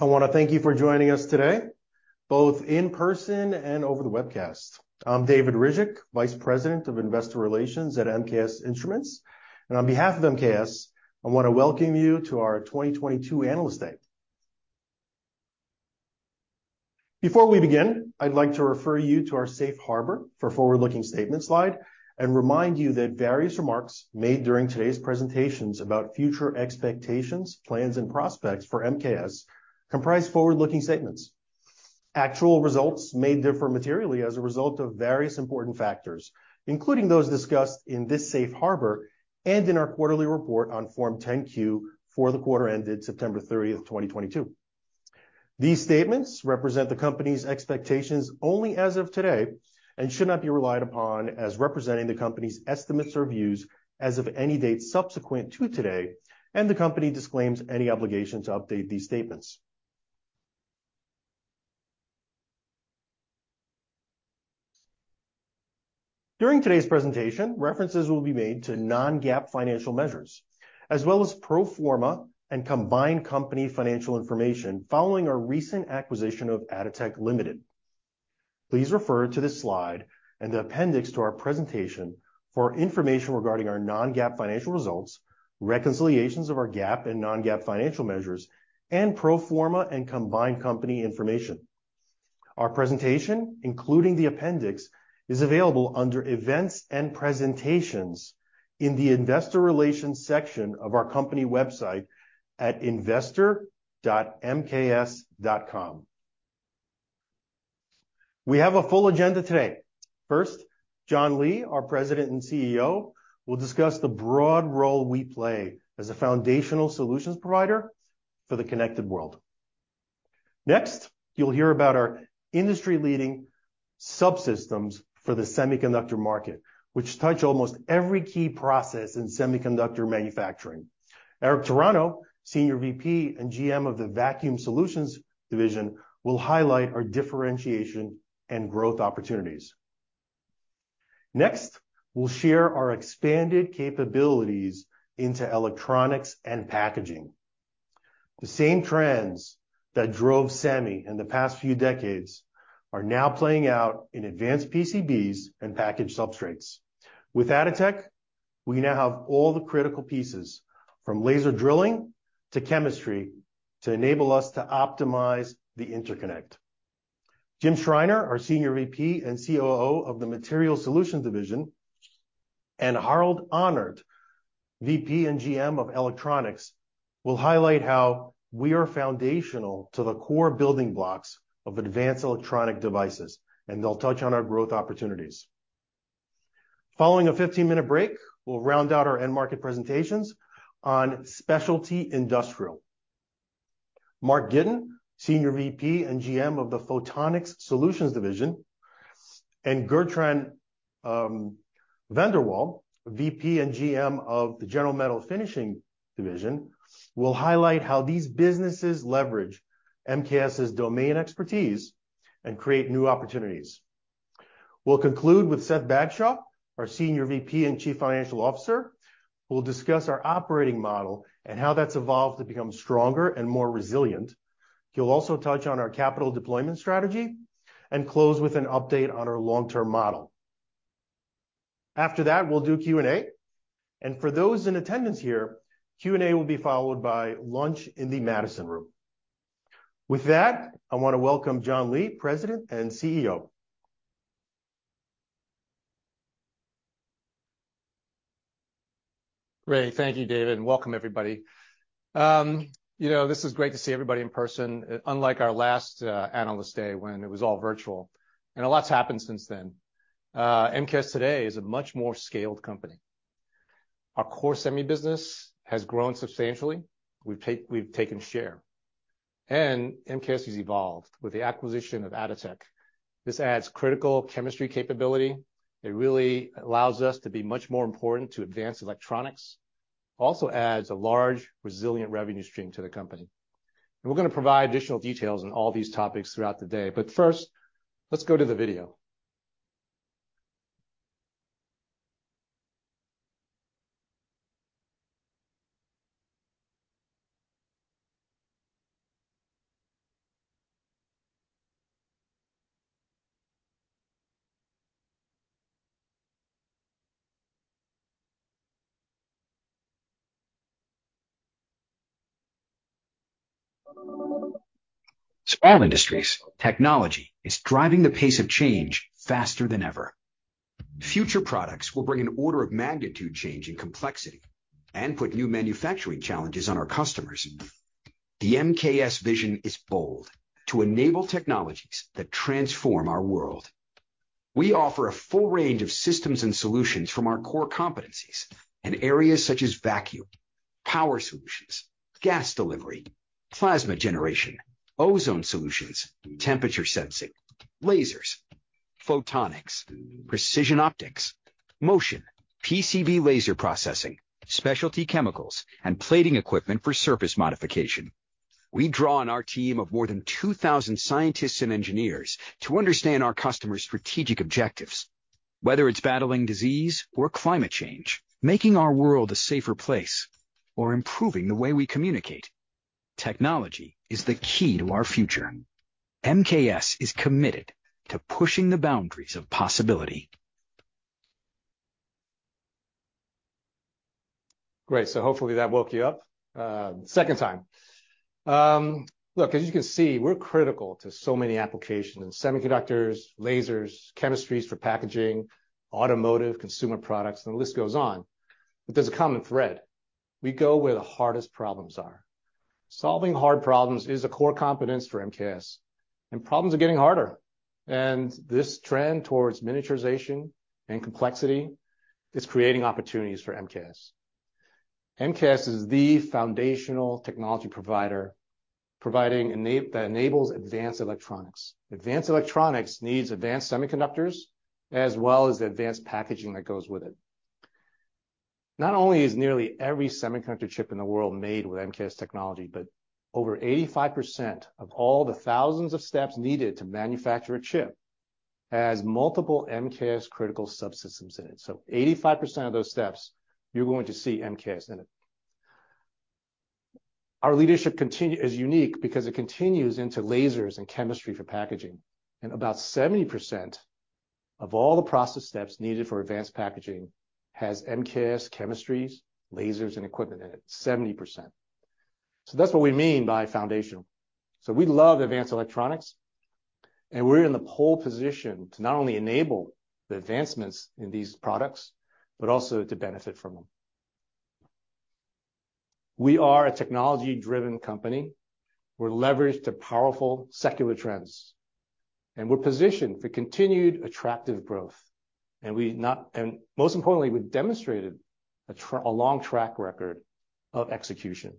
I wanna thank you for joining us today, both in person and over the webcast. I'm David Ryzhik, Vice President of Investor Relations at MKS Instruments. On behalf of MKS, I wanna welcome you to our 2022 Analyst Day. Before we begin, I'd like to refer you to our safe harbor for forward-looking statement slide and remind you that various remarks made during today's presentations about future expectations, plans, and prospects for MKS comprise forward-looking statements. Actual results may differ materially as a result of various important factors, including those discussed in this safe harbor and in our quarterly report on Form 10-Q for the quarter ended September 30, 2022. These statements represent the company's expectations only as of today and should not be relied upon as representing the company's estimates or views as of any date subsequent to today, and the company disclaims any obligation to update these statements. During today's presentation, references will be made to non-GAAP financial measures, as well as pro forma and combined company financial information following our recent acquisition of Atotech Limited. Please refer to this slide and the appendix to our presentation for information regarding our non-GAAP financial results, reconciliations of our GAAP and non-GAAP financial measures, and pro forma and combined company information. Our presentation, including the appendix, is available under Events and Presentations in the Investor Relations section of our company website at investor.mks.com. We have a full agenda today. John Lee, our President and CEO, will discuss the broad role we play as a foundational solutions provider for the connected world. You'll hear about our industry-leading subsystems for the semiconductor market, which touch almost every key process in semiconductor manufacturing. Eric Taranto, Senior VP and GM of the Vacuum Solutions Division, will highlight our differentiation and growth opportunities. We'll share our expanded capabilities into electronics and packaging. The same trends that drove Semi in the past few decades are now playing out in advanced PCBs and package substrates. With Atotech, we now have all the critical pieces from laser drilling to chemistry to enable us to Optimize the Interconnect. Jim Schreiner, our Senior VP and COO of the Materials Solutions Division, and Harald Ahnert, VP and GM of Electronics, will highlight how we are foundational to the core building blocks of advanced electronic devices. They'll touch on our growth opportunities. Following a 15-minute break, we'll round out our end market presentations on specialty industrial. Mark Gitin, Senior VP and GM of the Photonics Solutions Division, and Gertjan van der Wal, VP and GM of the General Metal Finishing division, will highlight how these businesses leverage MKS's domain expertise and create new opportunities. We'll conclude with Seth Bagshaw, our Senior VP and Chief Financial Officer, who will discuss our operating model and how that's evolved to become stronger and more resilient. He'll also touch on our capital deployment strategy and close with an update on our long-term model. After that, we'll do Q&A. For those in attendance here, Q&A will be followed by lunch in the Madison Room. With that, I wanna welcome John Lee, President and CEO. Great. Thank you, David, and welcome everybody. you know, this is great to see everybody in person, unlike our last Analyst Day when it was all virtual, a lot's happened since then. MKS today is a much more scaled company. Our core semi business has grown substantially. We've taken share. MKS has evolved with the acquisition of Atotech. This adds critical chemistry capability. It really allows us to be much more important to advance electronics. Also adds a large, resilient revenue stream to the company. We're gonna provide additional details on all these topics throughout the day, but first, let's go to the video. Span industries technology is driving the pace of change faster than ever. Future products will bring an order of magnitude change in complexity and put new manufacturing challenges on our customers. The MKS vision is bold to enable technologies that transform our world. We offer a full range of systems and solutions from our core competencies in areas such as vacuum, power solutions, gas delivery, plasma generation, ozone solutions, temperature sensing, lasers, photonics, precision optics, motion, PCB laser processing, specialty chemicals, and plating equipment for surface modification. We draw on our team of more than 2,000 scientists and engineers to understand our customers' strategic objectives. Whether it's battling disease or climate change, making our world a safer place or improving the way we communicate, technology is the key to our future. MKS is committed to pushing the boundaries of possibility. Hopefully that woke you up, second time. Look, as you can see, we're critical to so many applications, semiconductors, lasers, chemistries for packaging, automotive, consumer products, and the list goes on. There's a common thread. We go where the hardest problems are. Solving hard problems is a core competence for MKS, problems are getting harder. This trend towards miniaturization and complexity is creating opportunities for MKS. MKS is the foundational technology provider, providing that enables advanced electronics. Advanced electronics needs advanced semiconductors, as well as the advanced packaging that goes with it. Not only is nearly every semiconductor chip in the world made with MKS technology, but over 85% of all the thousands of steps needed to manufacture a chip has multiple MKS critical subsystems in it. 85% of those steps, you're going to see MKS in it. Our leadership is unique because it continues into lasers and chemistry for packaging. About 70% of all the process steps needed for advanced packaging has MKS chemistries, lasers, and equipment in it. 70%. That's what we mean by foundational. We love advanced electronics, we're in the pole position to not only enable the advancements in these products, but also to benefit from them. We are a technology-driven company. We're leveraged to powerful secular trends, we're positioned for continued attractive growth. Most importantly, we've demonstrated a long track record of execution.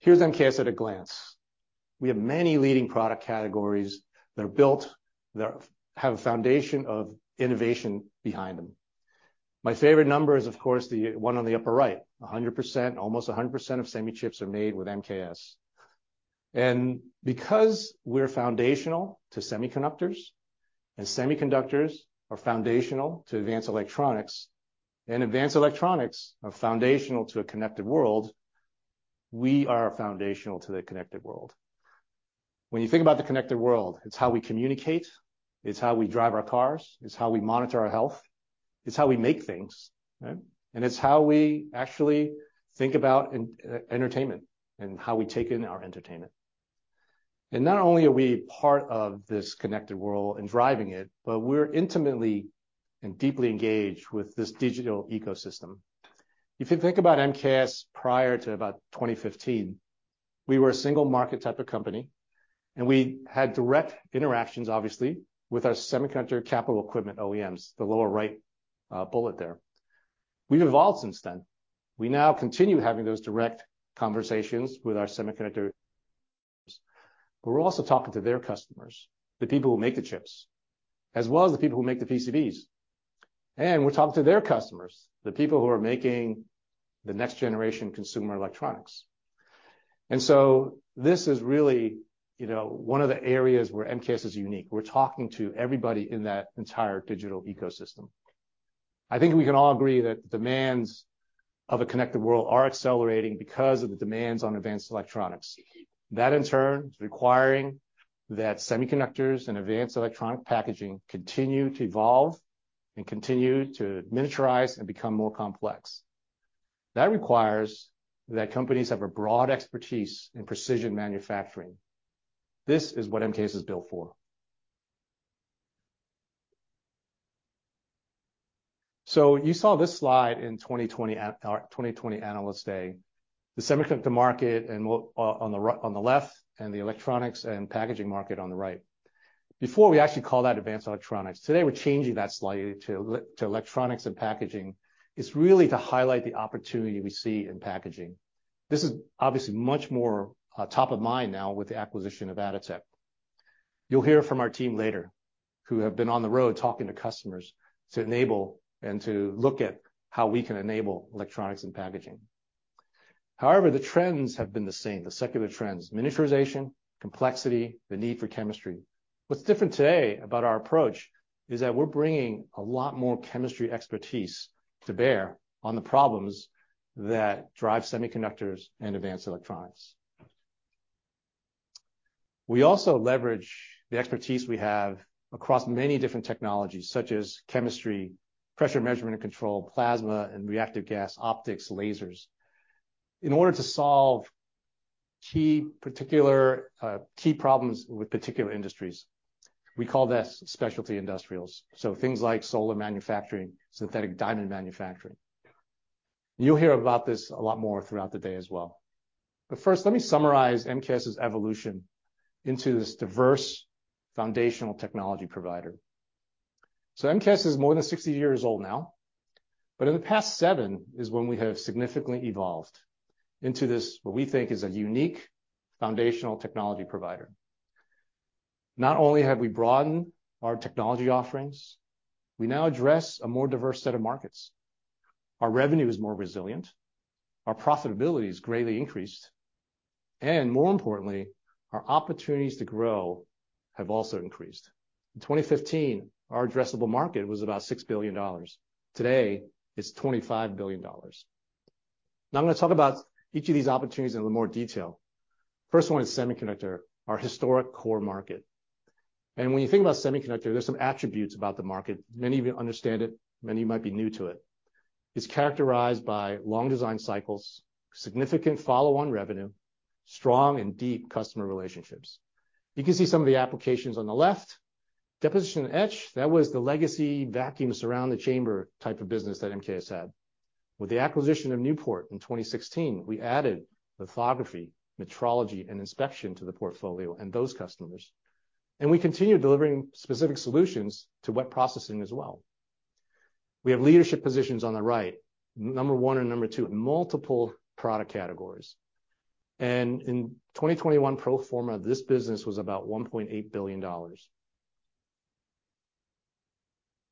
Here's MKS at a glance. We have many leading product categories that are built, that have a foundation of innovation behind them. My favorite number is, of course, the one on the upper right, 100%. Almost 100% of semi chips are made with MKS. Because we're foundational to semiconductors, and semiconductors are foundational to advanced electronics, and advanced electronics are foundational to a connected world, we are foundational to the connected world. When you think about the connected world, it's how we communicate, it's how we drive our cars, it's how we monitor our health, it's how we make things, right? It's how we actually think about entertainment and how we take in our entertainment. Not only are we part of this connected world and driving it, but we're intimately and deeply engaged with this digital ecosystem. If you think about MKS prior to about 2015, we were a single market type of company, and we had direct interactions, obviously, with our semiconductor capital equipment OEMs, the lower right, bullet there. We've evolved since then. We now continue having those direct conversations with our semiconductor. We're also talking to their customers, the people who make the chips, as well as the people who make the PCBs. We're talking to their customers, the people who are making the next generation consumer electronics. This is really, you know, one of the areas where MKS is unique. We're talking to everybody in that entire digital ecosystem. I think we can all agree that the demands of a connected world are accelerating because of the demands on advanced electronics. That in turn is requiring that semiconductors and advanced electronic packaging continue to evolve and continue to miniaturize and become more complex. That requires that companies have a broad expertise in precision manufacturing. This is what MKS is built for. You saw this slide in 2020 or our 2020 Analyst Day, the semiconductor market on the left and the electronics and packaging market on the right. Before we actually call that advanced electronics. Today, we're changing that slightly to electronics and packaging, is really to highlight the opportunity we see in packaging. This is obviously much more top of mind now with the acquisition of Atotech. You'll hear from our team later who have been on the road talking to customers to enable and to look at how we can enable electronics and packaging. The trends have been the same, the secular trends, miniaturization, complexity, the need for chemistry. What's different today about our approach is that we're bringing a lot more chemistry expertise to bear on the problems that drive semiconductors and advanced electronics. We also leverage the expertise we have across many different technologies such as chemistry, pressure measurement and control, plasma and reactive gas, optics, lasers, in order to solve key problems with particular industries. We call this specialty industrials. Things like solar manufacturing, synthetic diamond manufacturing. You'll hear about this a lot more throughout the day as well. First, let me summarize MKS's evolution into this diverse foundational technology provider. MKS is more than 60 years old now, but in the past seven is when we have significantly evolved into this, what we think is a unique foundational technology provider. Not only have we broadened our technology offerings, we now address a more diverse set of markets. Our revenue is more resilient, our profitability is greatly increased. More importantly, our opportunities to grow have also increased. In 2015, our addressable market was about $6 billion. Today, it's $25 billion. I'm gonna talk about each of these opportunities in a little more detail. First one is semiconductor, our historic core market. When you think about semiconductor, there's some attributes about the market. Many of you understand it, many might be new to it. It's characterized by long design cycles, significant follow-on revenue, strong and deep customer relationships. You can see some of the applications on the left. Deposition and etch, that was the legacy vacuum Surround the Chamber type of business that MKS had. With the acquisition of Newport in 2016, we added lithography, metrology, and inspection to the portfolio and those customers. We continue delivering specific solutions to wet processing as well. We have leadership positions on the right, number one and number two in multiple product categories. In 2021, pro forma of this business was about $1.8 billion.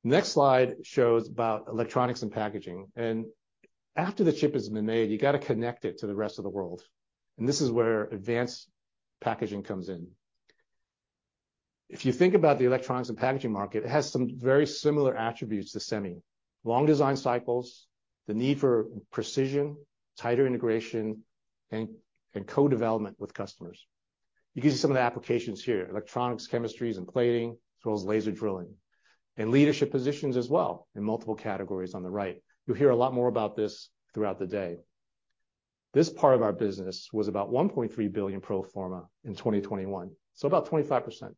Next slide shows about electronics and packaging. After the chip has been made, you gotta connect it to the rest of the world, and this is where advanced packaging comes in. If you think about the electronics and packaging market, it has some very similar attributes to semi. Long design cycles, the need for precision, tighter integration, and co-development with customers. You can see some of the applications here, electronics, chemistries, and plating, as well as laser drilling. Leadership positions as well in multiple categories on the right. You'll hear a lot more about this throughout the day. This part of our business was about $1.3 billion pro forma in 2021, so about 25%.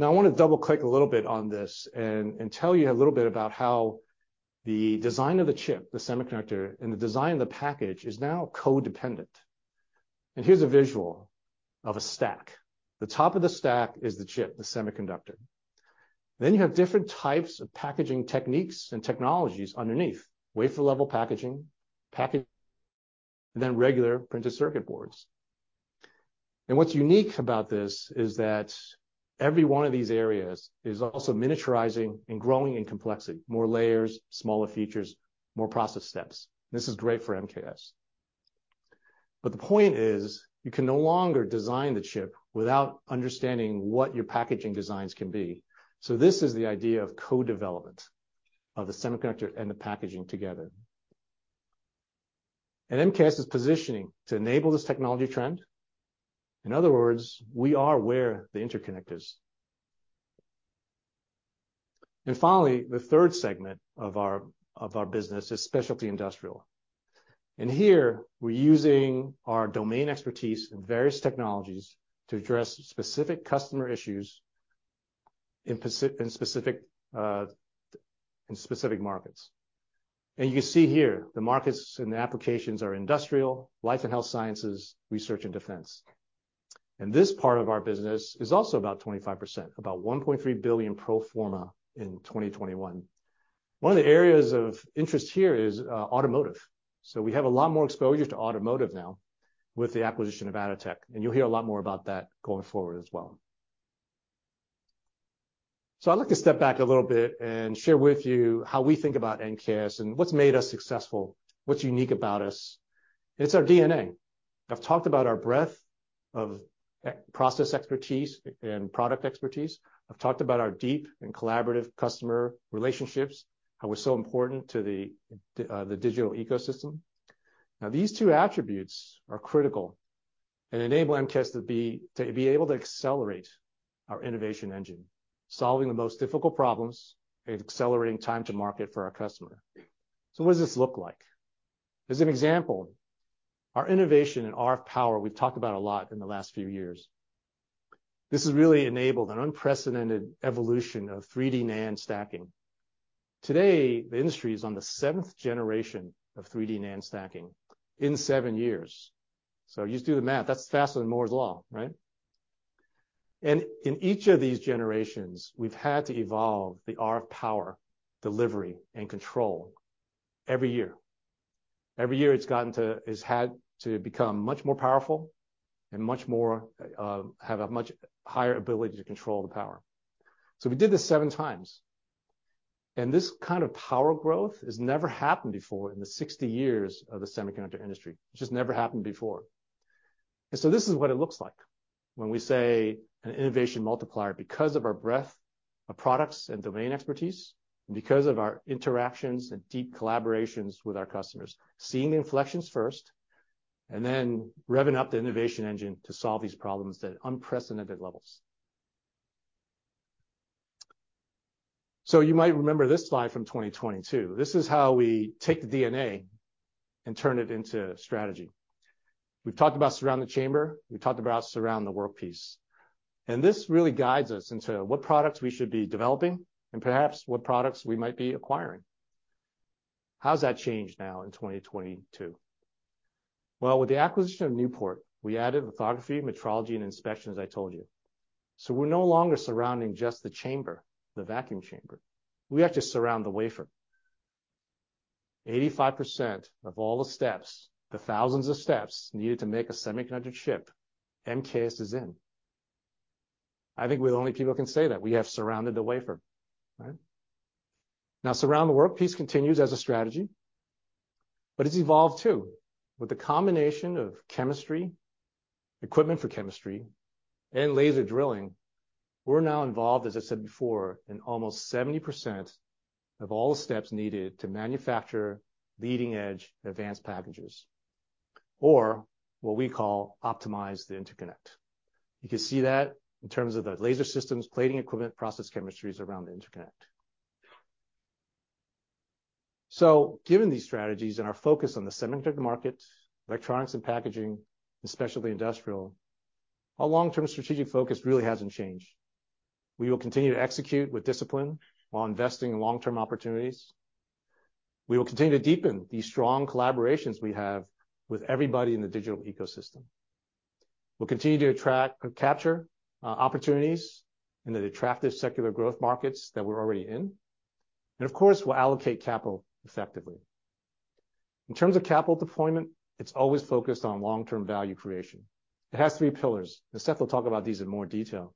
I wanna double-click a little bit on this and tell you a little bit about how the design of the chip, the semiconductor, and the design of the package is now co-dependent. Here's a visual of a stack. The top of the stack is the chip, the semiconductor. You have different types of packaging techniques and technologies underneath, wafer-level packaging, package, and then regular printed circuit boards. What's unique about this is that every one of these areas is also miniaturizing and growing in complexity, more layers, smaller features, more process steps. This is great for MKS. The point is, you can no longer design the chip without understanding what your packaging designs can be. This is the idea of co-development of the semiconductor and the packaging together. MKS is positioning to enable this technology trend. In other words, we are where the interconnect is. Finally, the third segment of our business is specialty industrial. Here, we're using our domain expertise in various technologies to address specific customer issues in specific, in specific markets. You can see here, the markets and the applications are industrial, life and health sciences, research, and defense. This part of our business is also about 25%, about $1.3 billion pro forma in 2021. One of the areas of interest here is automotive. We have a lot more exposure to automotive now with the acquisition of Atotech, and you'll hear a lot more about that going forward as well. I'd like to step back a little bit and share with you how we think about MKS and what's made us successful, what's unique about us. It's our DNA. I've talked about our breadth of process expertise and product expertise. I've talked about our deep and collaborative customer relationships, how we're so important to the digital ecosystem. These two attributes are critical and enable MKS to be able to accelerate our innovation engine, solving the most difficult problems and accelerating time to market for our customer. What does this look like? As an example, our innovation in RF power, we've talked about a lot in the last few years. This has really enabled an unprecedented evolution of 3D NAND stacking. Today, the industry is on the seventh generation of 3D NAND stacking in seven years. You just do the math. That's faster than Moore's Law, right? In each of these generations, we've had to evolve the RF power delivery and control every year. Every year, it's had to become much more powerful and much more, have a much higher ability to control the power. We did this 7x. This kind of power growth has never happened before in the 60 years of the semiconductor industry. It's just never happened before. This is what it looks like when we say an innovation multiplier because of our breadth of products and domain expertise, and because of our interactions and deep collaborations with our customers, seeing the inflections first, and then revving up the innovation engine to solve these problems at unprecedented levels. You might remember this slide from 2022. This is how we take the DNA and turn it into strategy. We've talked about Surround the Chamber. We've talked about Surround the Workpiece. This really guides us into what products we should be developing and perhaps what products we might be acquiring. How has that changed now in 2022? Well, with the acquisition of Newport, we added lithography, metrology, and inspection, as I told you. We're no longer surrounding just the Surround the Chamber, the vacuum chamber. We have to Surround the Wafer. 85% of all the steps, the thousands of steps needed to make a semiconductor chip, MKS is in. I think we're the only people can say that. We have Surrounded the Wafer, right? Surround the Workpiece continues as a strategy, but it's evolved, too. With the combination of chemistry, equipment for chemistry, and laser drilling, we're now involved, as I said before, in almost 70% of all the steps needed to manufacture leading-edge advanced packages, or what we call Optimize the Interconnect. You can see that in terms of the laser systems, plating equipment, process chemistries around the interconnect. Given these strategies and our focus on the semiconductor market, electronics and packaging, especially industrial, our long-term strategic focus really hasn't changed. We will continue to execute with discipline while investing in long-term opportunities. We will continue to deepen the strong collaborations we have with everybody in the digital ecosystem. We'll continue to capture opportunities in the attractive secular growth markets that we're already in and, of course, we'll allocate capital effectively. In terms of capital deployment, it's always focused on long-term value creation. It has three pillars, and Seth will talk about these in more detail.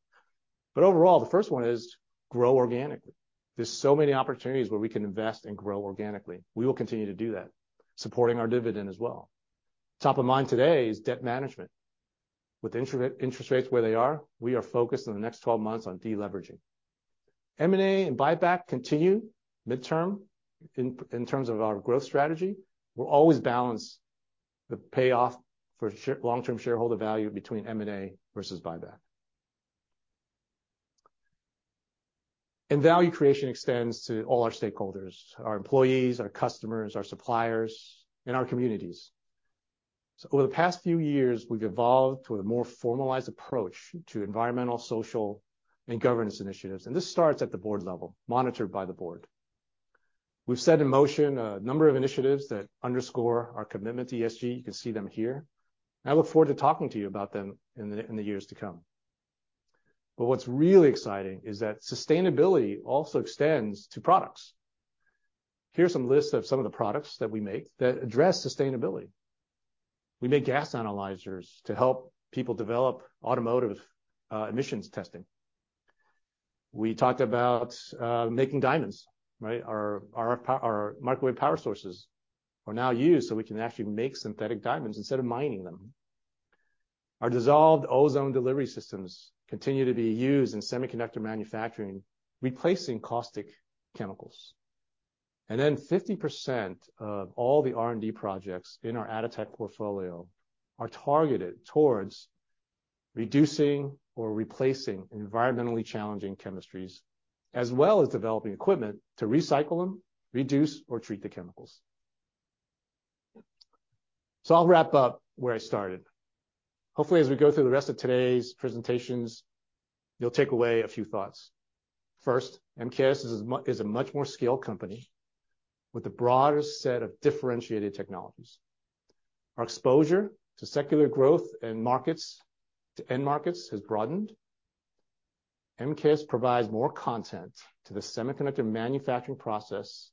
Overall, the first one is grow organically. There's so many opportunities where we can invest and grow organically. We will continue to do that, supporting our dividend as well. Top of mind today is debt management. With interest rates where they are, we are focused on the next 12 months on deleveraging. M&A and buyback continue midterm. In terms of our growth strategy, we'll always balance the payoff for long-term shareholder value between M&A versus buyback. Value creation extends to all our stakeholders, our employees, our customers, our suppliers, and our communities. Over the past few years, we've evolved to a more formalized approach to environmental, social, and governance initiatives, and this starts at the board level, monitored by the board. We've set in motion a number of initiatives that underscore our commitment to ESG. You can see them here, and I look forward to talking to you about them in the years to come. What's really exciting is that sustainability also extends to products. Here's some lists of some of the products that we make that address sustainability. We make gas analyzers to help people develop automotive emissions testing. We talked about making diamonds, right? Our microwave power sources are now used so we can actually make synthetic diamonds instead of mining them. Our dissolved ozone delivery systems continue to be used in semiconductor manufacturing, replacing caustic chemicals. 50% of all the R&D projects in our Atotech portfolio are targeted towards reducing or replacing environmentally challenging chemistries, as well as developing equipment to recycle them, reduce, or treat the chemicals. I'll wrap up where I started. Hopefully, as we go through the rest of today's presentations, you'll take away a few thoughts. First, MKS is a much more scaled company with a broader set of differentiated technologies. Our exposure to secular growth and end markets has broadened. MKS provides more content to the semiconductor manufacturing process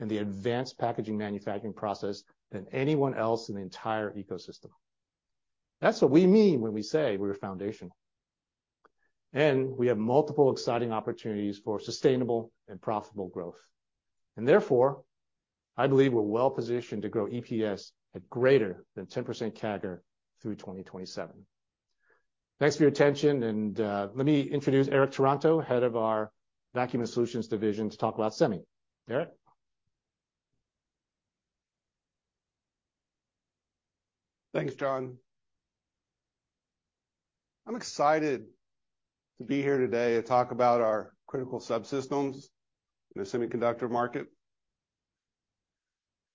and the advanced packaging manufacturing process than anyone else in the entire ecosystem. That's what we mean when we say we're foundational. We have multiple exciting opportunities for sustainable and profitable growth. Therefore, I believe we're well-positioned to grow EPS at greater than 10% CAGR through 2027. Thanks for your attention and, let me introduce Eric Taranto, head of our Vacuum Solutions Division, to talk about Semi. Eric? Thanks, John. I'm excited to be here today to talk about our critical subsystems in the semiconductor market.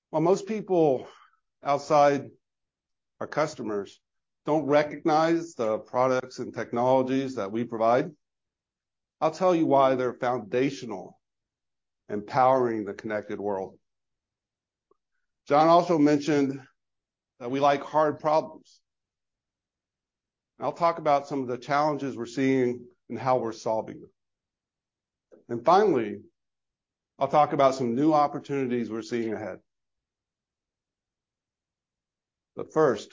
While most people outside our customers don't recognize the products and technologies that we provide, I'll tell you why they're foundational in powering the connected world. John also mentioned that we like hard problems. I'll talk about some of the challenges we're seeing and how we're solving them. Finally, I'll talk about some new opportunities we're seeing ahead. First,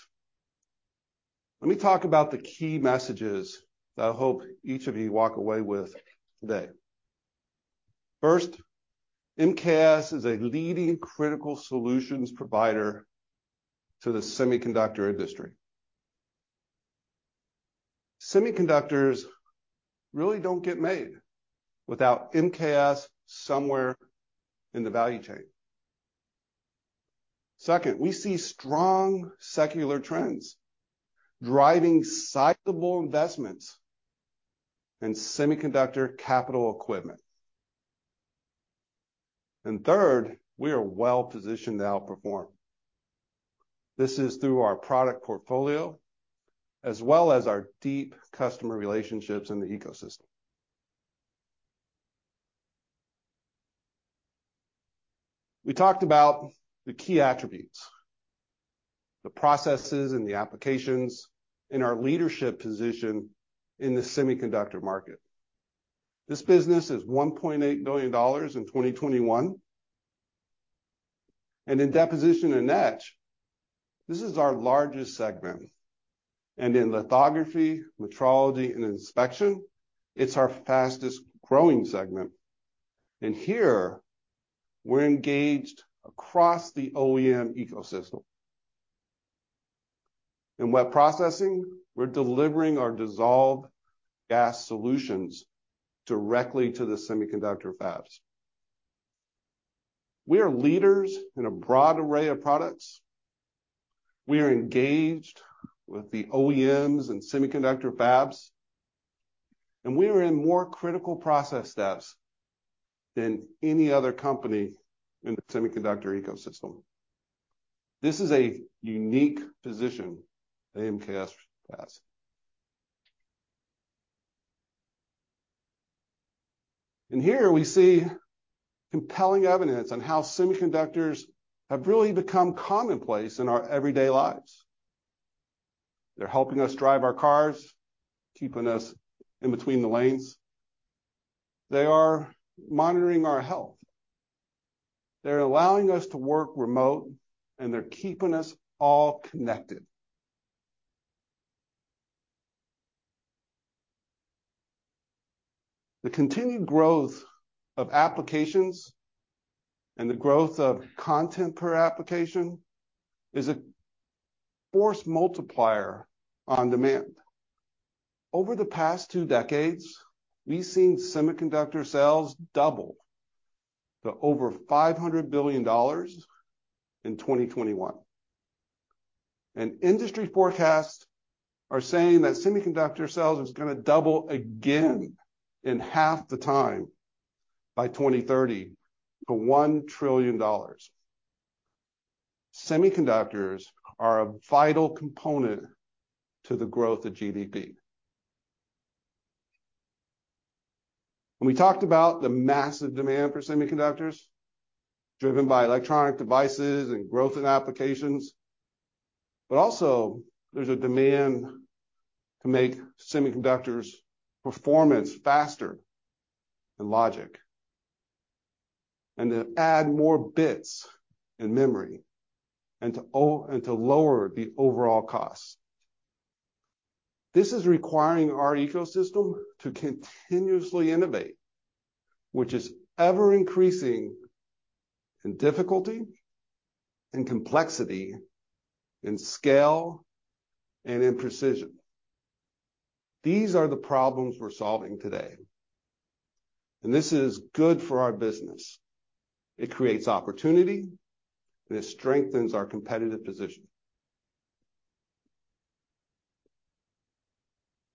let me talk about the key messages that I hope each of you walk away with today. First, MKS is a leading critical solutions provider to the semiconductor industry. Semiconductors really don't get made without MKS somewhere in the value chain. Second, we see strong secular trends driving cyclable investments in semiconductor capital equipment. Third, we are well-positioned to outperform. This is through our product portfolio as well as our deep customer relationships in the ecosystem. We talked about the key attributes, the processes, and the applications in our leadership position in the semiconductor market. This business is $1.8 billion in 2021. In deposition and etch, this is our largest segment. In lithography, metrology, and inspection, it's our fastest-growing segment. Here we're engaged across the OEM ecosystem. In wet processing, we're delivering our dissolved gas solutions directly to the semiconductor fabs. We are leaders in a broad array of products. We are engaged with the OEMs and semiconductor fabs, and we are in more critical process steps than any other company in the semiconductor ecosystem. This is a unique position that MKS has. Here we see compelling evidence on how semiconductors have really become commonplace in our everyday lives. They're helping us drive our cars, keeping us in between the lanes. They are monitoring our health. They're allowing us to work remote, and they're keeping us all connected. The continued growth of applications and the growth of content per application is a force multiplier on demand. Over the past two decades, we've seen semiconductor sales double to over $500 billion in 2021. Industry forecasts are saying that semiconductor sales is gonna double again in half the time by 2030 to $1 trillion. Semiconductors are a vital component to the growth of GDP. When we talked about the massive demand for semiconductors, driven by electronic devices and growth in applications, but also there's a demand to make semiconductors performance faster than logic, and to add more bits in memory, and to lower the overall cost. This is requiring our ecosystem to continuously innovate, which is ever-increasing in difficulty, in complexity, in scale, and in precision. These are the problems we're solving today, and this is good for our business. It creates opportunity, and it strengthens our competitive position.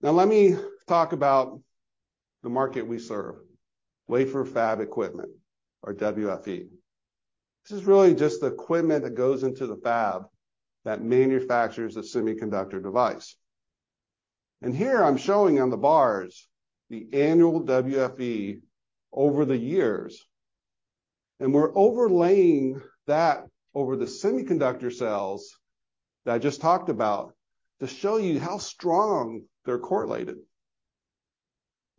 Now let me talk about the market we serve, wafer fab equipment or WFE. This is really just the equipment that goes into the fab that manufactures the semiconductor device. Here I'm showing on the bars the annual WFE over the years, and we're overlaying that over the semiconductor sales that I just talked about to show you how strong they're correlated.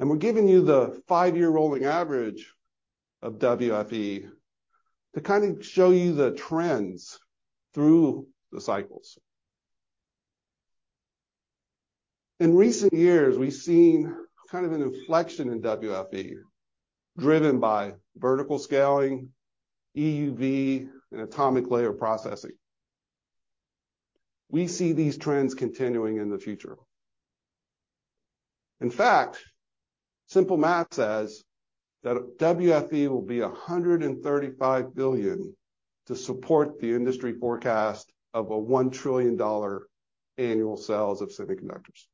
We're giving you the five-year rolling average of WFE to kind of show you the trends through the cycles. In recent years, we've seen kind of an inflection in WFE, driven by vertical scaling, EUV, and atomic layer processing. We see these trends continuing in the future. In fact, simple math says that WFE will be $135 billion to support the industry forecast of a $1 trillion annual sales of semiconductors,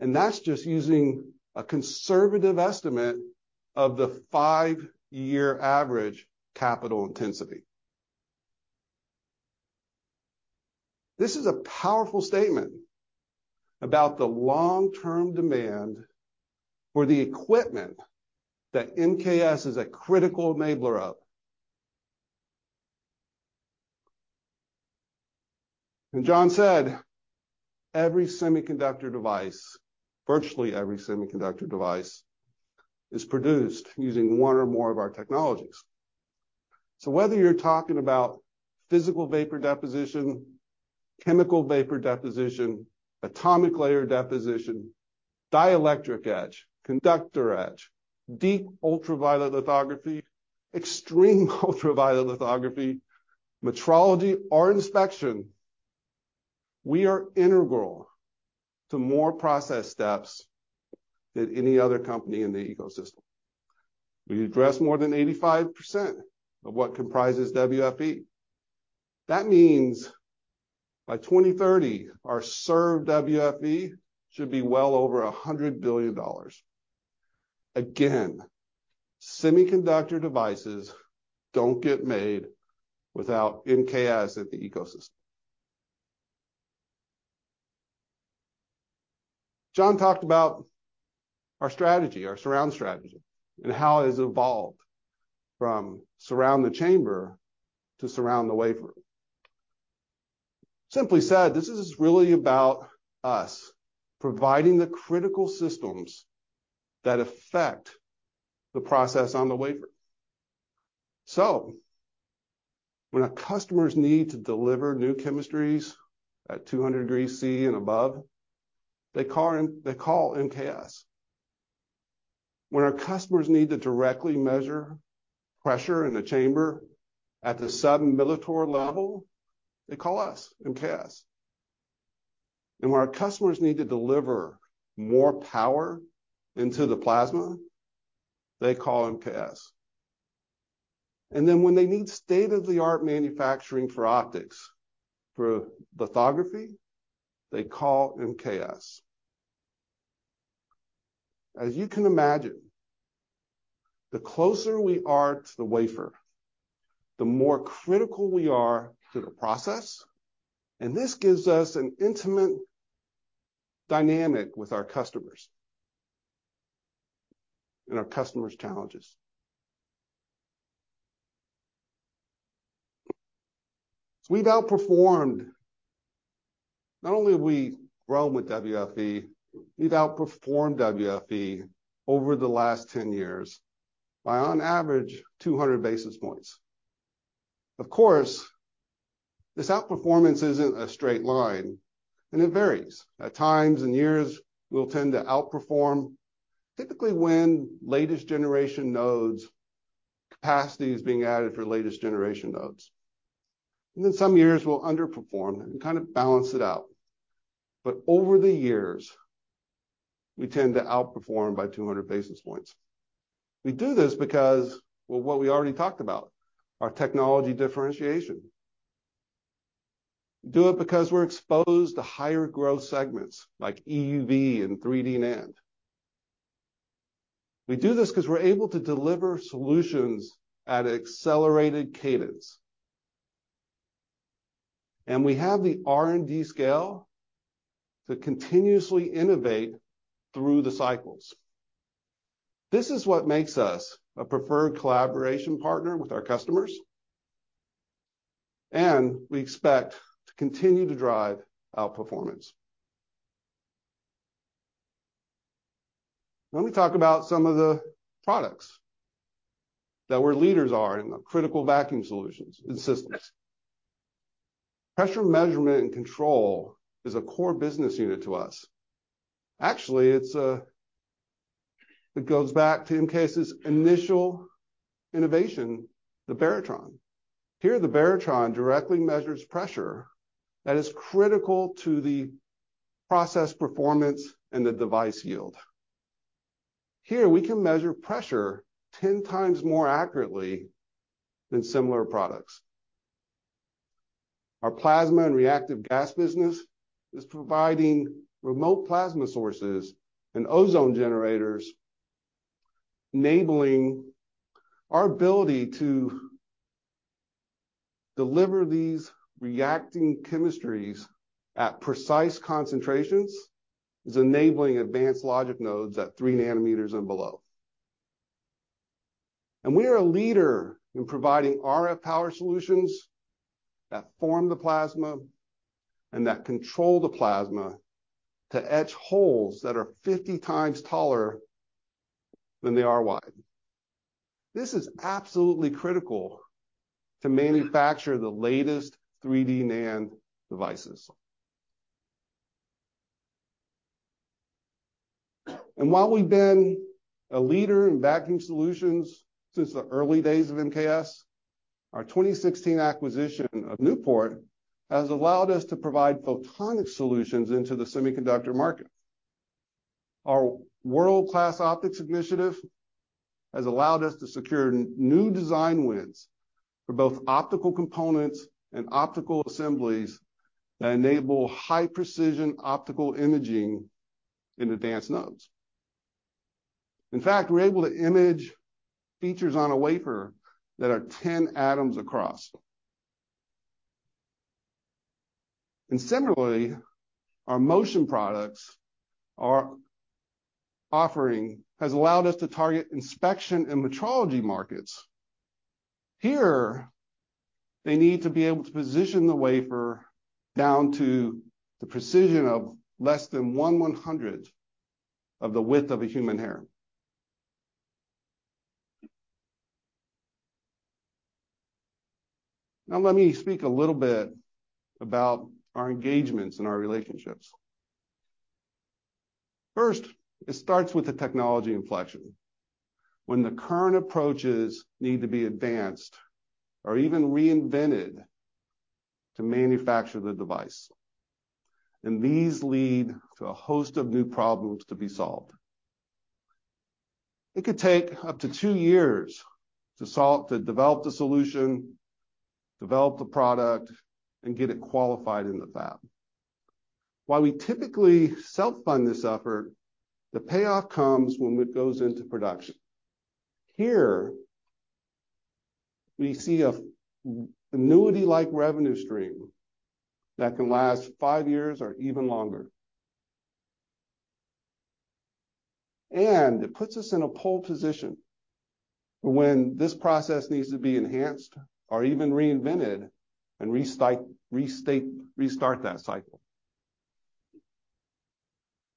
that's just using a conservative estimate of the five-year average capital intensity. This is a powerful statement about the long-term demand for the equipment that MKS is a critical enabler of. John said, every semiconductor device, virtually every semiconductor device, is produced using one or more of our technologies. Whether you're talking about physical vapor deposition, chemical vapor deposition, atomic layer deposition, dielectric etch, conductor etch, deep ultraviolet lithography, extreme ultraviolet lithography, metrology, or inspection, we are integral to more process steps than any other company in the ecosystem. We address more than 85% of what comprises WFE. That means by 2030, our served WFE should be well over $100 billion. Semiconductor devices don't get made without MKS in the ecosystem. John talked about our strategy, our Surround strategy, and how it has evolved from Surround the Chamber to Surround the Wafer. Simply said, this is really about us providing the critical systems that affect the process on the wafer. When our customers need to deliver new chemistries at 200 degrees C and above, they call MKS. When our customers need to directly measure pressure in a chamber at the sub-millitorr level, they call us, MKS. When our customers need to deliver more power into the plasma, they call MKS. When they need state-of-the-art manufacturing for optics, for lithography, they call MKS. As you can imagine, the closer we are to the wafer, the more critical we are to the process. This gives us an intimate dynamic with our customers and our customers' challenges. We've outperformed. Not only have we grown with WFE, we've outperformed WFE over the last 10 years by on average 200 basis points. Of course, this outperformance isn't a straight line. It varies. At times and years, we'll tend to outperform typically when latest generation nodes, capacity is being added for latest generation nodes. Some years we'll underperform and kind of balance it out. Over the years, we tend to outperform by 200 basis points. We do this because, well, what we already talked about, our technology differentiation. We do it because we're exposed to higher growth segments like EUV and 3D NAND. We do this because we're able to deliver solutions at an accelerated cadence. We have the R&D scale to continuously innovate through the cycles. This is what makes us a preferred collaboration partner with our customers, and we expect to continue to drive outperformance. Let me talk about some of the products that we're leaders are in the critical vacuum solutions and systems. Pressure measurement and control is a core business unit to us. Actually, it goes back to MKS's initial innovation, the Baratron. Here, the Baratron directly measures pressure that is critical to the process performance and the device yield. Here, we can measure pressure 10x more accurately than similar products. Our plasma and reactive gas business is providing remote plasma sources and ozone generators, enabling our ability to deliver these reacting chemistries at precise concentrations, is enabling advanced logic nodes at three nanometers and below. We are a leader in providing RF power solutions that form the plasma and that control the plasma to etch holes that are 50x taller than they are wide. This is absolutely critical to manufacture the latest 3D NAND devices. While we've been a leader in vacuum solutions since the early days of MKS, our 2016 acquisition of Newport has allowed us to provide photonic solutions into the semiconductor market. Our world-class optics initiative has allowed us to secure new design wins for both optical components and optical assemblies that enable high-precision optical imaging in advanced nodes. In fact, we're able to image features on a wafer that are 10 atoms across. Similarly, our motion products are offering has allowed us to target inspection and metrology markets. Here, they need to be able to position the wafer down to the precision of less than 1/100th of the width of a human hair. Now, let me speak a little bit about our engagements and our relationships. First, it starts with the technology inflection. When the current approaches need to be advanced or even reinvented to manufacture the device. These lead to a host of new problems to be solved. It could take up to two years to develop the solution, develop the product, and get it qualified in the fab. While we typically self-fund this effort, the payoff comes when it goes into production. Here we see a annuity-like revenue stream that can last five years or even longer. It puts us in a pole position when this process needs to be enhanced or even reinvented and restart that cycle.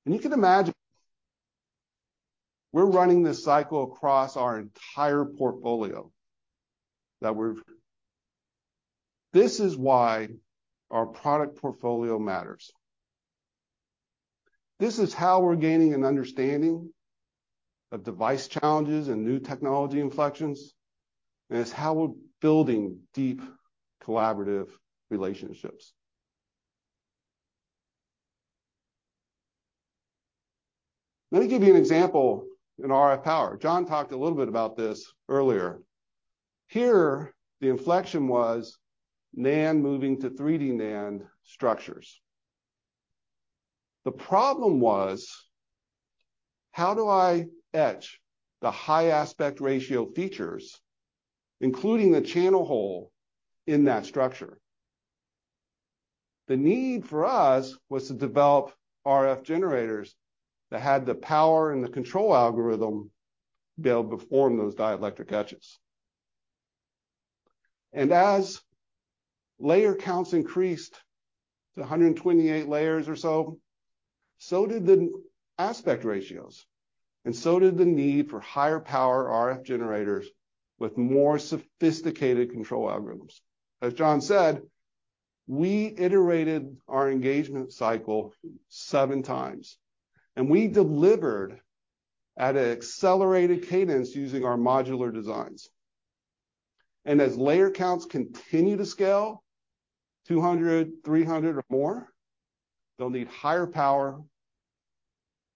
You can imagine, we're running this cycle across our entire portfolio. This is why our product portfolio matters. This is how we're gaining an understanding of device challenges and new technology inflections, and it's how we're building deep collaborative relationships. Let me give you an example in RF power. John talked a little bit about this earlier. Here, the inflection was NAND moving to 3D NAND structures. The problem was: how do I etch the high aspect ratio features, including the channel hole in that structure? The need for us was to develop RF generators that had the power and the control algorithm to be able to perform those dielectric etches. As layer counts increased to 128 layers or so did the aspect ratios, and so did the need for higher power RF generators with more sophisticated control algorithms. As John said, we iterated our engagement cycle 7x, and we delivered at an accelerated cadence using our modular designs. As layer counts continue to scale, 200, 300 or more, they'll need higher power,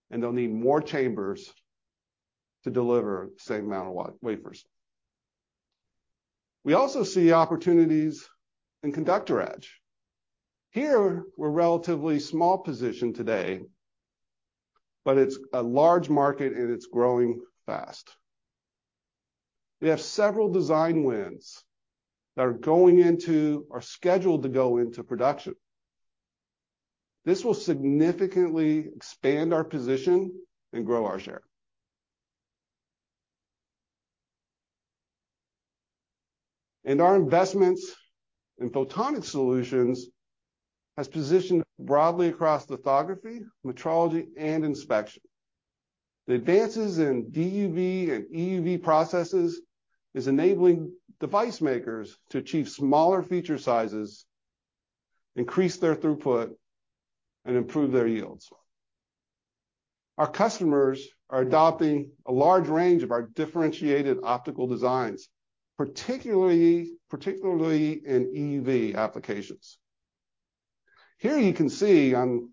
and they'll need more chambers to deliver the same amount of wafers. We also see opportunities in conductor etch. Here, we're relatively small position today, but it's a large market, and it's growing fast. We have several design wins that are going into or scheduled to go into production. This will significantly expand our position and grow our share. Our investments in photonic solutions has positioned broadly across lithography, metrology, and inspection. The advances in DUV and EUV processes is enabling device makers to achieve smaller feature sizes, increase their throughput, and improve their yields. Our customers are adopting a large range of our differentiated optical designs, particularly in EUV applications. Here you can see on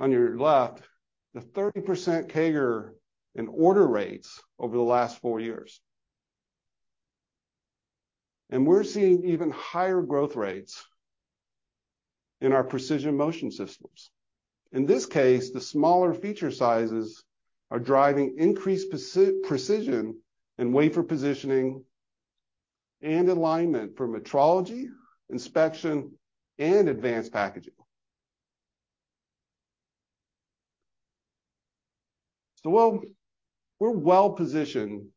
your left the 30% CAGR in order rates over the last four years. We're seeing even higher growth rates in our precision motion systems. In this case, the smaller feature sizes are driving increased precision in wafer positioning and alignment for metrology, inspection, and advanced packaging. We're well-positioned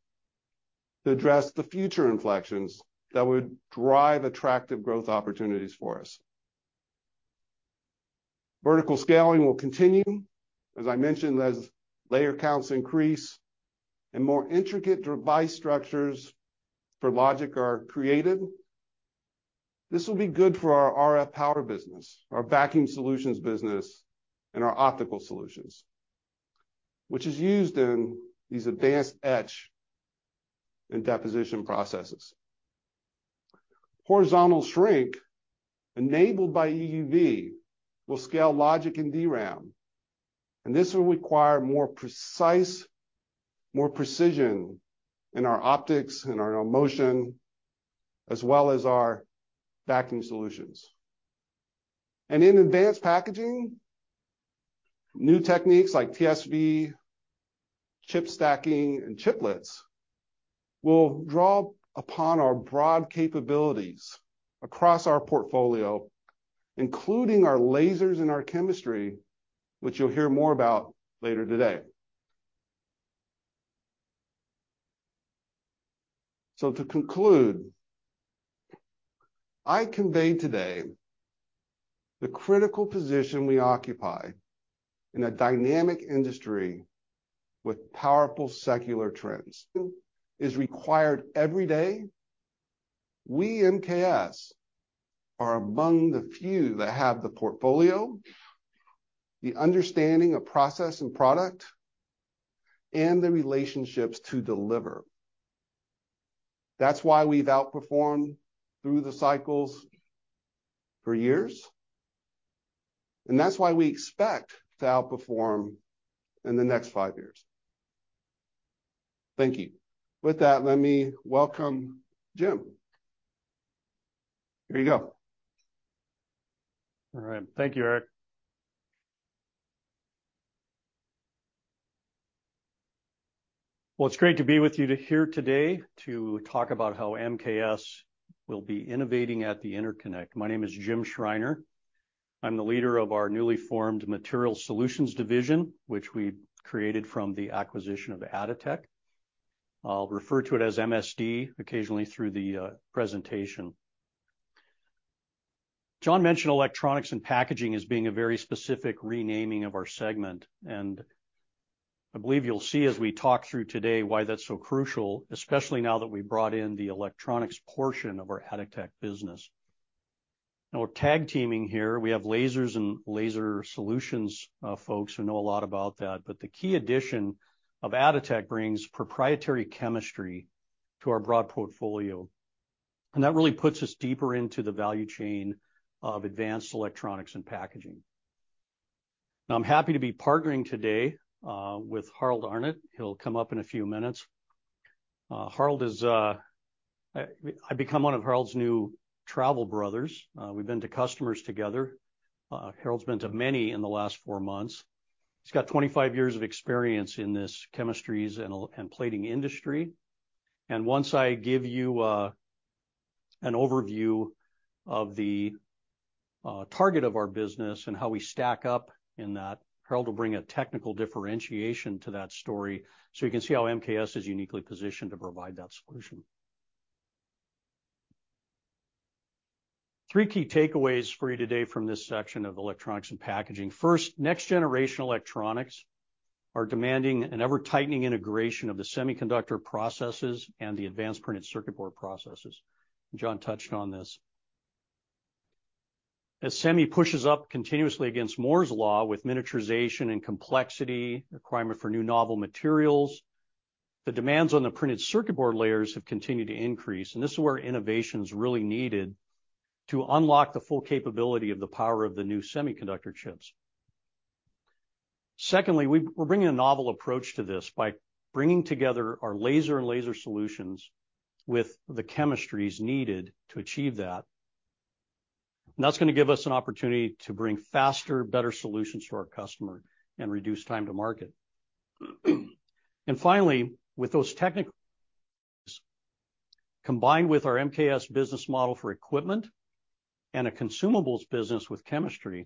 to address the future inflections that would drive attractive growth opportunities for us. Vertical scaling will continue, as I mentioned, as layer counts increase and more intricate device structures for logic are created. This will be good for our RF power business, our Vacuum Solutions business, and our optical solutions, which is used in these advanced etch and deposition processes. Horizontal shrink enabled by EUV will scale logic and DRAM, this will require more precision in our optics and our motion, as well as our Vacuum Solutions. In advanced packaging, new techniques like TSV, chip stacking, and chiplets will draw upon our broad capabilities across our portfolio, including our lasers and our chemistry, which you'll hear more about later today. To conclude, I conveyed today the critical position we occupy in a dynamic industry with powerful secular trends is required every day. We in MKS are among the few that have the portfolio, the understanding of process and product, and the relationships to deliver. That's why we've outperformed through the cycles for years, and that's why we expect to outperform in the next five years. Thank you. With that, let me welcome Jim. Here you go. All right. Thank you, Eric. Well, it's great to be with you to here today to talk about how MKS will be innovating at the Interconnect. My name is Jim Schreiner. I'm the leader of our newly formed Materials Solutions Division, which we created from the acquisition of Atotech. I'll refer to it as MSD occasionally through the presentation. John mentioned electronics and packaging as being a very specific renaming of our segment, and I believe you'll see as we talk through today why that's so crucial, especially now that we brought in the electronics portion of our Atotech business. Now we're tag teaming here. We have lasers and laser solutions, folks who know a lot about that. The key addition of Atotech brings proprietary chemistry to our broad portfolio, and that really puts us deeper into the value chain of advanced electronics and packaging. I'm happy to be partnering today with Harald Arnert. He'll come up in a few minutes. Harald is I become one of Harald's new travel brothers. We've been to customers together. Harald's been to many in the last four months. He's got 25 years of experience in this chemistries and plating industry. Once I give you an overview of the target of our business and how we stack up in that, Harald will bring a technical differentiation to that story, so you can see how MKS is uniquely positioned to provide that solution. Three key takeaways for you today from this section of electronics and packaging. First, next-generation electronics are demanding an ever-tightening integration of the semiconductor processes and the advanced printed circuit board processes. John touched on this. As semi pushes up continuously against Moore's Law with miniaturization and complexity, requirement for new novel materials, the demands on the printed circuit board layers have continued to increase. This is where innovation's really needed to unlock the full capability of the power of the new semiconductor chips. Secondly, we're bringing a novel approach to this by bringing together our laser and laser solutions with the chemistries needed to achieve that. That's gonna give us an opportunity to bring faster, better solutions to our customer and reduce time to market. Finally, with those combined with our MKS business model for equipment and a consumables business with chemistry,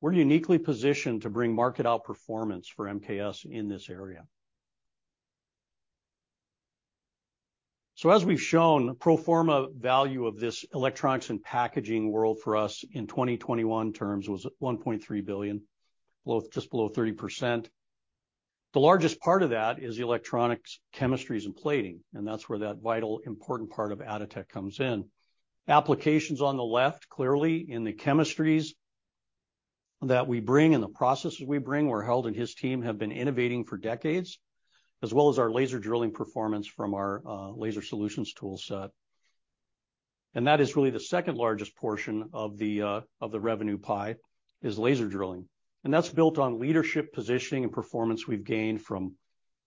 we're uniquely positioned to bring market outperformance for MKS in this area. As we've shown, pro forma value of this electronics and packaging world for us in 2021 terms was $1.3 billion, just below 30%. The largest part of that is the electronics, chemistries, and plating, and that's where that vital important part of Atotech comes in. Applications on the left, clearly in the chemistries that we bring and the processes we bring, where Harald and his team have been innovating for decades, as well as our laser drilling performance from our laser solutions tool set. That is really the second-largest portion of the revenue pie is laser drilling. That's built on leadership positioning and performance we've gained from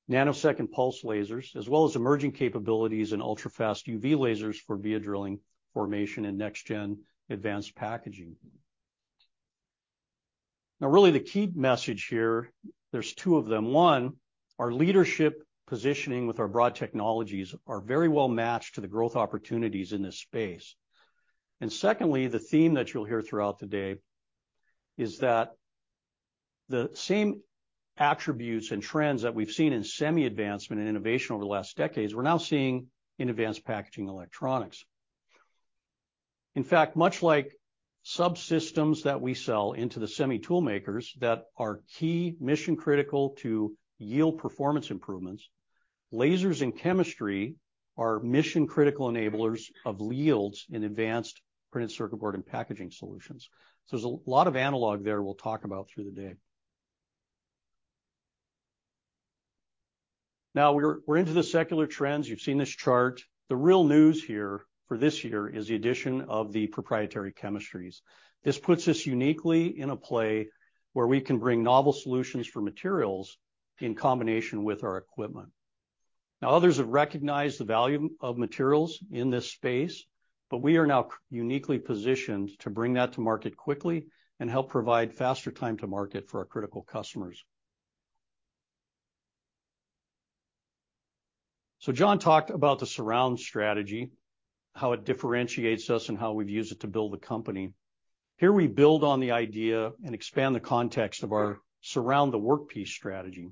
nanosecond pulsed lasers, as well as emerging capabilities in ultrafast UV lasers for via drilling formation in next gen advanced packaging. Really the key message here, there's two of them. One, our leadership positioning with our broad technologies are very well matched to the growth opportunities in this space. Secondly, the theme that you'll hear throughout the day is that the same attributes and trends that we've seen in semi advancement and innovation over the last decades, we're now seeing in advanced packaging electronics. In fact, much like subsystems that we sell into the semi tool makers that are key mission critical to yield performance improvements, lasers and chemistry are mission critical enablers of yields in advanced printed circuit board and packaging solutions. There's a lot of analog there we'll talk about through the day. Now we're into the secular trends. You've seen this chart. The real news here for this year is the addition of the proprietary chemistries. This puts us uniquely in a play where we can bring novel solutions for materials in combination with our equipment. Others have recognized the value of materials in this space, but we are now uniquely positioned to bring that to market quickly and help provide faster time to market for our critical customers. John talked about the surround strategy, how it differentiates us and how we've used it to build the company. Here we build on the idea and expand the context of our Surround the Workpiece strategy,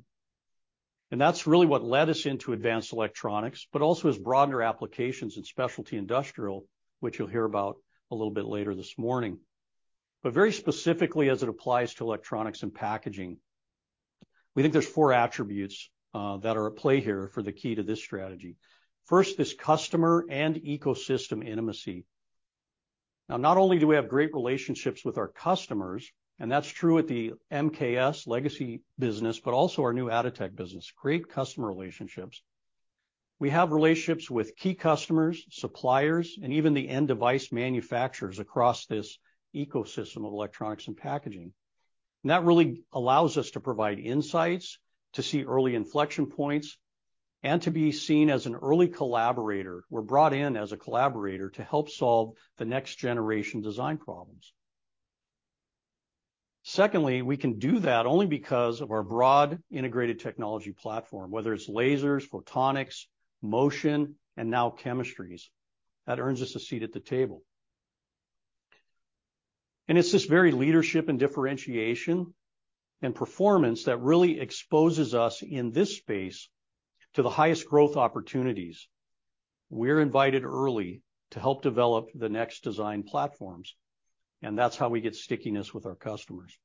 and that's really what led us into advanced electronics, but also as broader applications in specialty industrial, which you'll hear about a little bit later this morning. Very specifically as it applies to electronics and packaging, we think there's 4 attributes that are at play here for the key to this strategy. First is customer and ecosystem intimacy. Not only do we have great relationships with our customers, and that's true at the MKS legacy business, but also our new Atotech business, great customer relationships. We have relationships with key customers, suppliers, and even the end device manufacturers across this ecosystem of electronics and packaging. That really allows us to provide insights, to see early inflection points, and to be seen as an early collaborator. We're brought in as a collaborator to help solve the next-generation design problems. Secondly, we can do that only because of our broad integrated technology platform, whether it's lasers, photonics, motion, and now chemistries. That earns us a seat at the table. It's this very leadership and differentiation and performance that really exposes us in this space to the highest growth opportunities. We're invited early to help develop the next design platforms, that's how we get stickiness with our customers.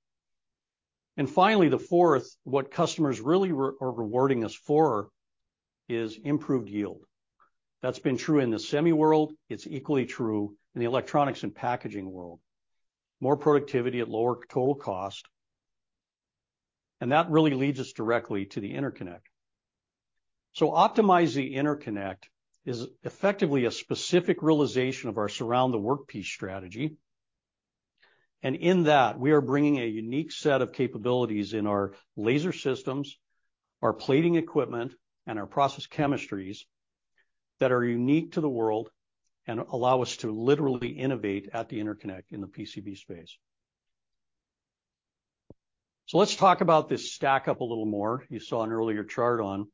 Finally, the fourth, what customers really are rewarding us for is improved yield. That's been true in the semi world, it's equally true in the electronics and packaging world. More productivity at lower total cost, that really leads us directly to the interconnect. Optimize the Interconnect is effectively a specific realization of our Surround the Workpiece strategy. In that, we are bringing a unique set of capabilities in our laser systems, our plating equipment, and our process chemistries that are unique to the world and allow us to literally innovate at the interconnect in the PCB space. Let's talk about this stack up a little more, you saw an earlier chart on.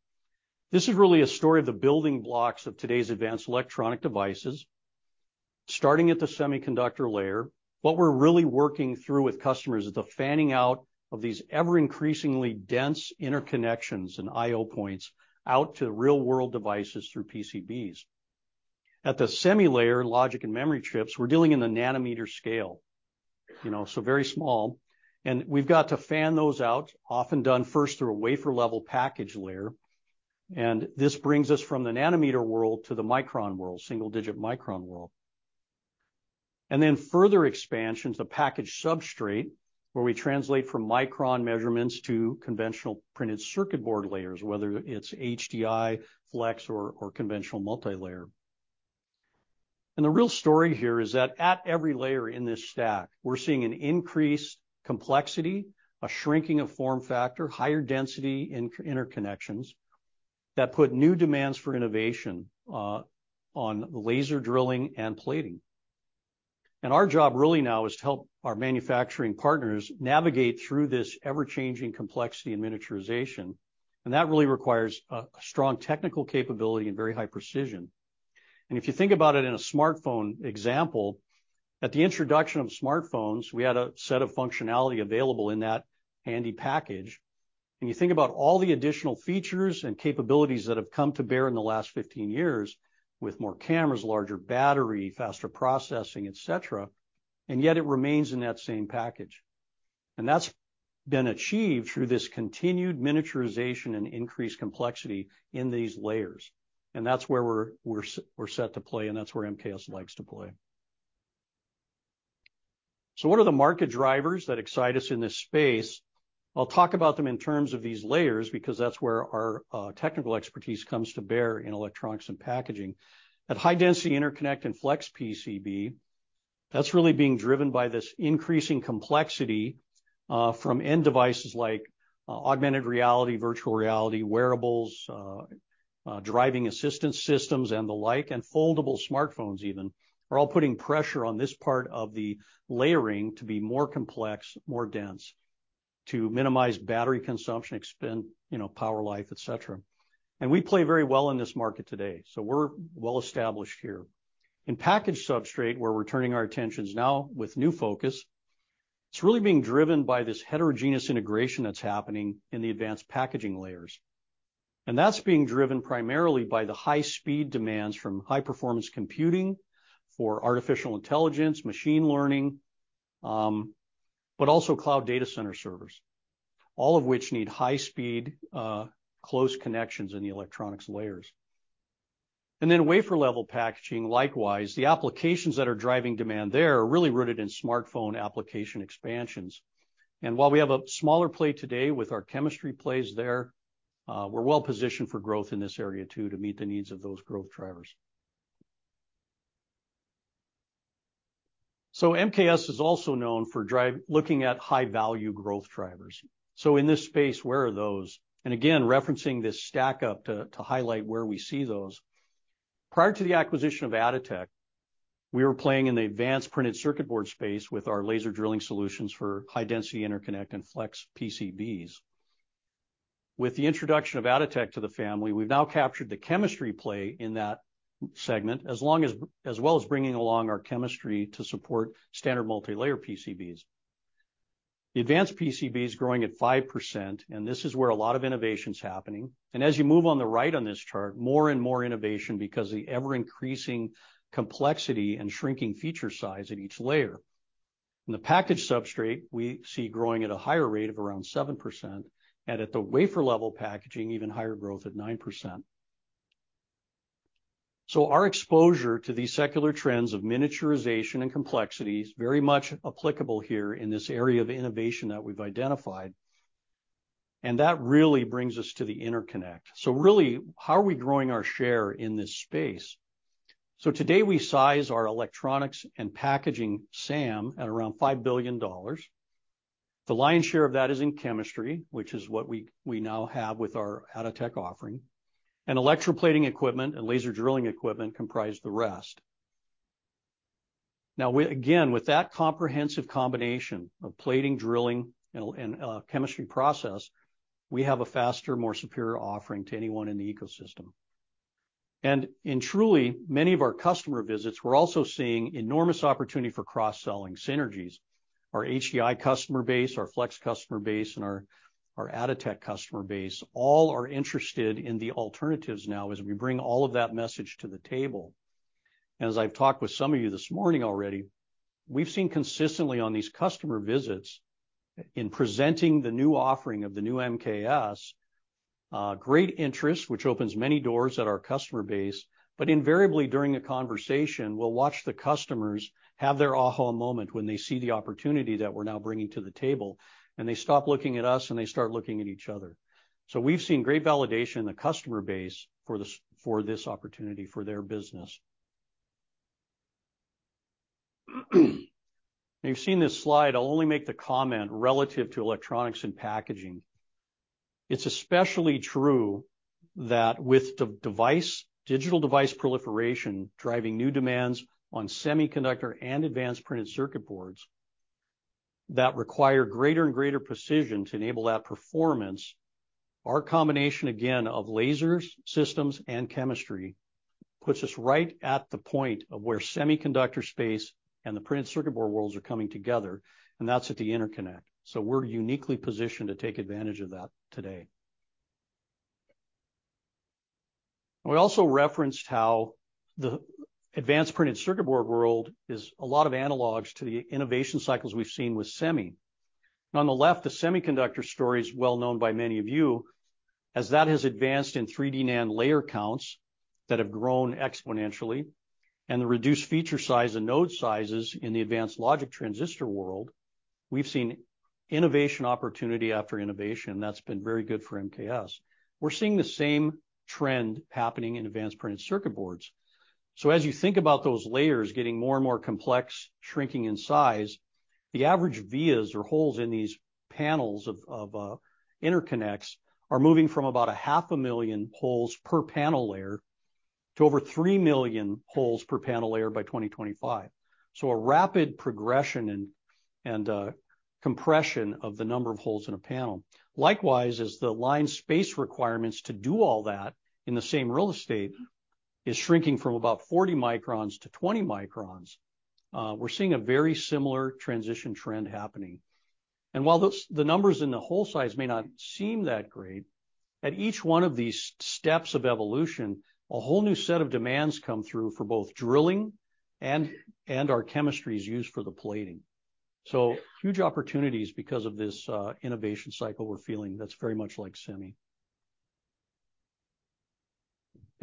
This is really a story of the building blocks of today's advanced electronic devices. Starting at the semiconductor layer, what we're really working through with customers is the fanning out of these ever-increasingly dense interconnections and IO points out to real-world devices through PCBs. At the semi layer, logic and memory chips, we're dealing in the nanometer scale, you know, so very small, and we've got to fan those out, often done first through a wafer level package layer. This brings us from the nanometer world to the micron world, single-digit micron world. Further expansions, the package substrate, where we translate from micron measurements to conventional printed circuit board layers, whether it's HDI, flex or conventional multilayer. The real story here is that at every layer in this stack, we're seeing an increased complexity, a shrinking of form factor, higher density interconnections that put new demands for innovation on laser drilling and plating. Our job really now is to help our manufacturing partners navigate through this ever-changing complexity and miniaturization, and that really requires a strong technical capability and very high precision. If you think about it in a smartphone example, at the introduction of smartphones, we had a set of functionality available in that handy package. When you think about all the additional features and capabilities that have come to bear in the last 15 years with more cameras, larger battery, faster processing, et cetera, and yet it remains in that same package. That's been achieved through this continued miniaturization and increased complexity in these layers. That's where we're set to play, and that's where MKS likes to play. What are the market drivers that excite us in this space? I'll talk about them in terms of these layers because that's where our technical expertise comes to bear in electronics and packaging. At High Density Interconnect and flex PCB, that's really being driven by this increasing complexity from end devices like augmented reality, virtual reality, wearables, driving assistance systems and the like, and foldable smartphones even, are all putting pressure on this part of the layering to be more complex, more dense, to minimize battery consumption, expend, you know, power life, et cetera. We play very well in this market today, so we're well established here. In package substrate, where we're turning our attentions now with new focus, it's really being driven by this heterogeneous integration that's happening in the advanced packaging layers. That's being driven primarily by the high speed demands from high performance computing for artificial intelligence, machine learning, but also cloud data center servers, all of which need high speed, close connections in the electronics layers. Wafer level packaging, likewise, the applications that are driving demand there are really rooted in smartphone application expansions. While we have a smaller play today with our chemistry plays there, we're well-positioned for growth in this area too to meet the needs of those growth drivers. MKS is also known for looking at high value growth drivers. In this space, where are those? Again, referencing this stack up to highlight where we see those. Prior to the acquisition of Atotech, we were playing in the advanced printed circuit board space with our laser drilling solutions for High Density Interconnect and flex PCBs. With the introduction of Atotech to the family, we've now captured the chemistry play in that segment as well as bringing along our chemistry to support standard multilayer PCBs. The advanced PCB is growing at 5%, and this is where a lot of innovation's happening. As you move on the right on this chart, more and more innovation because the ever-increasing complexity and shrinking feature size at each layer. In the package substrate, we see growing at a higher rate of around 7%, and at the wafer-level packaging, even higher growth at 9%. Our exposure to these secular trends of miniaturization and complexity is very much applicable here in this area of innovation that we've identified, and that really brings us to the interconnect. Really, how are we growing our share in this space? Today we size our electronics and packaging SAM at around $5 billion. The lion's share of that is in chemistry, which is what we now have with our Atotech offering. Electroplating equipment and laser drilling equipment comprise the rest. We again, with that comprehensive combination of plating, drilling, and chemistry process, we have a faster, more superior offering to anyone in the ecosystem. In truly many of our customer visits, we're also seeing enormous opportunity for cross-selling synergies. Our HEI customer base, our flex customer base, our Atotech customer base all are interested in the alternatives now as we bring all of that message to the table. As I've talked with some of you this morning already, we've seen consistently on these customer visits in presenting the new offering of the new MKS, great interest, which opens many doors at our customer base. Invariably during a conversation, we'll watch the customers have their aha moment when they see the opportunity that we're now bringing to the table. They stop looking at us, they start looking at each other. We've seen great validation in the customer base for this opportunity for their business. You've seen this slide. I'll only make the comment relative to electronics and packaging. It's especially true that with digital device proliferation driving new demands on semiconductor and advanced printed circuit boards that require greater and greater precision to enable that performance, our combination again of lasers, systems, and chemistry puts us right at the point of where semiconductor space and the printed circuit board worlds are coming together, and that's at the interconnect. We're uniquely positioned to take advantage of that today. We also referenced how the advanced printed circuit board world is a lot of analogs to the innovation cycles we've seen with semi. On the left, the semiconductor story is well known by many of you, as that has advanced in 3D NAND layer counts that have grown exponentially and the reduced feature size and node sizes in the advanced logic transistor world. We've seen innovation opportunity after innovation. That's been very good for MKS. We're seeing the same trend happening in advanced printed circuit boards. As you think about those layers getting more and more complex, shrinking in size, the average vias or holes in these panels of interconnects are moving from about half a million holes per panel layer to over 3 million holes per panel layer by 2025. A rapid progression and compression of the number of holes in a panel. Likewise, as the line space requirements to do all that in the same real estate is shrinking from about 40 microns-20 microns, we're seeing a very similar transition trend happening. While the numbers in the hole size may not seem that great, at each one of these steps of evolution, a whole new set of demands come through for both drilling and our chemistries used for the plating. Huge opportunities because of this innovation cycle we're feeling that's very much like semi.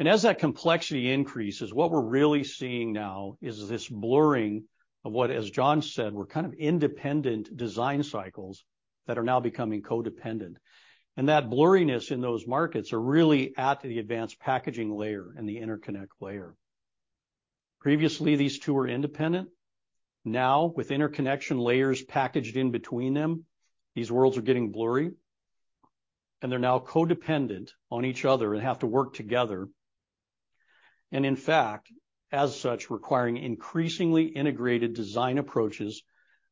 As that complexity increases, what we're really seeing now is this blurring of what, as John said, were kind of independent design cycles that are now becoming codependent. That blurriness in those markets are really at the advanced packaging layer and the interconnect layer. Previously, these two were independent. Now, with interconnection layers packaged in between them, these worlds are getting blurry, and they're now codependent on each other and have to work together. In fact, as such, requiring increasingly integrated design approaches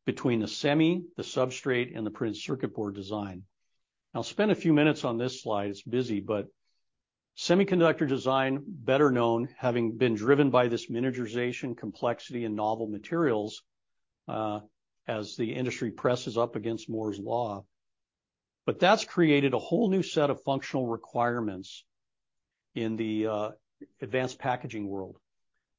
between the semi, the substrate, and the printed circuit board design. I'll spend a few minutes on this slide. It's busy, but semiconductor design, better known having been driven by this miniaturization, complexity, and novel materials, as the industry presses up against Moore's Law. That's created a whole new set of functional requirements in the advanced packaging world.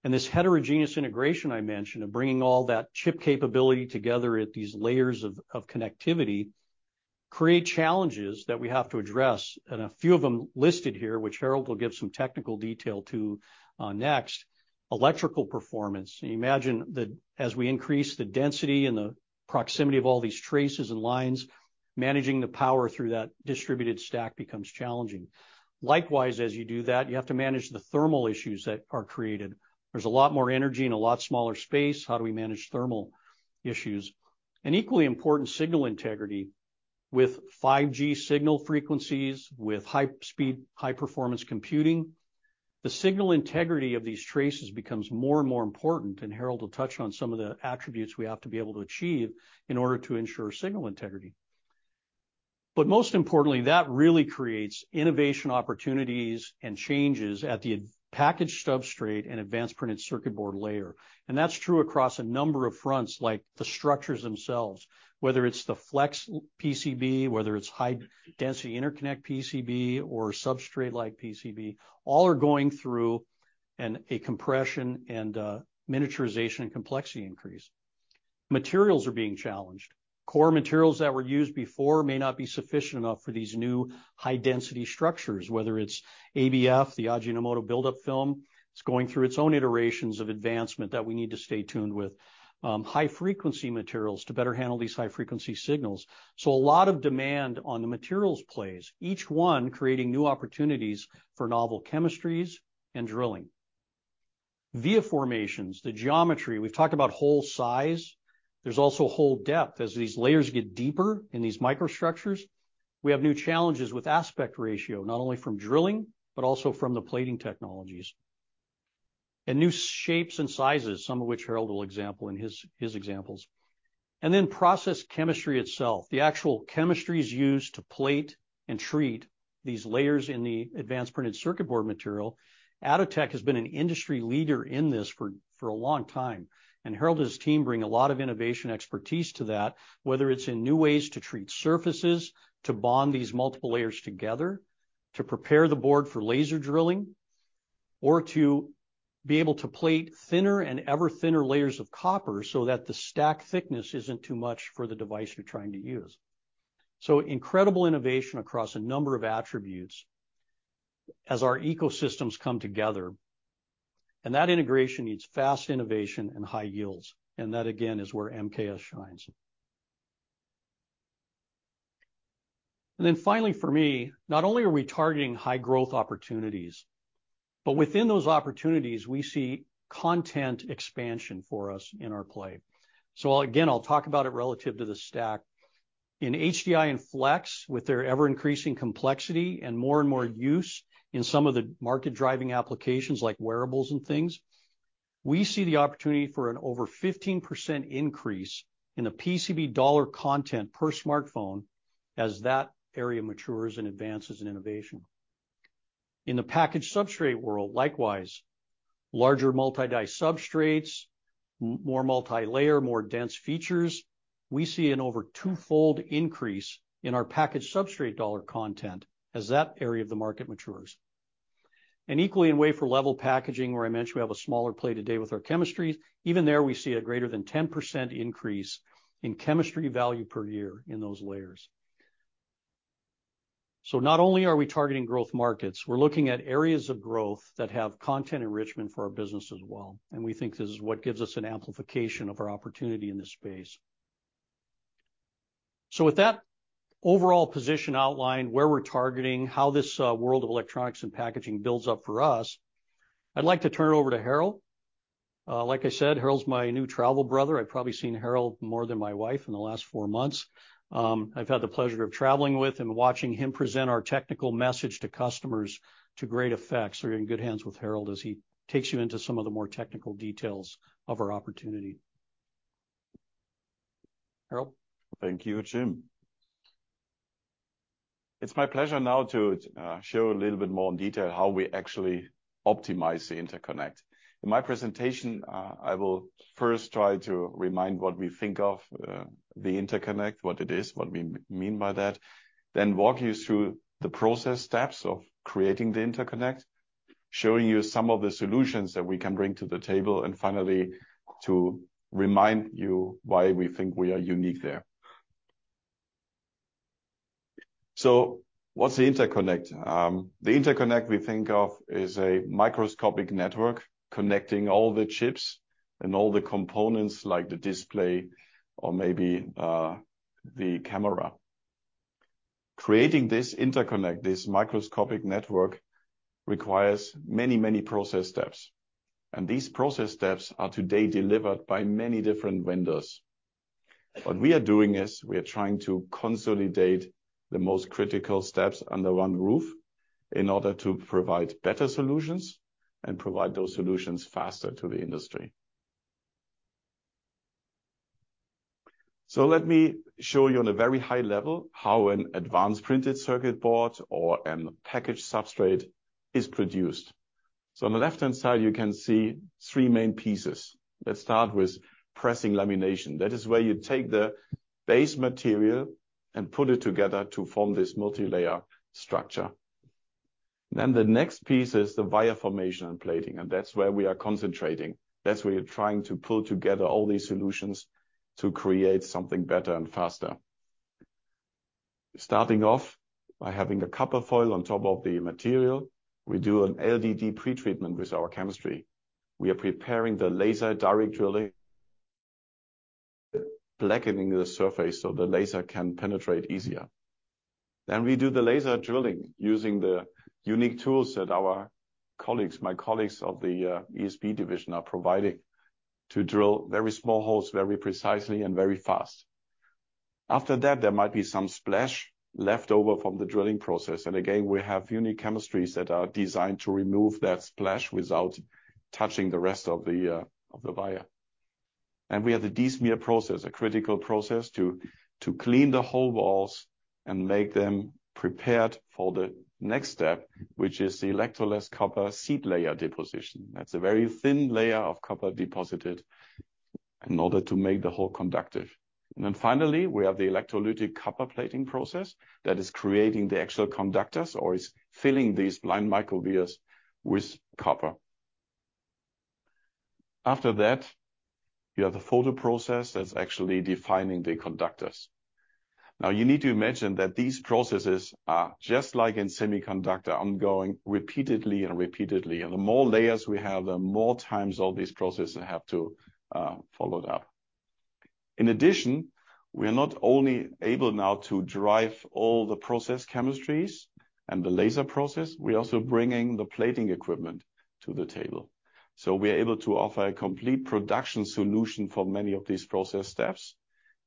This heterogeneous integration I mentioned of bringing all that chip capability together at these layers of connectivity create challenges that we have to address, and a few of them listed here, which Harald will give some technical detail to next. Electrical performance. Imagine that as we increase the density and the proximity of all these traces and lines, managing the power through that distributed stack becomes challenging. Likewise, as you do that, you have to manage the thermal issues that are created. There's a lot more energy in a lot smaller space. How do we manage thermal issues? Equally important, signal integrity. With 5G signal frequencies, with high speed, high performance computing, the signal integrity of these traces becomes more and more important, and Harald will touch on some of the attributes we have to be able to achieve in order to ensure signal integrity. Most importantly, that really creates innovation opportunities and changes at the package substrate and advanced printed circuit board layer. That's true across a number of fronts, like the structures themselves, whether it's the flex PCB, whether it's high density interconnect PCB or substrate like PCB, all are going through a compression and miniaturization and complexity increase. Materials are being challenged. Core materials that were used before may not be sufficient enough for these new high density structures, whether it's ABF, the Ajinomoto Build-up Film. It's going through its own iterations of advancement that we need to stay tuned with. High frequency materials to better handle these high frequency signals. A lot of demand on the materials plays, each one creating new opportunities for novel chemistries and drilling. Via formations, the geometry. We've talked about hole size. There's also hole depth. As these layers get deeper in these microstructures, we have new challenges with aspect ratio, not only from drilling, but also from the plating technologies. New shapes and sizes, some of which Harald will example in his examples. Then process chemistry itself. The actual chemistries used to plate and treat these layers in the advanced printed circuit board material. Atotech has been an industry leader in this for a long time, Harald and his team bring a lot of innovation expertise to that, whether it's in new ways to treat surfaces, to bond these multiple layers together, to prepare the board for laser drilling, or to be able to plate thinner and ever thinner layers of copper so that the stack thickness isn't too much for the device you're trying to use. Incredible innovation across a number of attributes as our ecosystems come together. That integration needs fast innovation and high yields, and that again is where MKS shines. Finally for me, not only are we targeting high-growth opportunities, but within those opportunities, we see content expansion for us in our play. Again, I'll talk about it relative to the stack. In HDI and flex, with their ever-increasing complexity and more and more use in some of the market-driving applications like wearables and things, we see the opportunity for an over 15% increase in the PCB dollar content per smartphone as that area matures and advances in innovation. In the package substrate world, likewise, larger multi-die substrates, more multilayer, more dense features. We see an over twofold increase in our package substrate dollar content as that area of the market matures. Equally in wafer level packaging, where I mentioned we have a smaller play today with our chemistry, even there, we see a greater than 10% increase in chemistry value per year in those layers. Not only are we targeting growth markets, we're looking at areas of growth that have content enrichment for our business as well, and we think this is what gives us an amplification of our opportunity in this space. With that overall position outlined, where we're targeting, how this world of electronics and packaging builds up for us, I'd like to turn it over to Harald. Like I said, Harald's my new travel brother. I've probably seen Harald more than my wife in the last four months. I've had the pleasure of traveling with and watching him present our technical message to customers to great effect. You're in good hands with Harald as he takes you into some of the more technical details of our opportunity. Harald? Thank you, Jim. It's my pleasure now to show a little bit more in detail how we actually Optimize the Interconnect. In my presentation, I will first try to remind what we think of the interconnect, what it is, what we mean by that. Walk you through the process steps of creating the interconnect, showing you some of the solutions that we can bring to the table. Finally, to remind you why we think we are unique there. What's the interconnect? The interconnect we think of is a microscopic network connecting all the chips and all the components like the display or maybe the camera. Creating this interconnect, this microscopic network, requires many, many process steps, and these process steps are today delivered by many different vendors. What we are doing is we are trying to consolidate the most critical steps under one roof in order to provide better solutions and provide those solutions faster to the industry. Let me show you on a very high level how an advanced printed circuit board or a package substrate is produced. On the left-hand side, you can see three main pieces. Let's start with pressing lamination. That is where you take the base material and put it together to form this multilayer structure. The next piece is the via formation and plating, and that's where we are concentrating. That's where you're trying to pull together all these solutions to create something better and faster. Starting off by having a copper foil on top of the material, we do an LDD pretreatment with our chemistry. We are preparing the Laser Direct Drilling, blackening the surface so the laser can penetrate easier. We do the laser drilling using the unique tools that our colleagues, my colleagues of the ESI division are providing to drill very small holes very precisely and very fast. After that, there might be some splash left over from the drilling process. Again, we have unique chemistries that are designed to remove that splash without touching the rest of the via. We have the desmear process, a critical process to clean the hole walls and make them prepared for the next step, which is the electroless copper seed layer deposition. That's a very thin layer of copper deposited in order to make the hole conductive. Finally, we have the electrolytic copper plating process that is creating the actual conductors or is filling these blind micro vias with copper. After that, you have the photo process that's actually defining the conductors. You need to imagine that these processes are just like in semiconductor, ongoing repeatedly. The more layers we have, the more times all these processes have to followed up. We are not only able now to drive all the process chemistries and the laser process, we're also bringing the plating equipment to the table. We are able to offer a complete production solution for many of these process steps,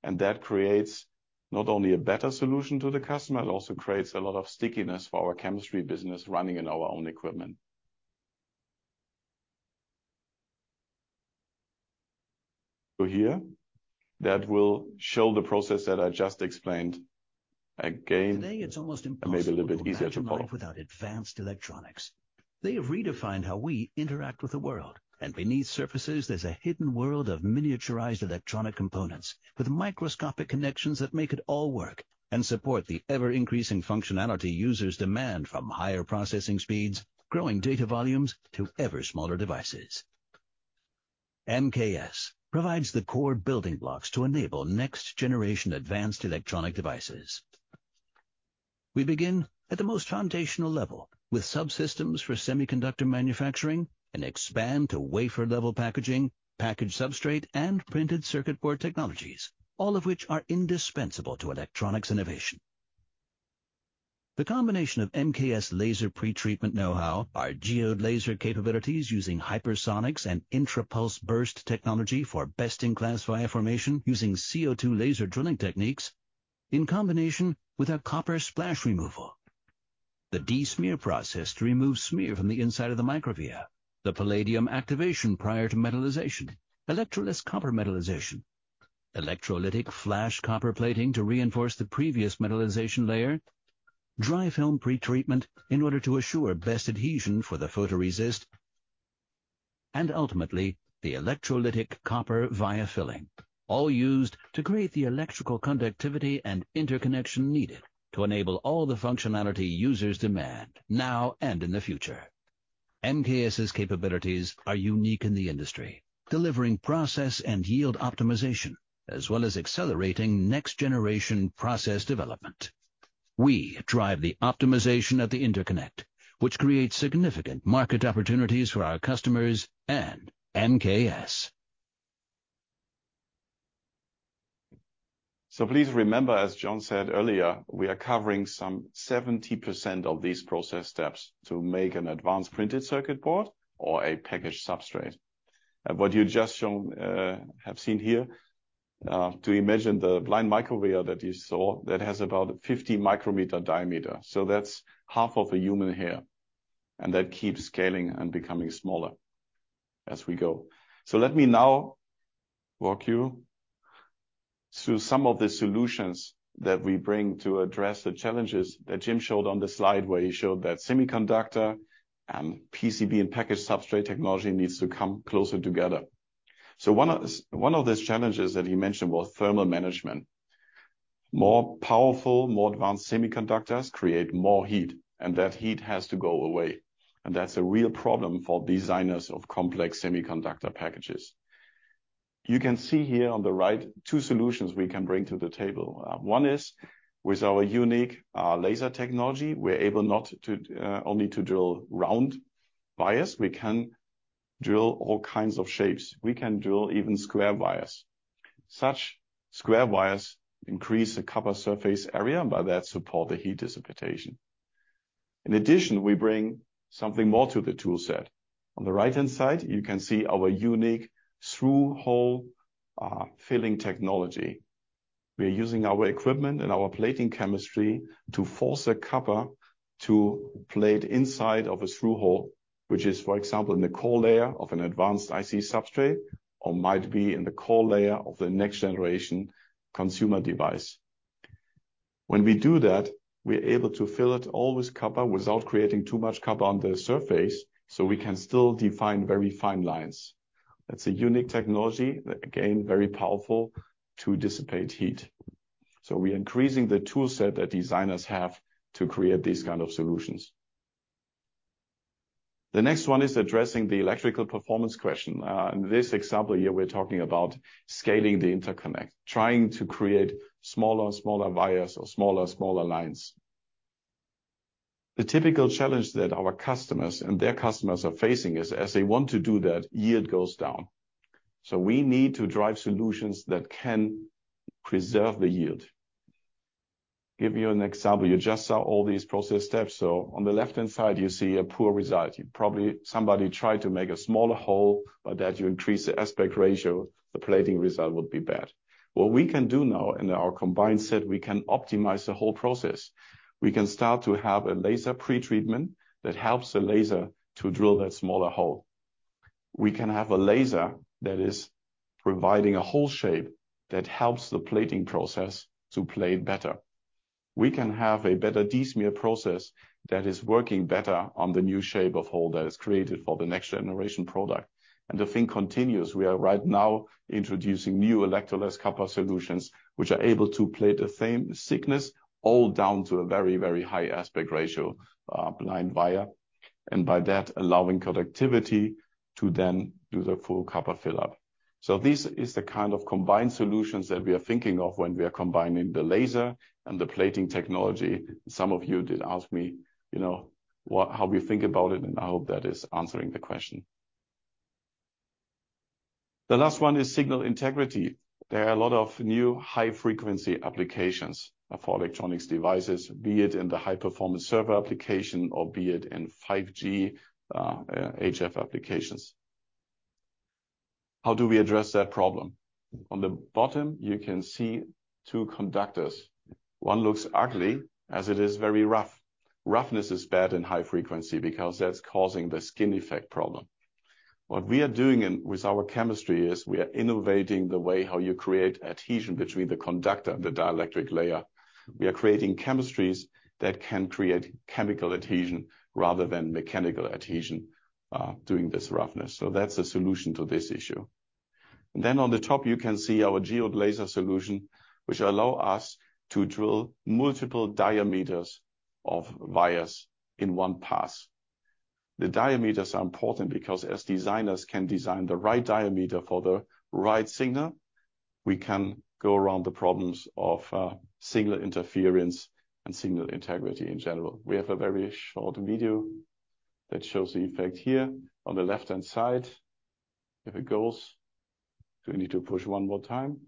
and that creates not only a better solution to the customer, it also creates a lot of stickiness for our chemistry business running in our own equipment. Here, that will show the process that I just explained again and maybe a little bit easier to follow. Today, it's almost impossible to imagine life without advanced electronics. They have redefined how we interact with the world, and beneath surfaces, there's a hidden world of miniaturized electronic components with microscopic connections that make it all work and support the ever-increasing functionality users demand from higher processing speeds, growing data volumes, to ever smaller devices. MKS provides the core building blocks to enable next-generation advanced electronic devices. We begin at the most foundational level with subsystems for semiconductor manufacturing and expand to wafer-level packaging, package substrate, and printed circuit board technologies, all of which are indispensable to electronics innovation. The combination of MKS laser pretreatment know-how, our Geode laser capabilities using HyperSonix and intrapulse burst technology for best-in-class via formation using CO2 laser drilling techniques in combination with our copper splash removal. The desmear process to remove smear from the inside of the microvia. The palladium activation prior to metallization. Electroless copper metallization. Electrolytic flash copper plating to reinforce the previous metallization layer. Dry film pretreatment in order to assure best adhesion for the photoresist, and ultimately, the electrolytic copper via filling, all used to create the electrical conductivity and interconnection needed to enable all the functionality users demand now and in the future. MKS's capabilities are unique in the industry, delivering process and yield optimization, as well as accelerating next-generation process development. We drive the optimization of the interconnect, which creates significant market opportunities for our customers and MKS. Please remember, as John said earlier, we are covering some 70% of these process steps to make an advanced printed circuit board or a package substrate. What you just shown, have seen here, to imagine the blind microvia that you saw that has about a 50-µm diameter. That's half of a human hair, and that keeps scaling and becoming smaller as we go. Let me now walk you through some of the solutions that we bring to address the challenges that Jim showed on the slide, where he showed that semiconductor and PCB and package substrate technology needs to come closer together. One of these challenges that he mentioned was thermal management. More powerful, more advanced semiconductors create more heat, and that heat has to go away. That's a real problem for designers of complex semiconductor packages. You can see here on the right two solutions we can bring to the table. One is with our unique laser technology, we're able not only to drill round vias. We can drill all kinds of shapes. We can drill even square vias. Such square vias increase the copper surface area, and by that, support the heat dissipation. In addition, we bring something more to the toolset. On the right-hand side, you can see our unique through-hole filling technology. We are using our equipment and our plating chemistry to force the copper to plate inside of a through hole, which is, for example, in the core layer of an advanced IC substrate or might be in the core layer of the next-generation consumer device. When we do that, we're able to fill it all with copper without creating too much copper on the surface, so we can still define very fine lines. That's a unique technology, again, very powerful to dissipate heat. We're increasing the toolset that designers have to create these kind of solutions. The next one is addressing the electrical performance question. In this example here, we're talking about scaling the interconnect, trying to create smaller and smaller vias or smaller lines. The typical challenge that our customers and their customers are facing is as they want to do that, yield goes down. We need to drive solutions that can preserve the yield. Give you an example. You just saw all these process steps. On the left-hand side, you see a poor result. You probably somebody tried to make a smaller hole, by that you increase the aspect ratio, the plating result would be bad. What we can do now in our combined set, we can optimize the whole process. We can start to have a laser pretreatment that helps the laser to drill that smaller hole. We can have a laser that is providing a hole shape that helps the plating process to plate better. We can have a better desmear process that is working better on the new shape of hole that is created for the next-generation product. The thing continues. We are right now introducing new electroless copper solutions, which are able to plate the same thickness all down to a very, very high aspect ratio, blind via, and by that, allowing connectivity to then do the full copper fill up. This is the kind of combined solutions that we are thinking of when we are combining the laser and the plating technology. Some of you did ask me, you know, how we think about it, and I hope that is answering the question. The last one is signal integrity. There are a lot of new high frequency applications for electronics devices, be it in the high performance server application or be it in 5G, HF applications. How do we address that problem? On the bottom, you can see two conductors. One looks ugly as it is very rough. Roughness is bad in high frequency because that's causing the skin effect problem. What we are doing with our chemistry is we are innovating the way how you create adhesion between the conductor and the dielectric layer. We are creating chemistries that can create chemical adhesion rather than mechanical adhesion, doing this roughness. That's a solution to this issue. On the top, you can see our Geode laser solution, which allow us to drill multiple diameters of vias in one pass. The diameters are important because as designers can design the right diameter for the right signal, we can go around the problems of signal interference and signal integrity in general. We have a very short video that shows the effect here on the left-hand side. If it goes. Do we need to push one more time?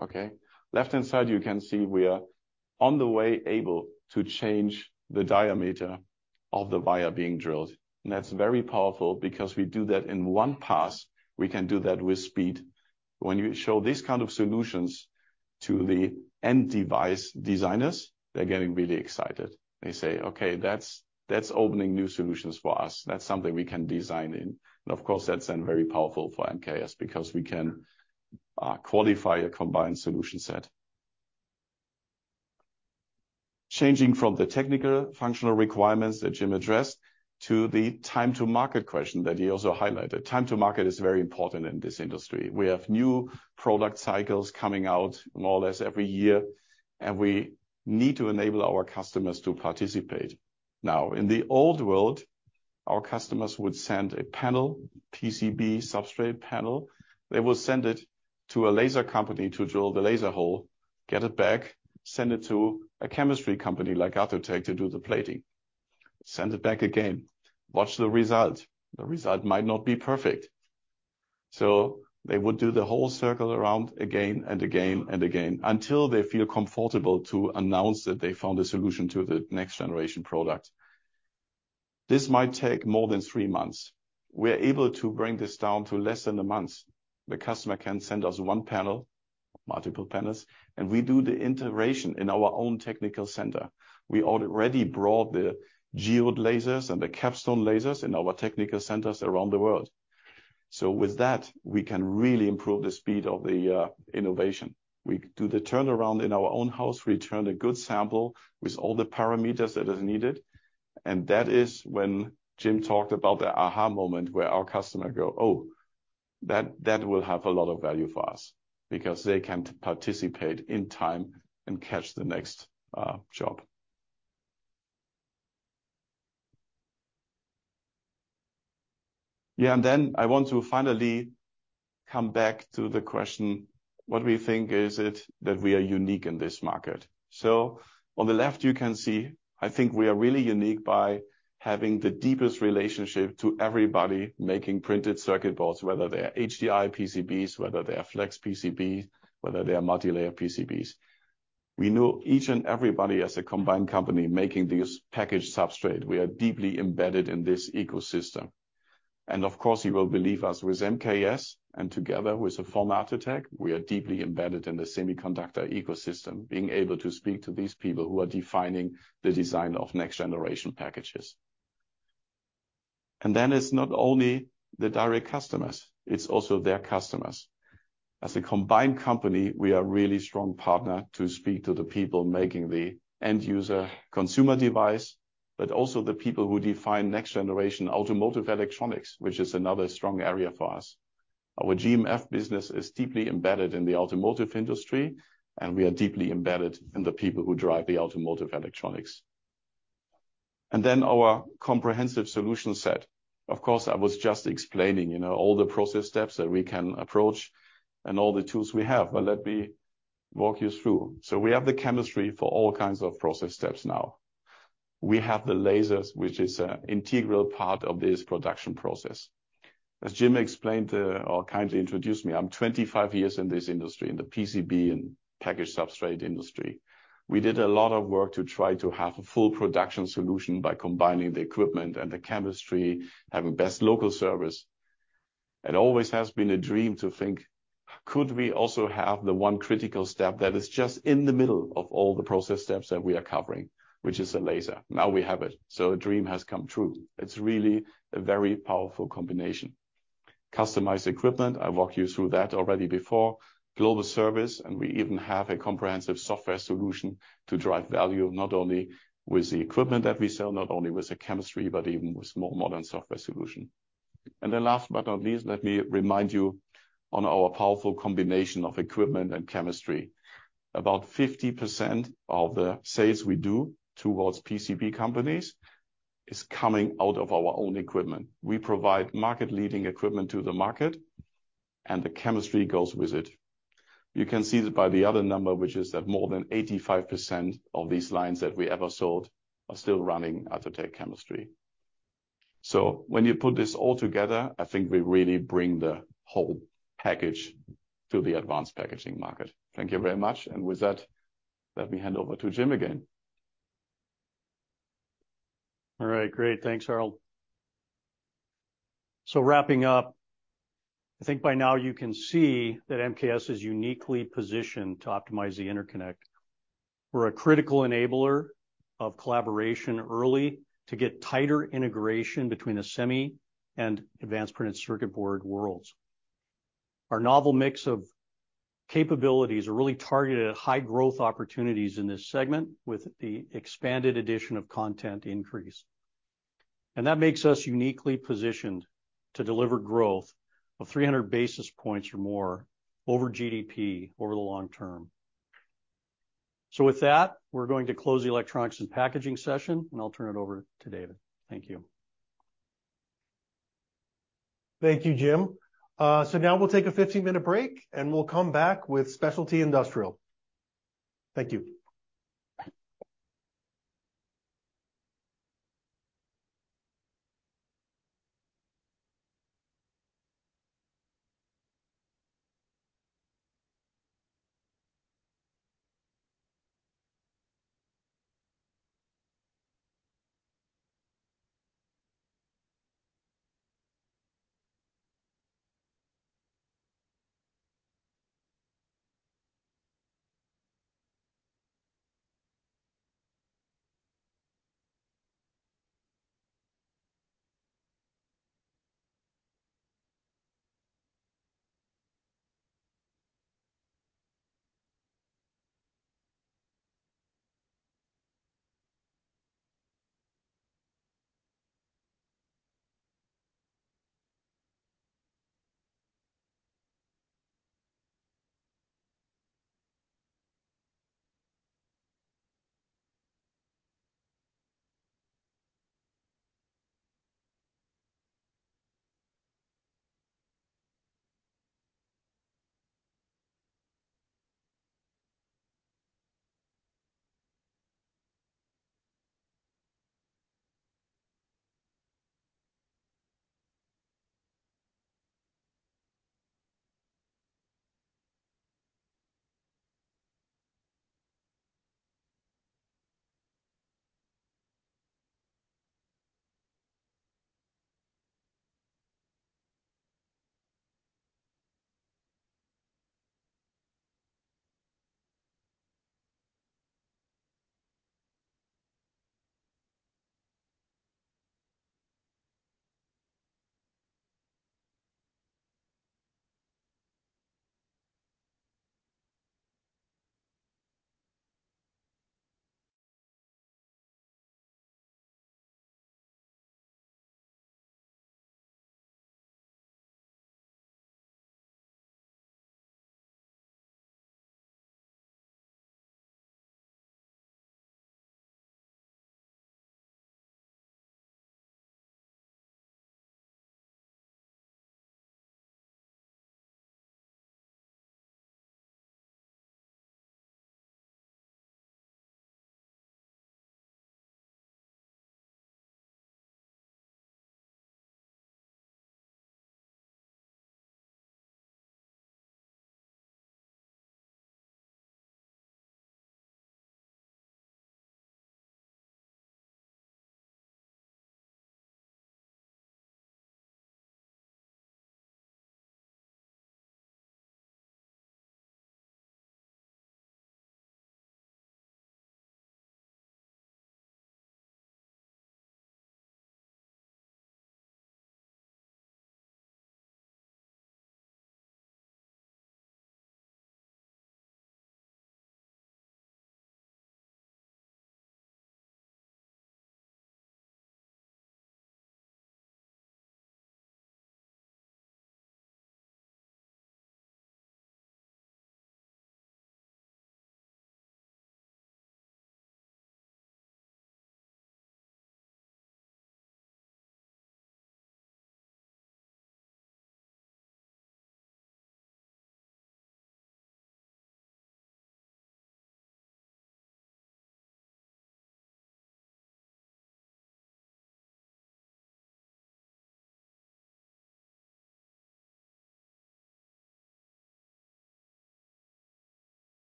Okay. Left-hand side, you can see we are on the way able to change the diameter of the via being drilled. That's very powerful because we do that in one pass. We can do that with speed. When you show these kind of solutions to the end device designers, they're getting really excited. They say, "Okay, that's opening new solutions for us. That's something we can design in." Of course, that's then very powerful for MKS because we can qualify a combined solution set. Changing from the technical functional requirements that Jim addressed to the time to market question that he also highlighted. Time to market is very important in this industry. We have new product cycles coming out more or less every year, and we need to enable our customers to participate. In the old world, our customers would send a panel, PCB substrate panel. They will send it to a laser company to drill the laser hole, get it back, send it to a chemistry company like Atotech to do the plating, send it back again. Watch the result. The result might not be perfect, they would do the whole circle around again and again and again until they feel comfortable to announce that they found a solution to the next generation product. This might take more than three months. We're able to bring this down to less than a month. The customer can send us one panel, multiple panels, and we do the integration in our own technical center. We already brought the Geode lasers and the CapStone lasers in our technical centers around the world. With that, we can really improve the speed of the innovation. We do the turnaround in our own house. We return a good sample with all the parameters that is needed. That is when Jim talked about the aha moment where our customer go, "Oh, that will have a lot of value for us," because they can participate in time and catch the next job. Yeah. Then I want to finally come back to the question, what we think is it that we are unique in this market? On the left you can see, I think we are really unique by having the deepest relationship to everybody making printed circuit boards, whether they are HDI PCBs, whether they are flex PCBs, whether they are multi-layer PCBs. We know each and everybody as a combined company making these package substrate. We are deeply embedded in this ecosystem. Of course, you will believe us with MKS and together with the former Atotech, we are deeply embedded in the semiconductor ecosystem, being able to speak to these people who are defining the design of next generation packages. It's not only the direct customers, it's also their customers. As a combined company, we are a really strong partner to speak to the people making the end user consumer device, but also the people who define next generation automotive electronics, which is another strong area for us. Our GMF business is deeply embedded in the automotive industry, we are deeply embedded in the people who drive the automotive electronics. Our comprehensive solution set. Of course, I was just explaining, you know, all the process steps that we can approach and all the tools we have, let me walk you through. We have the chemistry for all kinds of process steps now. We have the lasers, which is an integral part of this production process. As Jim explained, or kindly introduced me, I'm 25 years in this industry, in the PCB and packaged substrate industry. We did a lot of work to try to have a full production solution by combining the equipment and the chemistry, having best local service. It always has been a dream to think, could we also have the one critical step that is just in the middle of all the process steps that we are covering, which is a laser. Now we have it. A dream has come true. It's really a very powerful combination. Customized equipment, I walked you through that already before. We even have a comprehensive software solution to drive value, not only with the equipment that we sell, not only with the chemistry, but even with more modern software solution. Last but not least, let me remind you on our powerful combination of equipment and chemistry. About 50% of the sales we do towards PCB companies is coming out of our own equipment. We provide market leading equipment to the market. The chemistry goes with it. You can see that by the other number, which is that more than 85% of these lines that we ever sold are still running at Atotech chemistry. When you put this all together, I think we really bring the whole package to the advanced packaging market. Thank you very much. With that, let me hand over to Jim again. All right. Great. Thanks, Harald. Wrapping up, I think by now you can see that MKS is uniquely positioned to Optimize the Interconnect. We're a critical enabler of collaboration early to get tighter integration between the semi and advanced printed circuit board worlds. Our novel mix of capabilities are really targeted at high growth opportunities in this segment with the expanded edition of content increase. That makes us uniquely positioned to deliver growth of 300 basis points or more over GDP over the long term. With that, we're going to close the electronics and packaging session, and I'll turn it over to David. Thank you. Thank you, Jim. Now we'll take a 15-minute break, and we'll come back with specialty industrial. Thank you.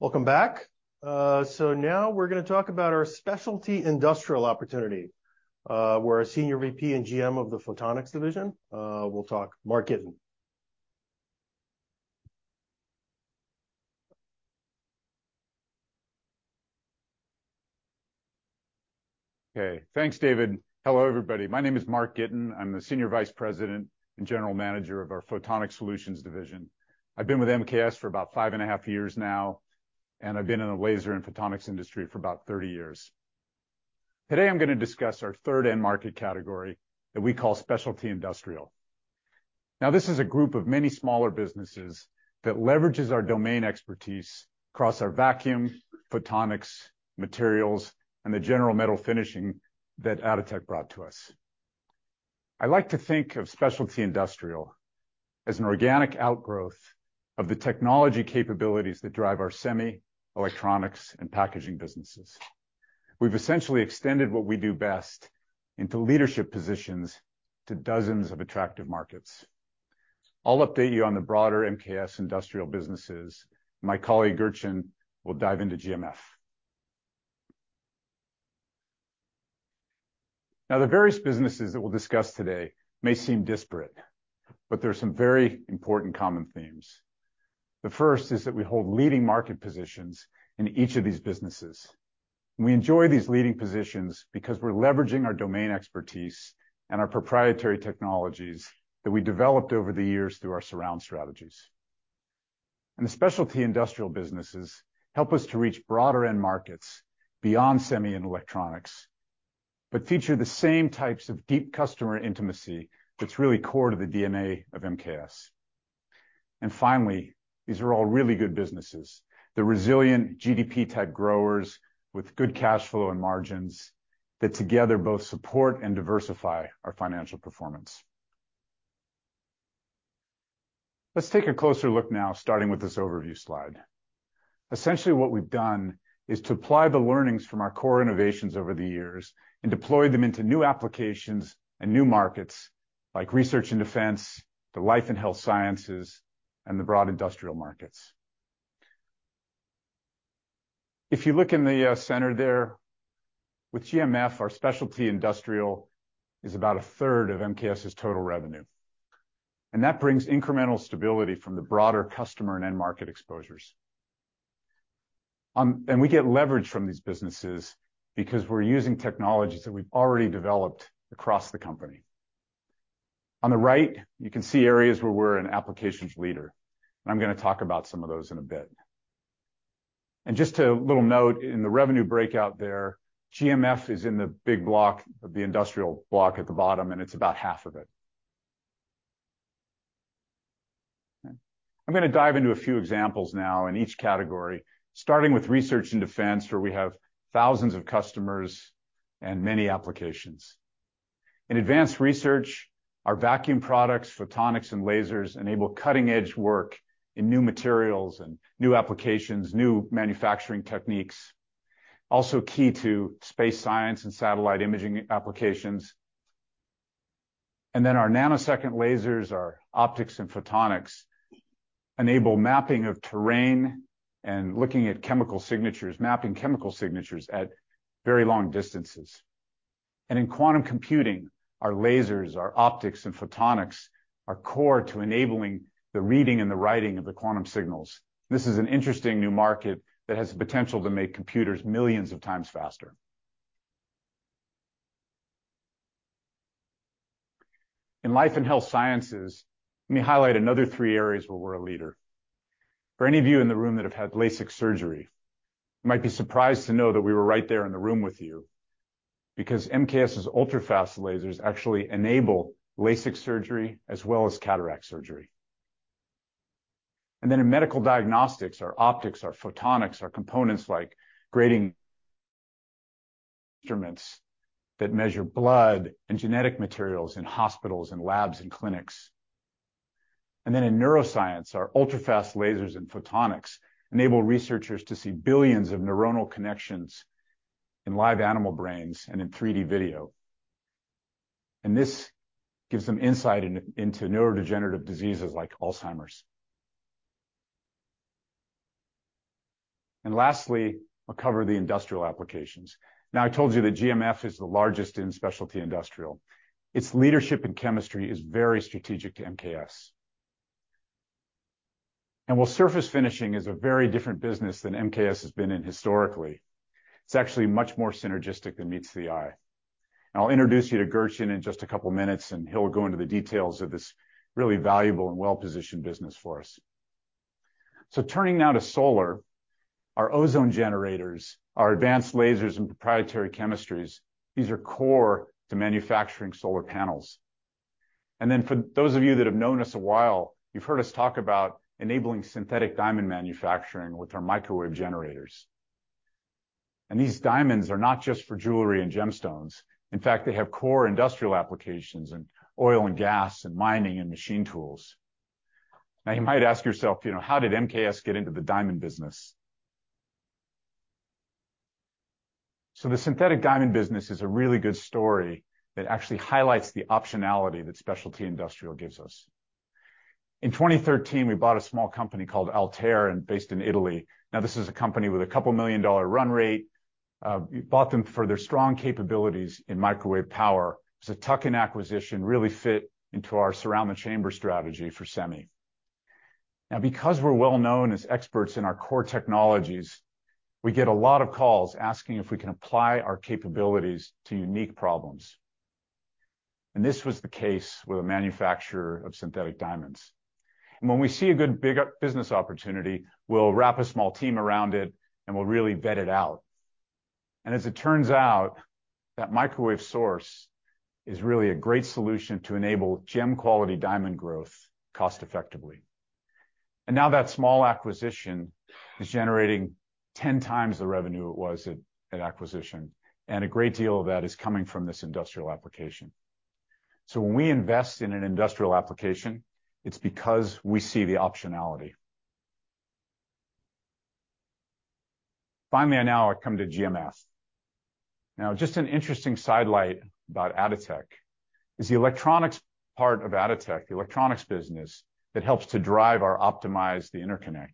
Welcome back. Now we're gonna talk about our specialty industrial opportunity. We're a Senior VP and GM of the Photonics Division. We'll talk Mark Gitin. Okay. Thanks, David. Hello, everybody. My name is Mark Gitin. I'm the Senior Vice President and General Manager of our Photonics Solutions Division. I've been with MKS for about 5 and a half years now, and I've been in the laser and photonics industry for about 30 years. Today, I'm gonna discuss our third end market category that we call specialty industrial. This is a group of many smaller businesses that leverages our domain expertise across our vacuum, photonics, materials, and the General Metal Finishing that Atotech brought to us. I like to think of specialty industrial as an organic outgrowth of the technology capabilities that drive our semi, electronics, and packaging businesses. We've essentially extended what we do best into leadership positions to dozens of attractive markets. I'll update you on the broader MKS industrial businesses. My colleague, Gertjan, will dive into GMF. The various businesses that we'll discuss today may seem disparate, but there are some very important common themes. The first is that we hold leading market positions in each of these businesses. We enjoy these leading positions because we're leveraging our domain expertise and our proprietary technologies that we developed over the years through our surround strategies. The specialty industrial businesses help us to reach broader end markets beyond semi and electronics, but feature the same types of deep customer intimacy that's really core to the DNA of MKS. Finally, these are all really good businesses. They're resilient GDP-type growers with good cash flow and margins that together both support and diversify our financial performance. Let's take a closer look now starting with this overview slide. Essentially, what we've done is to apply the learnings from our core innovations over the years and deploy them into new applications and new markets like research and defense, the life and health sciences, and the broad industrial markets. If you look in the center there, with GMF, our specialty industrial is about 1/3 of MKS' total revenue. That brings incremental stability from the broader customer and end market exposures. We get leverage from these businesses because we're using technologies that we've already developed across the company. On the right, you can see areas where we're an applications leader, and I'm gonna talk about some of those in a bit. Just a little note, in the revenue breakout there, GMF is in the big block of the industrial block at the bottom, and it's about 1/2 of it. I'm gonna dive into a few examples now in each category, starting with research and defense, where we have thousands of customers and many applications. In advanced research, our vacuum products, photonics, and lasers enable cutting-edge work in new materials and new applications, new manufacturing techniques. Also key to space science and satellite imaging applications. Our nanosecond lasers, our optics and photonics enable mapping of terrain and looking at chemical signatures, mapping chemical signatures at very long distances. In quantum computing, our lasers, our optics and photonics are core to enabling the reading and the writing of the quantum signals. This is an interesting new market that has the potential to make computers millions of times faster. In life and health sciences, let me highlight another three areas where we're a leader. For any of you in the room that have had LASIK surgery, you might be surprised to know that we were right there in the room with you because MKS' ultra-fast lasers actually enable LASIK surgery as well as cataract surgery. In medical diagnostics, our optics, our photonics, our components like grading instruments that measure blood and genetic materials in hospitals and labs and clinics. In neuroscience, our ultra-fast lasers and photonics enable researchers to see billions of neuronal connections in live animal brains and in 3D video. This gives them insight into neurodegenerative diseases like Alzheimer's. Lastly, I'll cover the industrial applications. Now, I told you that GMF is the largest in specialty industrial. Its leadership in chemistry is very strategic to MKS. While surface finishing is a very different business than MKS has been in historically, it's actually much more synergistic than meets the eye. I'll introduce you to Gertjan in just a couple of minutes, and he'll go into the details of this really valuable and well-positioned business for us. Turning now to solar, our ozone generators, our advanced lasers and proprietary chemistries, these are core to manufacturing solar panels. Then for those of you that have known us a while, you've heard us talk about enabling synthetic diamond manufacturing with our microwave generators. These diamonds are not just for jewelry and gemstones. In fact, they have core industrial applications in oil and gas and mining and machine tools. You might ask yourself, you know, how did MKS get into the diamond business? The synthetic diamond business is a really good story that actually highlights the optionality that specialty industrial gives us. In 2013, we bought a small company called Altair and based in Italy. This is a company with a couple million-dollar run rate, we bought them for their strong capabilities in microwave power. It's a tuck-in acquisition, really fit into our Surround the Chamber strategy for semi. Because we're well known as experts in our core technologies, we get a lot of calls asking if we can apply our capabilities to unique problems. This was the case with a manufacturer of synthetic diamonds. When we see a good big business opportunity, we'll wrap a small team around it, and we'll really vet it out. As it turns out, that microwave source is really a great solution to enable gem quality diamond growth cost effectively. Now that small acquisition is generating 10x the revenue it was at acquisition, and a great deal of that is coming from this industrial application. When we invest in an industrial application, it's because we see the optionality. Finally, I now come to GMF. Just an interesting sidelight about Atotech is the electronics part of Atotech, the electronics business that helps to drive our Optimize the Interconnect,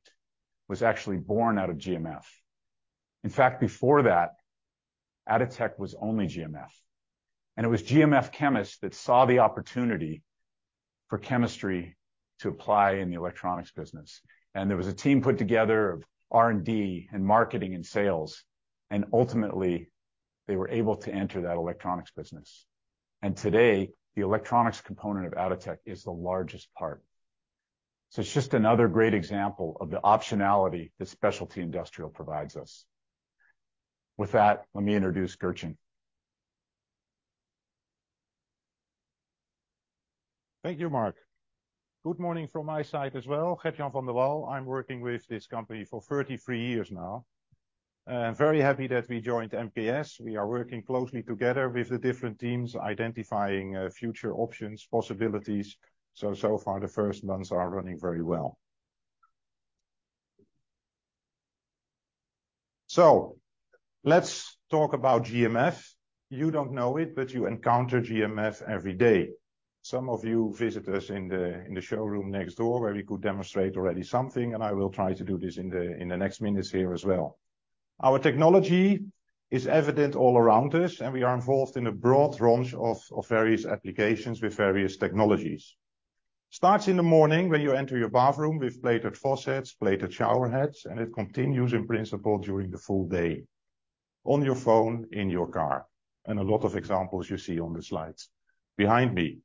was actually born out of GMF. In fact, before that, Atotech was only GMF, and it was GMF chemists that saw the opportunity for chemistry to apply in the electronics business. There was a team put together of R&D and marketing and sales, and ultimately, they were able to enter that electronics business. Today, the electronics component of Atotech is the largest part. It's just another great example of the optionality that specialty industrial provides us. With that, let me introduce Gertjan. Thank you, Mark. Good morning from my side as well. Gertjan van der Wal. I'm working with this company for 33 years now. I'm very happy that we joined MKS. We are working closely together with the different teams, identifying future options, possibilities. So far, the first months are running very well. Let's talk about GMF. You don't know it, but you encounter GMF every day. Some of you visit us in the showroom next door, where we could demonstrate already something, and I will try to do this in the next minutes here as well. Our technology is evident all around us, and we are involved in a broad range of various applications with various technologies. Starts in the morning when you enter your bathroom with plated faucets, plated shower heads, and it continues in principle during the full day. On your phone, in your car, a lot of examples you see on the slides behind me.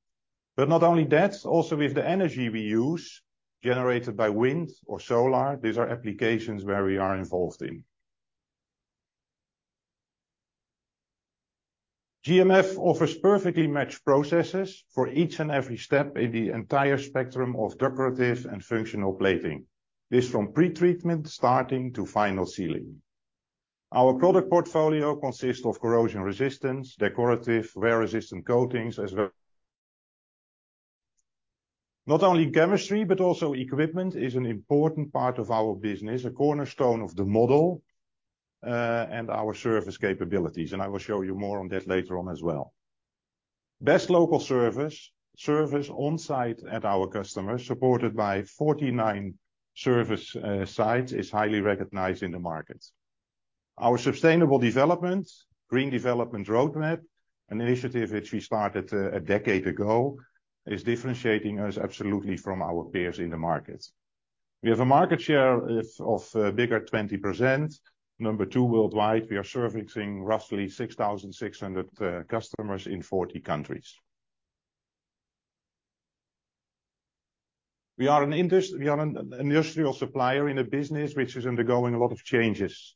Not only that, also with the energy we use generated by wind or solar, these are applications where we are involved in. GMF offers perfectly matched processes for each and every step in the entire spectrum of decorative and functional plating. This from pretreatment starting to final sealing. Our product portfolio consists of corrosion resistance, decorative wear-resistant coatings as well. Not only chemistry, but also equipment is an important part of our business, a cornerstone of the model, and our service capabilities, and I will show you more on that later on as well. Best local service. Service on-site at our customers, supported by 49 service sites, is highly recognized in the market. Our sustainable development, green development roadmap, an initiative which we started a decade ago, is differentiating us absolutely from our peers in the market. We have a market share of bigger 20%. Number two worldwide, we are servicing roughly 6,600 customers in 40 countries. We are an industrial supplier in a business which is undergoing a lot of changes,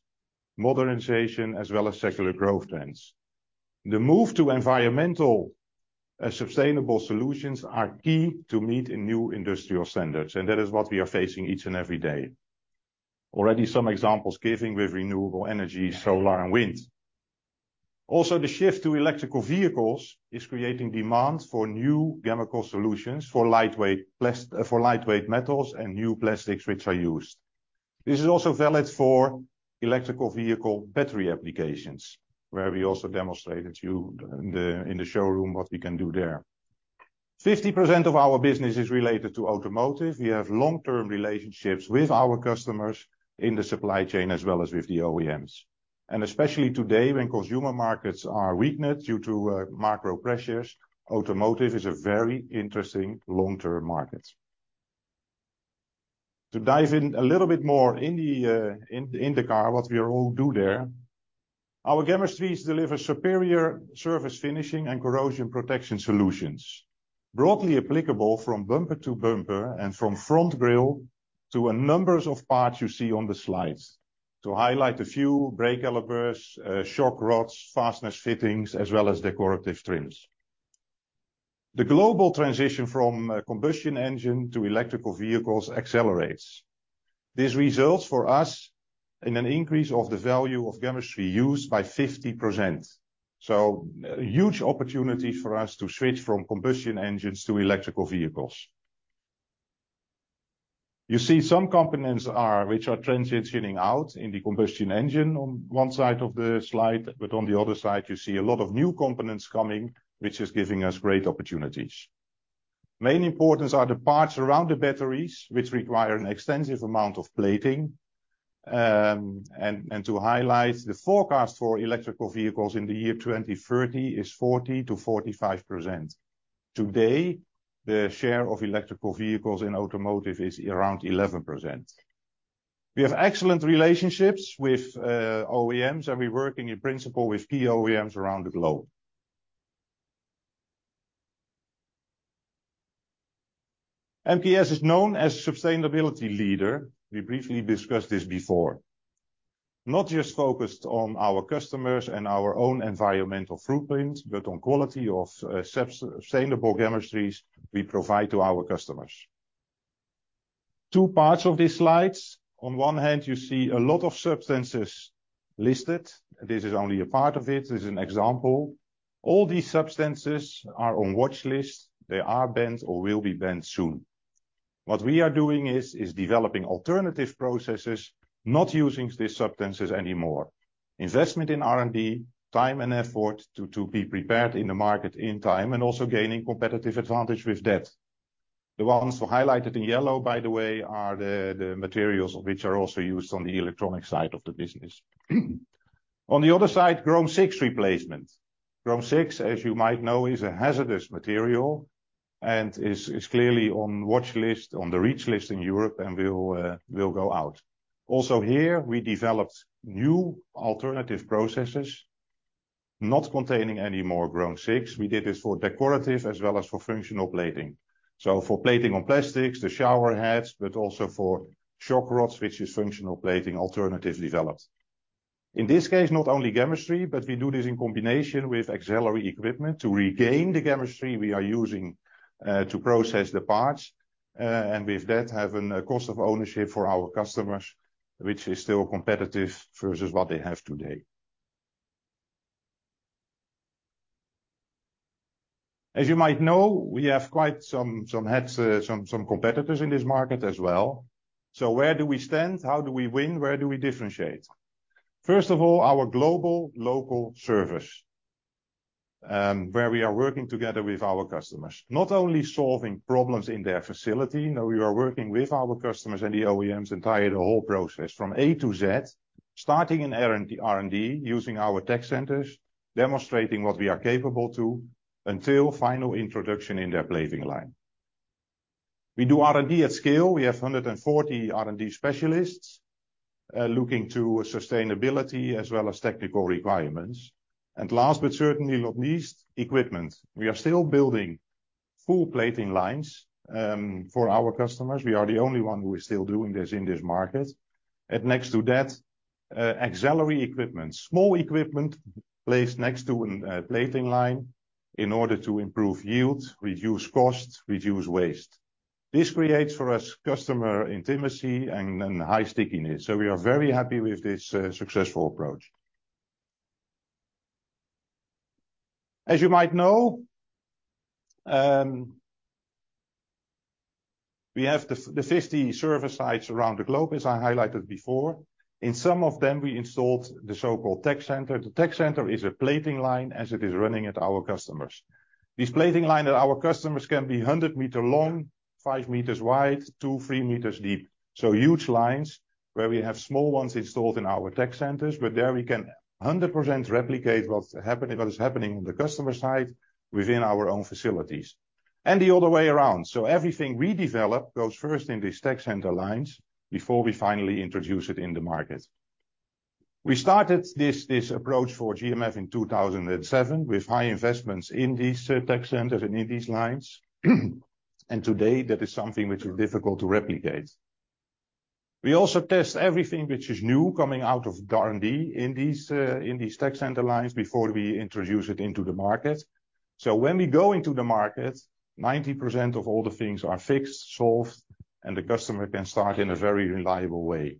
modernization as well as secular growth trends. The move to environmental and sustainable solutions are key to meet a new industrial standards, and that is what we are facing each and every day. Already some examples given with renewable energy, solar and wind. Also, the shift to electrical vehicles is creating demand for new chemical solutions for lightweight metals and new plastics which are used. This is also valid for electrical vehicle battery applications, where we also demonstrated to you in the showroom what we can do there. 50% of our business is related to automotive. We have long-term relationships with our customers in the supply chain as well as with the OEMs. Especially today, when consumer markets are weakened due to macro pressures, automotive is a very interesting long-term market. To dive in a little bit more in the car, what we all do there. Our chemistries deliver superior surface finishing and corrosion protection solutions, broadly applicable from bumper to bumper and from front grille to a numbers of parts you see on the slides. To highlight a few, brake calipers, shock rods, fasteners fittings, as well as decorative trims. The global transition from combustion engine to electrical vehicles accelerates. This results for us in an increase of the value of chemistry used by 50%. Huge opportunity for us to switch from combustion engines to electrical vehicles. You see some components which are transitioning out in the combustion engine on one side of the slide, but on the other side, you see a lot of new components coming, which is giving us great opportunities. Main importance are the parts around the batteries, which require an extensive amount of plating. To highlight, the forecast for electrical vehicles in the year 2030 is 40%-45%. Today, the share of electrical vehicles in automotive is around 11%. We have excellent relationships with OEMs, and we're working in principle with key OEMs around the globe. MKS is known as sustainability leader. We briefly discussed this before. Not just focused on our customers and our own environmental footprint, but on quality of sub-sustainable chemistries we provide to our customers. Two parts of these slides. On one hand, you see a lot of substances listed. This is only a part of it. This is an example. All these substances are on watch list. They are banned or will be banned soon. What we are doing is developing alternative processes, not using these substances anymore. Investment in R&D, time, and effort to be prepared in the market in time, and also gaining competitive advantage with that. The ones highlighted in yellow, by the way, are the materials which are also used on the electronic side of the business. On the other side, chrome 6 replacement. chrome six, as you might know, is a hazardous material and is clearly on watchlist on the REACH list in Europe and will go out. Here, we developed new alternative processes not containing any more chrome six. We did this for decorative as well as for functional plating. For plating on plastics, the shower heads, but also for shock rods, which is functional plating alternatively developed. In this case, not only chemistry, but we do this in combination with auxiliary equipment. To regain the chemistry we are using to process the parts, and with that, have a cost of ownership for our customers, which is still competitive versus what they have today. As you might know, we have quite some hats, some competitors in this market as well. Where do we stand? How do we win? Where do we differentiate? First of all, our global local service, where we are working together with our customers. Not only solving problems in their facility. No, we are working with our customers and the OEMs entire the whole process, from A-Z. Starting in R&D, using our tech centers, demonstrating what we are capable to until final introduction in their plating line. We do R&D at scale. We have 140 R&D specialists, looking to sustainability as well as technical requirements. Last but certainly not least, equipment. We are still building full plating lines for our customers. We are the only one who is still doing this in this market. Next to that, auxiliary equipment. Small equipment placed next to a plating line in order to improve yield, reduce cost, reduce waste. This creates for us customer intimacy and high stickiness. We are very happy with this successful approach. As you might know, we have the 50 service sites around the globe, as I highlighted before. In some of them, we installed the so-called tech center. The tech center is a plating line as it is running at our customers. This plating line at our customers can be 100 meters long, five meters wide, two, three meters deep. Huge lines where we have small ones installed in our tech centers, but there we can 100% replicate what is happening on the customer side within our own facilities. The other way around. Everything we develop goes first in these tech center lines before we finally introduce it in the market. We started this approach for GMF in 2007 with high investments in these tech centers and in these lines. Today, that is something which is difficult to replicate. We also test everything which is new coming out of R&D in these tech center lines before we introduce it into the market. When we go into the market, 90% of all the things are fixed, solved, and the customer can start in a very reliable way.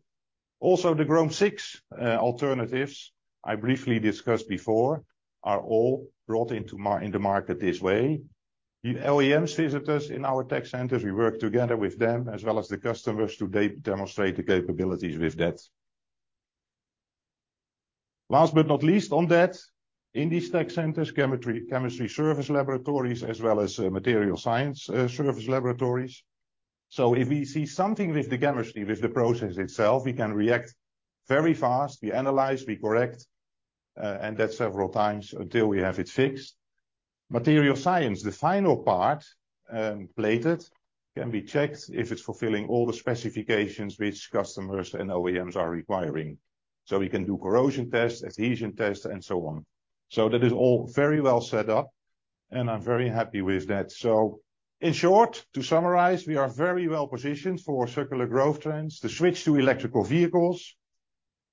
Also, the chromium(VI) alternatives I briefly discussed before are all brought into the market this way. The OEMs visit us in our tech centers. We work together with them as well as the customers to demonstrate the capabilities with that. Last but not least on that, in these tech centers, chemistry service laboratories as well as material science service laboratories. If we see something with the chemistry, with the process itself, we can react very fast. We analyze, we correct, and that's several times until we have it fixed. Material science, the final part, plated, can be checked if it's fulfilling all the specifications which customers and OEMs are requiring. We can do corrosion tests, adhesion tests, and so on. That is all very well set up, and I'm very happy with that. In short, to summarize, we are very well positioned for circular growth trends. The switch to electrical vehicles,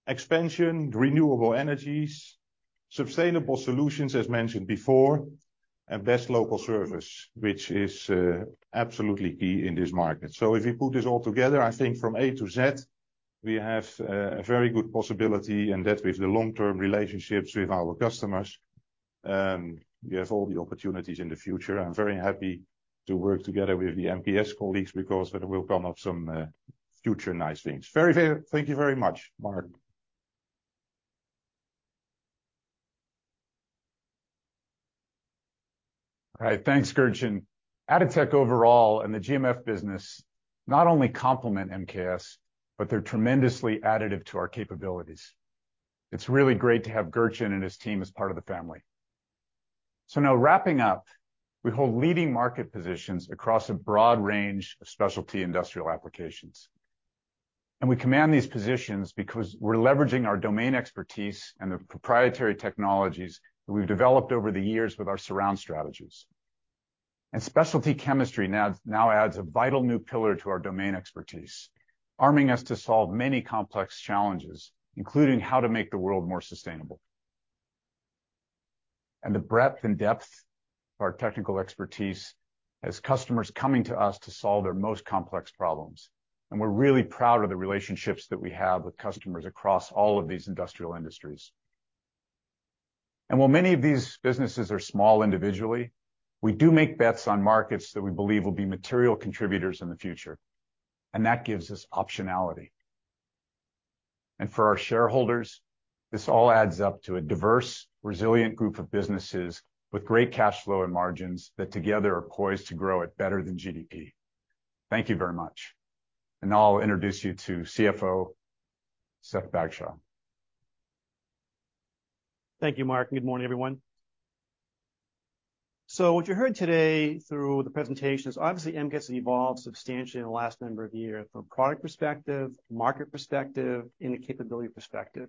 expansion, renewable energies, sustainable solutions, as mentioned before, and best local service, which is absolutely key in this market. If we put this all together, I think from A -Z, we have a very good possibility, and that with the long-term relationships with our customers, we have all the opportunities in the future. I'm very happy to work together with the MKS colleagues because there will come up some future nice things. Very, thank you very much, Mark. All right. Thanks, Gertjan. Atotech overall and the GMF business not only complement MKS, but they're tremendously additive to our capabilities. It's really great to have Gertjan and his team as part of the family. Now wrapping up, we hold leading market positions across a broad range of specialty industrial applications. We command these positions because we're leveraging our domain expertise and the proprietary technologies that we've developed over the years with our surround strategies. Specialty chemistry now adds a vital new pillar to our domain expertise, arming us to solve many complex challenges, including how to make the world more sustainable. The breadth and depth of our technical expertise has customers coming to us to solve their most complex problems, and we're really proud of the relationships that we have with customers across all of these industrial industries. While many of these businesses are small individually, we do make bets on markets that we believe will be material contributors in the future, and that gives us optionality. For our shareholders, this all adds up to a diverse, resilient group of businesses with great cash flow and margins that together are poised to grow at better than GDP. Thank you very much. Now I'll introduce you to CFO Seth Bagshaw. Thank you, Mark. Good morning, everyone. What you heard today through the presentation is obviously MKS has evolved substantially in the last number of years from a product perspective, market perspective, and a capability perspective.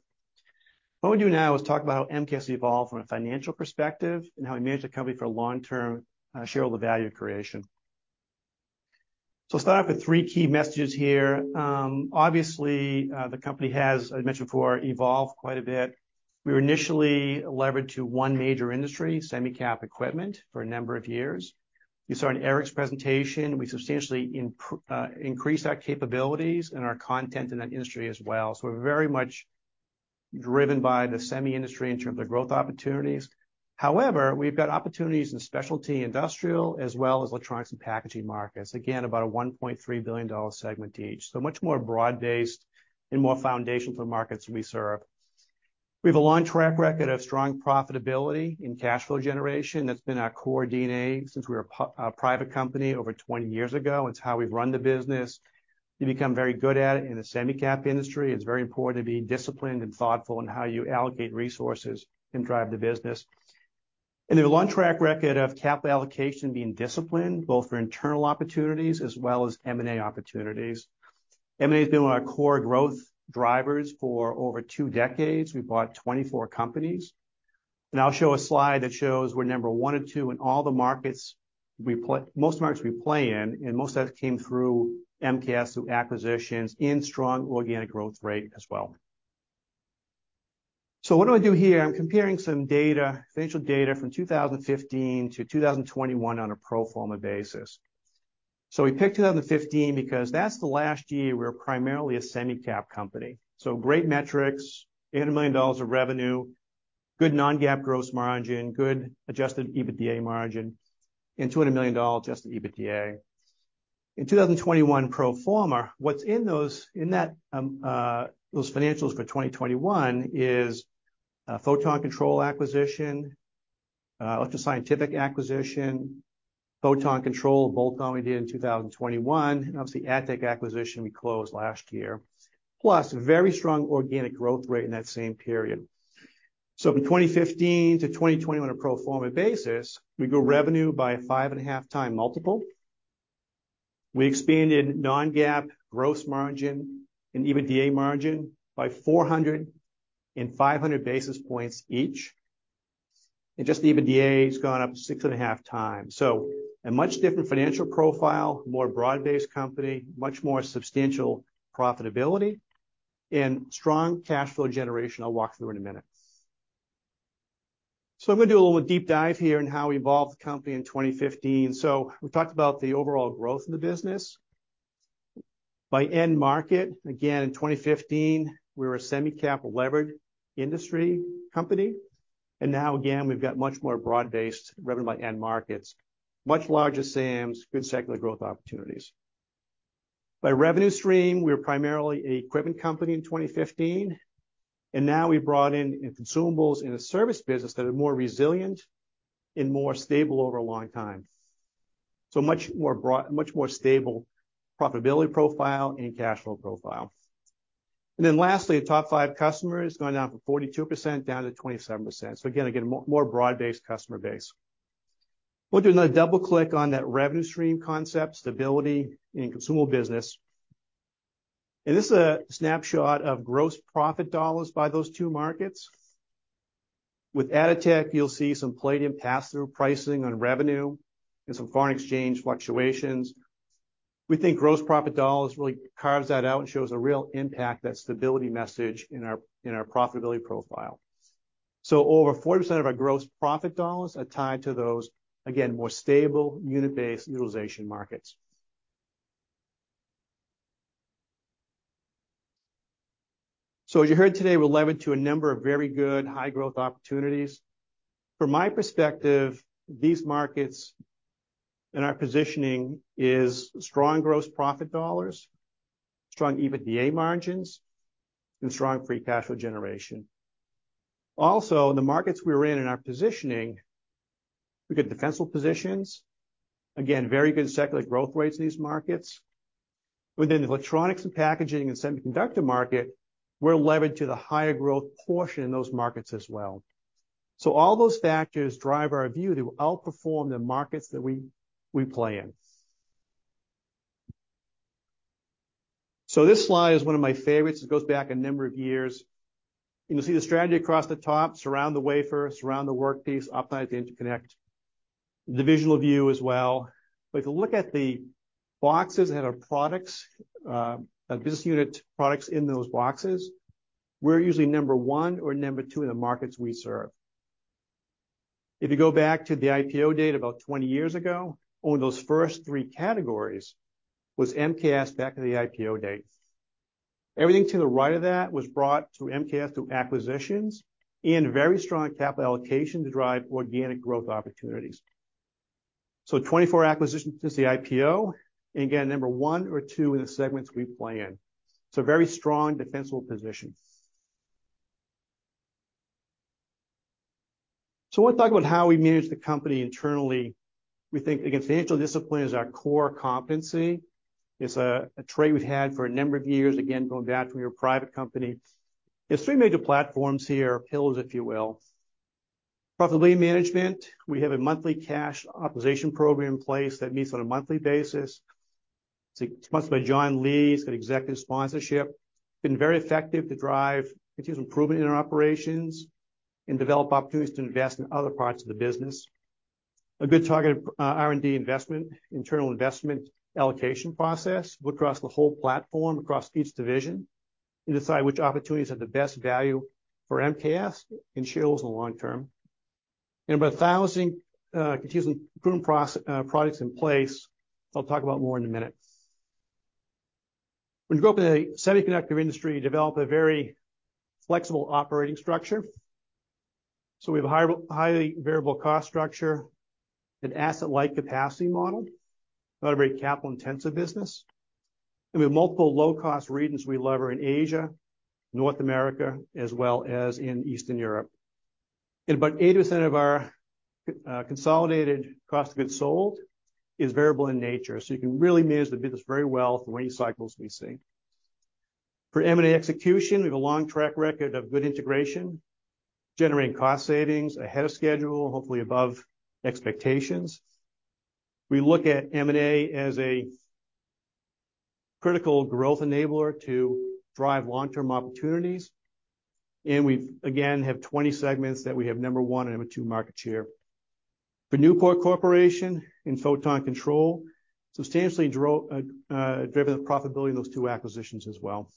What we do now is talk about how MKS evolved from a financial perspective and how we manage the company for long-term shareholder value creation. start off with three key messages here. Obviously, the company has, as I mentioned before, evolved quite a bit. We were initially levered to one major industry, semi-cap equipment, for a number of years. You saw in Eric's presentation, we substantially increased our capabilities and our content in that industry as well. We're very much driven by the semi industry in terms of growth opportunities. However, we've got opportunities in specialty industrial as well as electronics and packaging markets. About a $1.3 billion segment each. Much more broad-based and more foundational to the markets we serve. We have a long track record of strong profitability and cash flow generation. That's been our core DNA since we were a private company over 20 years ago. It's how we've run the business. We've become very good at it in the semi-cap industry. It's very important to be disciplined and thoughtful in how you allocate resources and drive the business. A long track record of capital allocation being disciplined, both for internal opportunities as well as M&A opportunities. M&A has been one of our core growth drivers for over 2 decades. We bought 24 companies. I'll show a slide that shows we're number one and two in all the markets most markets we play in, and most of that came through MKS through acquisitions in strong organic growth rate as well. What do I do here? I'm comparing some data, financial data from 2015-2021 on a pro forma basis. We picked 2015 because that's the last year we were primarily a semi-cap company. Great metrics, $800 million of revenue, good non-GAAP gross margin, good adjusted EBITDA margin, and $200 million adjusted EBITDA. In 2021 pro forma, what's in those, in that, those financials for 2021 is a Photon Control acquisition, Electro Scientific acquisition, Photon Control, both done, we did in 2021, obviously Atotech acquisition we closed last year, plus very strong organic growth rate in that same period. From 2015-2020 on a pro forma basis, we grew revenue by a 5.5x multiple. We expanded non-GAAP gross margin and EBITDA margin by 400 and 500 basis points each. Just EBITDA has gone up 6.5x. A much different financial profile, more broad-based company, much more substantial profitability, and strong cash flow generation I'll walk through in a minute. I'm gonna do a little deep dive here on how we evolved the company in 2015. We talked about the overall growth of the business. By end market, again, in 2015, we were a semi-cap levered industry company. Now again, we've got much more broad-based revenue by end markets, much larger SAMs, good secular growth opportunities. By revenue stream, we were primarily an equipment company in 2015, and now we've brought in consumables in a service business that are more resilient and more stable over a long time. Much more stable profitability profile and cash flow profile. Lastly, the top five customers going down from 42% down to 27%. Again, more broad-based customer base. We'll do another double click on that revenue stream concept, stability in consumable business. This is a snapshot of gross profit dollars by those two markets. With Atotech, you'll see some palladium pass-through pricing on revenue and some foreign exchange fluctuations. We think gross profit dollars really carves that out and shows a real impact, that stability message in our profitability profile. Over 40% of our gross profit dollars are tied to those, again, more stable unit-based utilization markets. As you heard today, we're levered to a number of very good high-growth opportunities. From my perspective, these markets and our positioning is strong gross profit dollars, strong EBITDA margins, and strong free cash flow generation. In the markets we're in and our positioning, we get defensible positions. Again, very good secular growth rates in these markets. Within the electronics and packaging and semiconductor market, we're levered to the higher growth portion in those markets as well. All those factors drive our view to outperform the markets that we play in. This slide is one of my favorites. It goes back a number of years. You'll see the strategy across the top, Surround the Wafer, Surround the Workpiece, Optimize the Interconnect. The visual view as well. If you look at the boxes that are products, the business unit products in those boxes, we're usually number one or number two in the markets we serve. If you go back to the IPO date about 20 years ago, on those first three categories was MKS back to the IPO date. Everything to the right of that was brought to MKS through acquisitions and very strong capital allocation to drive organic growth opportunities. Twenty-four acquisitions since the IPO. Again, number one or two in the segments we play in. Very strong defensible position. I wanna talk about how we manage the company internally. We think, again, financial discipline is our core competency. It's a trait we've had for a number of years, again, going back when we were a private company. There's three major platforms here, pillars if you will. Profitably management. We have a monthly cash optimization program in place that meets on a monthly basis. It's sponsored by John Lee. He's got executive sponsorship. Been very effective to drive continuous improvement in our operations and develop opportunities to invest in other parts of the business. A good targeted R&D investment, internal investment allocation process. Look across the whole platform, across each division and decide which opportunities are the best value for MKS and shareholders in the long term. About 1,000 continuous improvement products in place. I'll talk about more in a minute. When you grow up in a semiconductor industry, you develop a very flexible operating structure. We have a highly variable cost structure and asset light capacity model. Not a very capital-intensive business. We have multiple low-cost regions we lever in Asia, North America, as well as in Eastern Europe. About 80% of our consolidated cost goods sold is variable in nature, so you can really manage the business very well through any cycles we see. For M&A execution, we have a long track record of good integration, generating cost savings ahead of schedule, hopefully above expectations. We look at M&A as a critical growth enabler to drive long-term opportunities, and we've, again, have 20 segments that we have number one and number two market share. For Newport Corporation and Photon Control, substantially driven the profitability of those two acquisitions as well.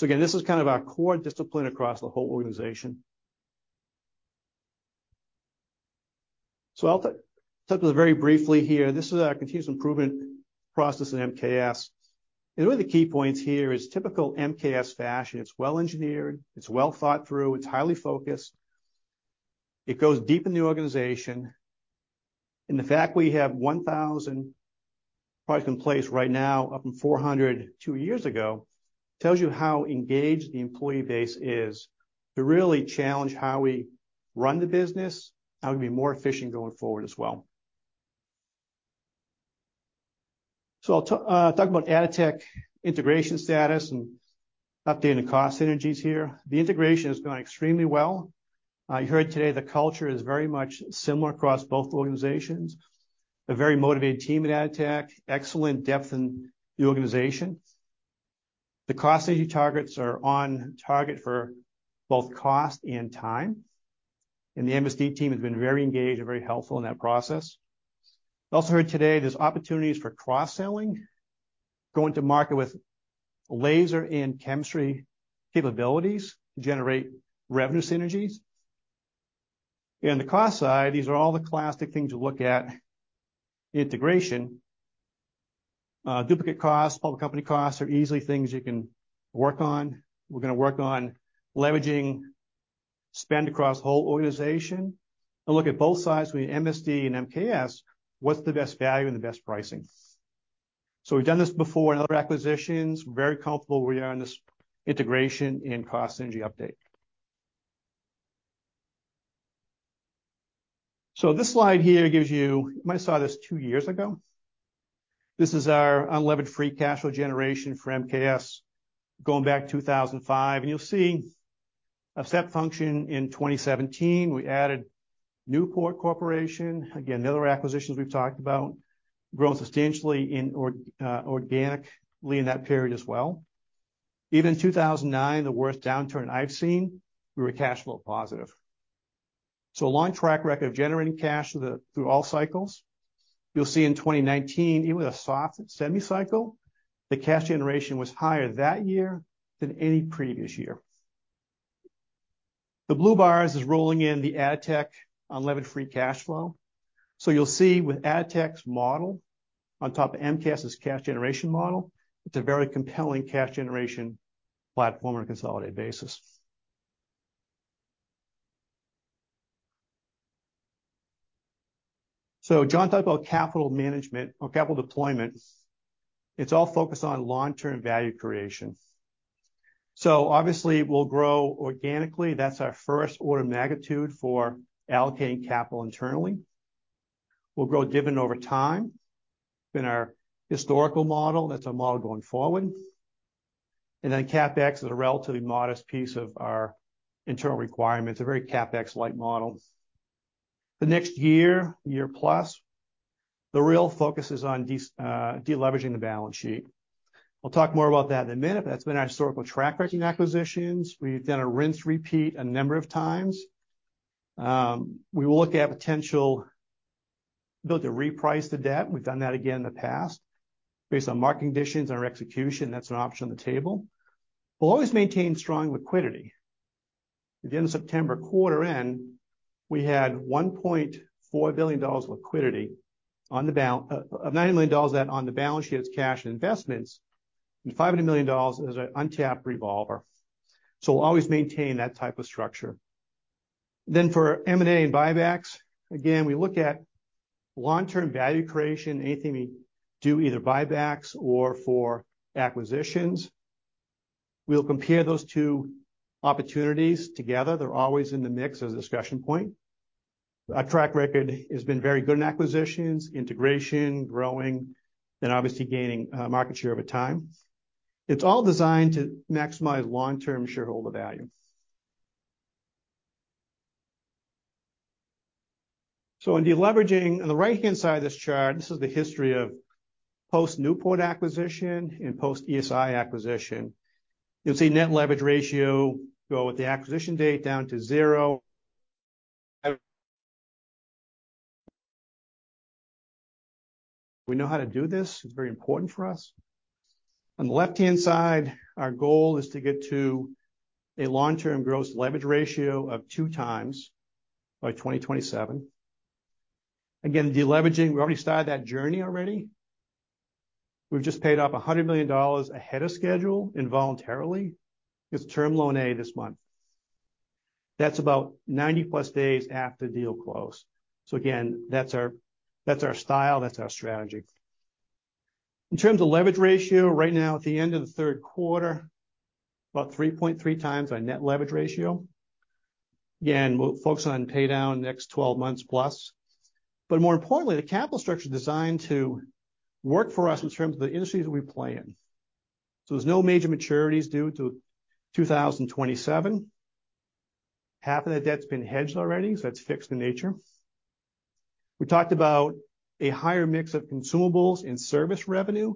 Again, this is kind of our core discipline across the whole organization. I'll talk to this very briefly here. This is our continuous improvement process at MKS. One of the key points here is typical MKS fashion. It's well-engineered, it's well thought through, it's highly focused, it goes deep in the organization. The fact we have 1,000 products in place right now, up from 400 two years ago, tells you how engaged the employee base is to really challenge how we run the business, how we can be more efficient going forward as well. I'll talk about Atotech integration status and updating the cost synergies here. The integration has gone extremely well. You heard today the culture is very much similar across both organizations. A very motivated team at Atotech. Excellent depth in the organization. The cost synergy targets are on target for both cost and time, and the MSD team has been very engaged and very helpful in that process. Also heard today there's opportunities for cross-selling, going to market with laser and chemistry capabilities to generate revenue synergies. In the cost side, these are all the classic things you look at in integration. Duplicate costs, public company costs are easily things you can work on. We're gonna work on leveraging spend across whole organization and look at both sides, whether you're MSD and MKS, what's the best value and the best pricing. We've done this before in other acquisitions. Very comfortable where we are in this integration and cost synergy update. This slide here gives you. You might have saw this two years ago. This is our unlevered free cash flow generation for MKS going back to 2005. You'll see a step function in 2017. We added Newport Corporation. Again, the other acquisitions we've talked about grew substantially organically in that period as well. Even in 2009, the worst downturn I've seen, we were cash flow positive. A long track record of generating cash through all cycles. You'll see in 2019, even with a soft semi cycle, the cash generation was higher that year than any previous year. The blue bars is rolling in the Atotech unlevered free cash flow. You'll see with Atotech's model on top of MKS's cash generation model, it's a very compelling cash generation platform on a consolidated basis. John talked about capital management or capital deployment. It's all focused on long-term value creation. Obviously we'll grow organically. That's our first order of magnitude for allocating capital internally. We'll grow dividend over time. Been our historical model. That's our model going forward. CapEx is a relatively modest piece of our internal requirements, a very CapEx-like model. The next year plus, the real focus is on deleveraging the balance sheet. We'll talk more about that in a minute, that's been our historical track record in acquisitions. We've done a rinse repeat a number of times. We will look at potential ability to reprice the debt. We've done that again in the past. Based on market conditions and our execution, that's an option on the table. We'll always maintain strong liquidity. At the end of September quarter-end, we had $1.4 billion liquidity on the bal- of $90 million of that on the balance sheet is cash and investments, and $500 million is an untapped revolver. We'll always maintain that type of structure. For M&A and buybacks, again, we look at long-term value creation, anything we do either buybacks or for acquisitions. We'll compare those two opportunities together. They're always in the mix as a discussion point. Our track record has been very good in acquisitions, integration, growing, and obviously gaining market share over time. It's all designed to maximize long-term shareholder value. In deleveraging, on the right-hand side of this chart, this is the history of post-Newport acquisition and post-ESI acquisition. You'll see net leverage ratio go with the acquisition date down to 0. We know how to do this. It's very important for us. On the left-hand side, our goal is to get to a long-term gross leverage ratio of 2x by 2027. Again, deleveraging, we've already started that journey already. We've just paid off $100 million ahead of schedule involuntarily. It's Term Loan A this month. That's about 90+ days after deal close. Again, that's our style, that's our strategy. In terms of leverage ratio, right now at the end of the third quarter, about 3.3x our net leverage ratio. Again, we'll focus on paydown the next 12 months+. More importantly, the capital structure is designed to work for us in terms of the industries we play in. There's no major maturities due till 2027. Half of that debt's been hedged already, that's fixed in nature. We talked about a higher mix of consumables and service revenue,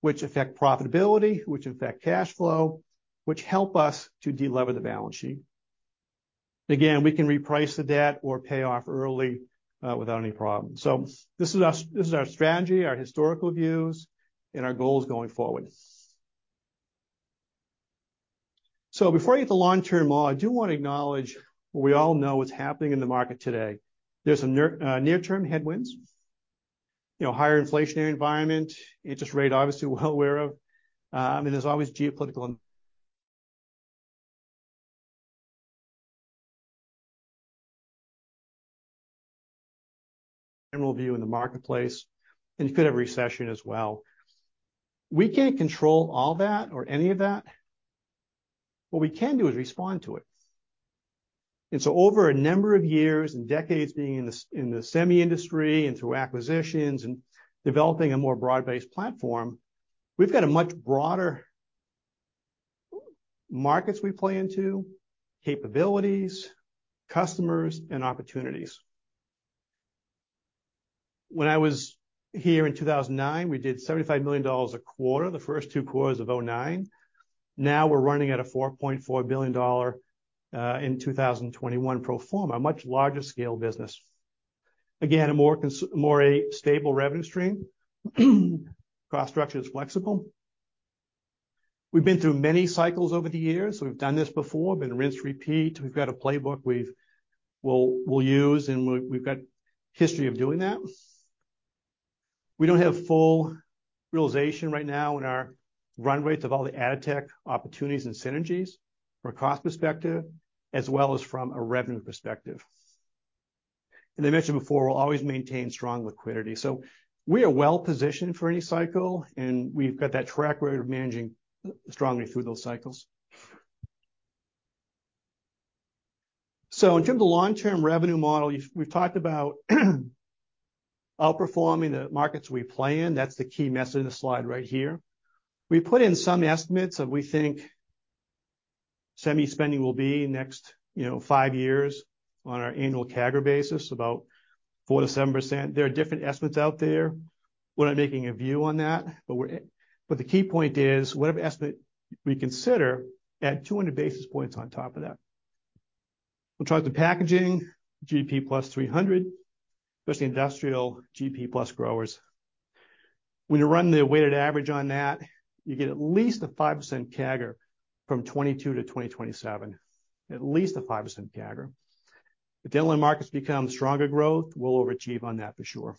which affect profitability, which affect cash flow, which help us to delever the balance sheet. Again, we can reprice the debt or pay off early, without any problem. This is our strategy, our historical views, and our goals going forward. Before I get to long-term model, I do want to acknowledge what we all know what's happening in the market today. There's near-term headwinds, you know, higher inflationary environment, interest rate obviously we're well aware of. There's always geopolitical and general view in the marketplace, and you could have recession as well. We can't control all that or any of that. What we can do is respond to it. Over a number of years and decades being in the semi industry and through acquisitions and developing a more broad-based platform, we've got a much broader markets we play into, capabilities, customers, and opportunities. When I was here in 2009, we did $75 million a quarter, the first two quarters of 2009. Now we're running at a $4.4 billion in 2021 pro forma, a much larger scale business. Again, a more stable revenue stream. Cost structure is flexible. We've been through many cycles over the years. We've done this before, been rinse, repeat. We've got a playbook we'll use, and we've got history of doing that. We don't have full realization right now in our run rates of all the Atotech opportunities and synergies from a cost perspective, as well as from a revenue perspective. I mentioned before, we'll always maintain strong liquidity. We are well-positioned for any cycle, and we've got that track record of managing strongly through those cycles. In terms of long-term revenue model, we've talked about outperforming the markets we play in. That's the key message of the slide right here. We put in some estimates of we think semi spending will be next, you know, five years on our annual CAGR basis, about 4%-7%. There are different estimates out there. We're not making a view on that, the key point is whatever estimate we consider, add 200 basis points on top of that. In terms of packaging, GP plus 300, especially industrial, GP plus growers. When you run the weighted average on that, you get at least a 5% CAGR from 2022 to 2027. At least a 5% CAGR. If end markets become stronger growth, we'll overachieve on that for sure.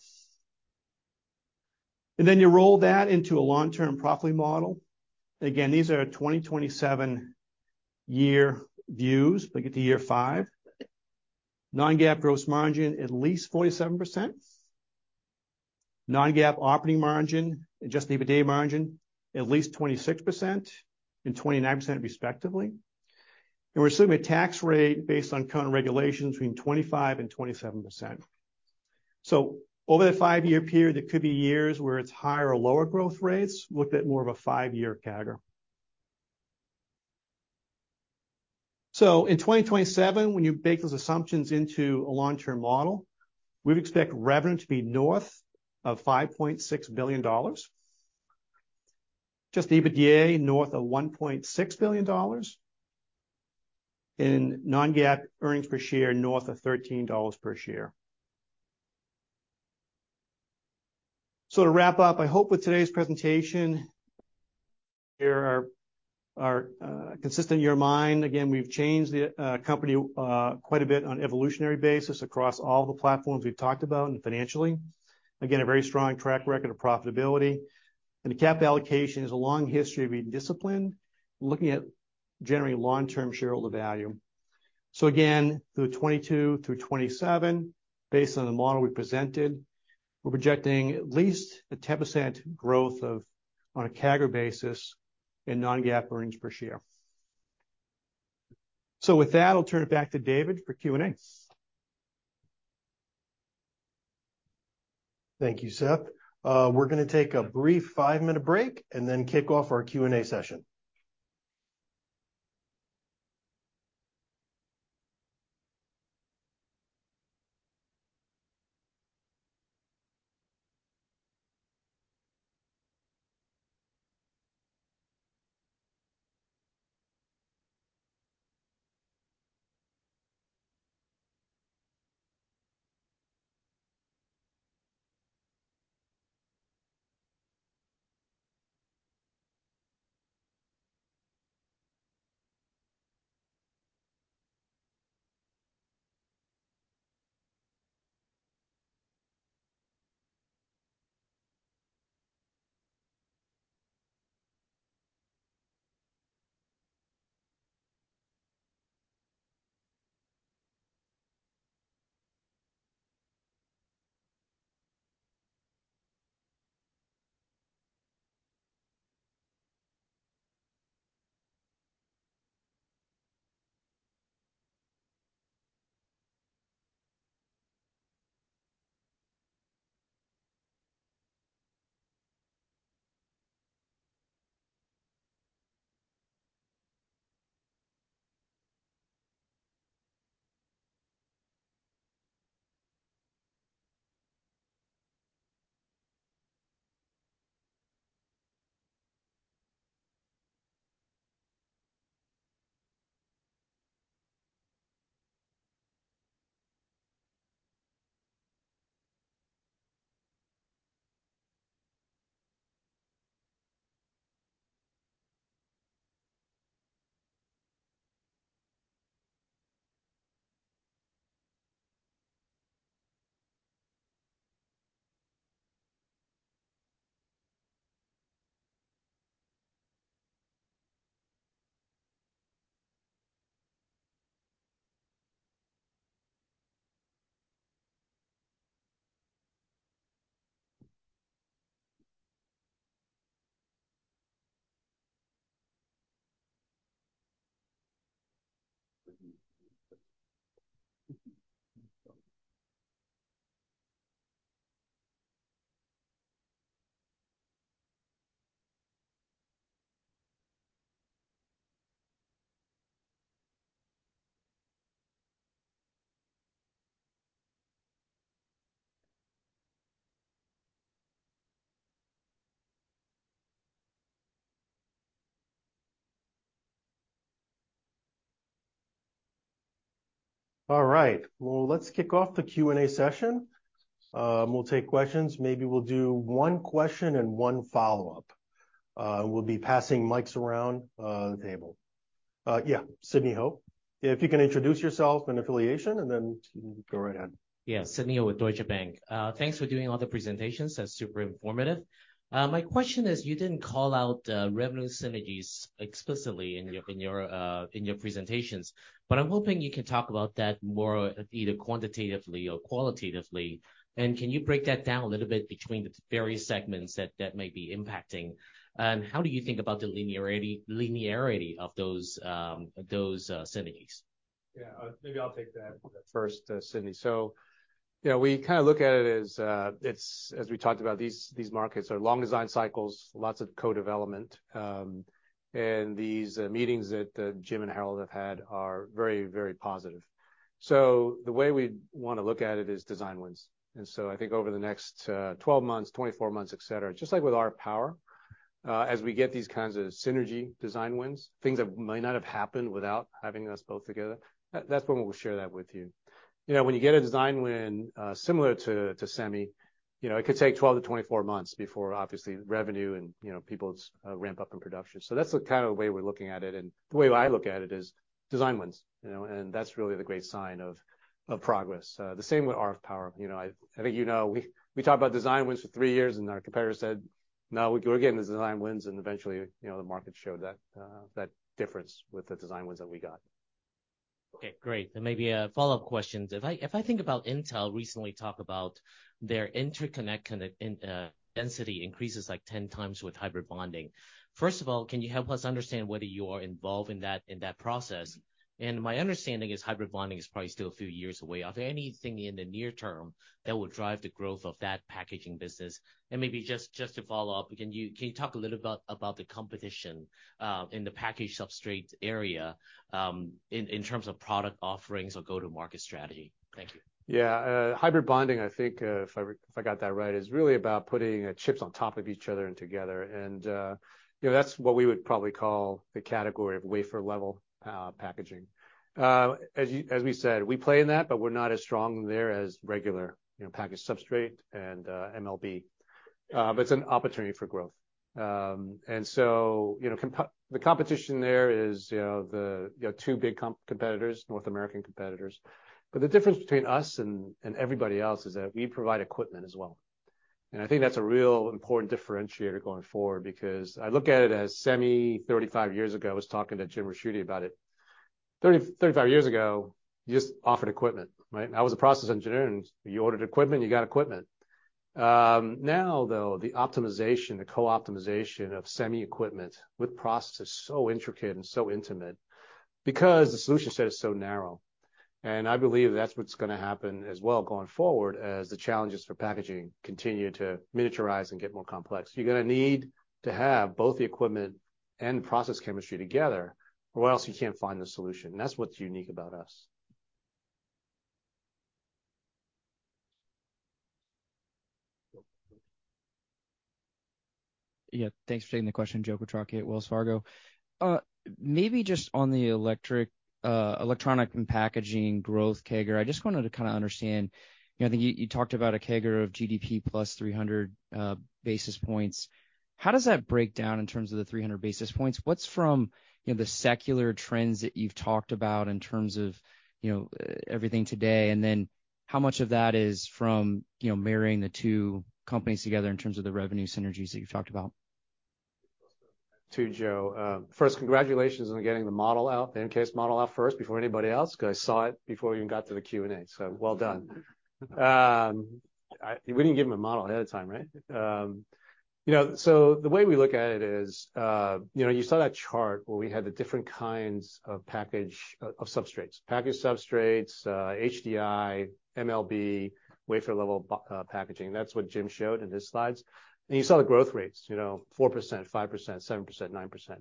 You roll that into a long-term profit model. Again, these are 2027 year views, get to year five. Non-GAAP gross margin, at least 47%. Non-GAAP operating margin, adjusted EBITDA margin, at least 26% and 29% respectively. We're assuming a tax rate based on current regulation between 25% and 27%. Over that five-year period, there could be years where it's higher or lower growth rates, look at more of a five-year CAGR. In 2027, when you bake those assumptions into a long-term model, we would expect revenue to be north of $5.6 billion. Just EBITDA north of $1.6 billion. Non-GAAP earnings per share north of $13 per share. To wrap up, I hope with today's presentation, here are consistent in your mind. Again, we've changed the company quite a bit on evolutionary basis across all the platforms we've talked about and financially. Again, a very strong track record of profitability. The cap allocation has a long history of being disciplined, looking at generating long-term shareholder value. Again, through 2022 through 2027, based on the model we presented, we're projecting at least a 10% growth of on a CAGR basis in non-GAAP earnings per share. With that, I'll turn it back to David for Q&A. Thank you, Seth. We're gonna take a brief five-minute break and then kick off our Q&A session. Let's kick off the Q&A session. We'll take questions. Maybe we'll do one question and one follow-up. We'll be passing mics around the table. Sidney Ho. If you can introduce yourself and affiliation, and then you can go right ahead. Yeah. Sidney Ho with Deutsche Bank. Thanks for doing all the presentations. That's super informative. My question is, you didn't call out revenue synergies explicitly in your presentations, but I'm hoping you can talk about that more either quantitatively or qualitatively. Can you break that down a little bit between the various segments that may be impacting? How do you think about the linearity of those synergies? Yeah. Maybe I'll take that one first, Sidney. You know, we kind of look at it as we talked about, these markets are long design cycles, lots of co-development. And these meetings that Jim and Harald have had are very positive. The way we want to look at it is design wins. I think over the next 12 months, 24 months, et cetera, just like with RF Power, as we get these kinds of synergy design wins, things that might not have happened without having us both together, that's when we'll share that with you. You know, when you get a design win, similar to semi, you know, it could take 12-24 months before obviously revenue and, you know, people's ramp up in production. That's the kind of way we're looking at it. The way I look at it is design wins, you know, and that's really the great sign of progress. The same with RF power. You know, I think you know, we talked about design wins for three years, and our competitors said, "No, we're getting the design wins." Eventually, you know, the market showed that difference with the design wins that we got. Okay, great. Maybe a follow-up question. If I think about Intel recently talk about their interconnect density increases like 10x with hybrid bonding. First of all, can you help us understand whether you are involved in that process? My understanding is hybrid bonding is probably still a few years away. Are there anything in the near term that will drive the growth of that packaging business? And just to follow up, can you talk a little about the competition in the package substrate area in terms of product offerings or go-to-market strategy? Thank you. Hybrid bonding, I think, if I, if I got that right, is really about putting chips on top of each other and together. You know, that's what we would probably call the category of wafer-level packaging. As we said, we play in that, but we're not as strong there as regular, you know, package substrate and MLB. But it's an opportunity for growth. You know, the competition there is, you know, the, you know, two big competitors, North American competitors. The difference between us and everybody else is that we provide equipment as well. I think that's a real important differentiator going forward because I look at it as semi 35 years ago. I was talking to Jim Rushi about it. 35 years ago, you just offered equipment, right? I was a process engineer, and you ordered equipment, you got equipment. Now, though, the optimization, the co-optimization of semi equipment with process is so intricate and so intimate because the solution set is so narrow. I believe that's what's going to happen as well going forward as the challenges for packaging continue to miniaturize and get more complex. You're going to need to have both the equipment and process chemistry together or else you can't find the solution. That's what's unique about us. Yeah. Thanks for taking the question. Joe Quatrochi at Wells Fargo. Maybe just on the electronic and packaging growth CAGR, I just wanted to kinda understand, you know, I think you talked about a CAGR of GDP plus 300 basis points. How does that break down in terms of the 300 basis points? What's from, you know, the secular trends that you've talked about in terms of, you know, everything today? Then how much of that is from, you know, marrying the two companies together in terms of the revenue synergies that you've talked about? To you, Joe. First, congratulations on getting the model out, the MKS model out first before anybody else because I saw it before we even got to the Q&A. Well done. We didn't give him a model ahead of time, right? You know, the way we look at it is, you know, you saw that chart where we had the different kinds of package of substrates. Package substrates, HDI, MLB, wafer-level packaging. That's what Jim showed in his slides. You saw the growth rates, you know, 4%, 5%, 7%, 9%.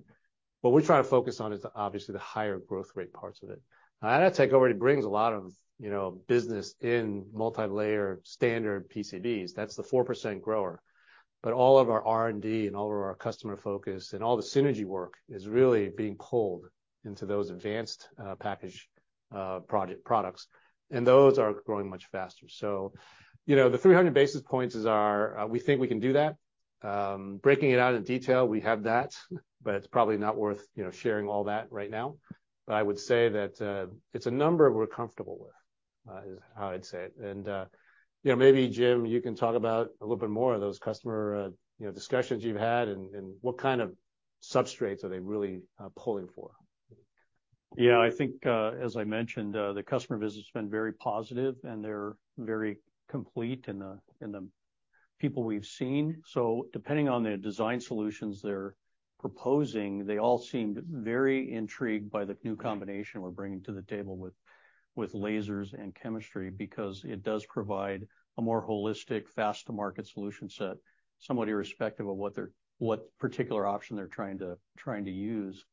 What we try to focus on is obviously the higher growth rate parts of it. Atotech already brings a lot of, you know, business in multilayer standard PCBs. That's the 4% grower. All of our R&D and all of our customer focus and all the synergy work is really being pulled into those advanced, package, project products, and those are growing much faster. You know, the 300 basis points is our, we think we can do that. Breaking it out in detail, we have that, but it's probably not worth, you know, sharing all that right now. I would say that, it's a number we're comfortable with, is how I'd say it. You know, maybe, Jim, you can talk about a little bit more of those customer, you know, discussions you've had and, what kind of substrates are they really, pulling for. Yeah. I think, as I mentioned, the customer visit's been very positive, and they're very complete in the people we've seen. Depending on the design solutions they're proposing, they all seemed very intrigued by the new combination we're bringing to the table with lasers and chemistry because it does provide a more holistic, fast to market solution set, somewhat irrespective of what particular option they're trying to use.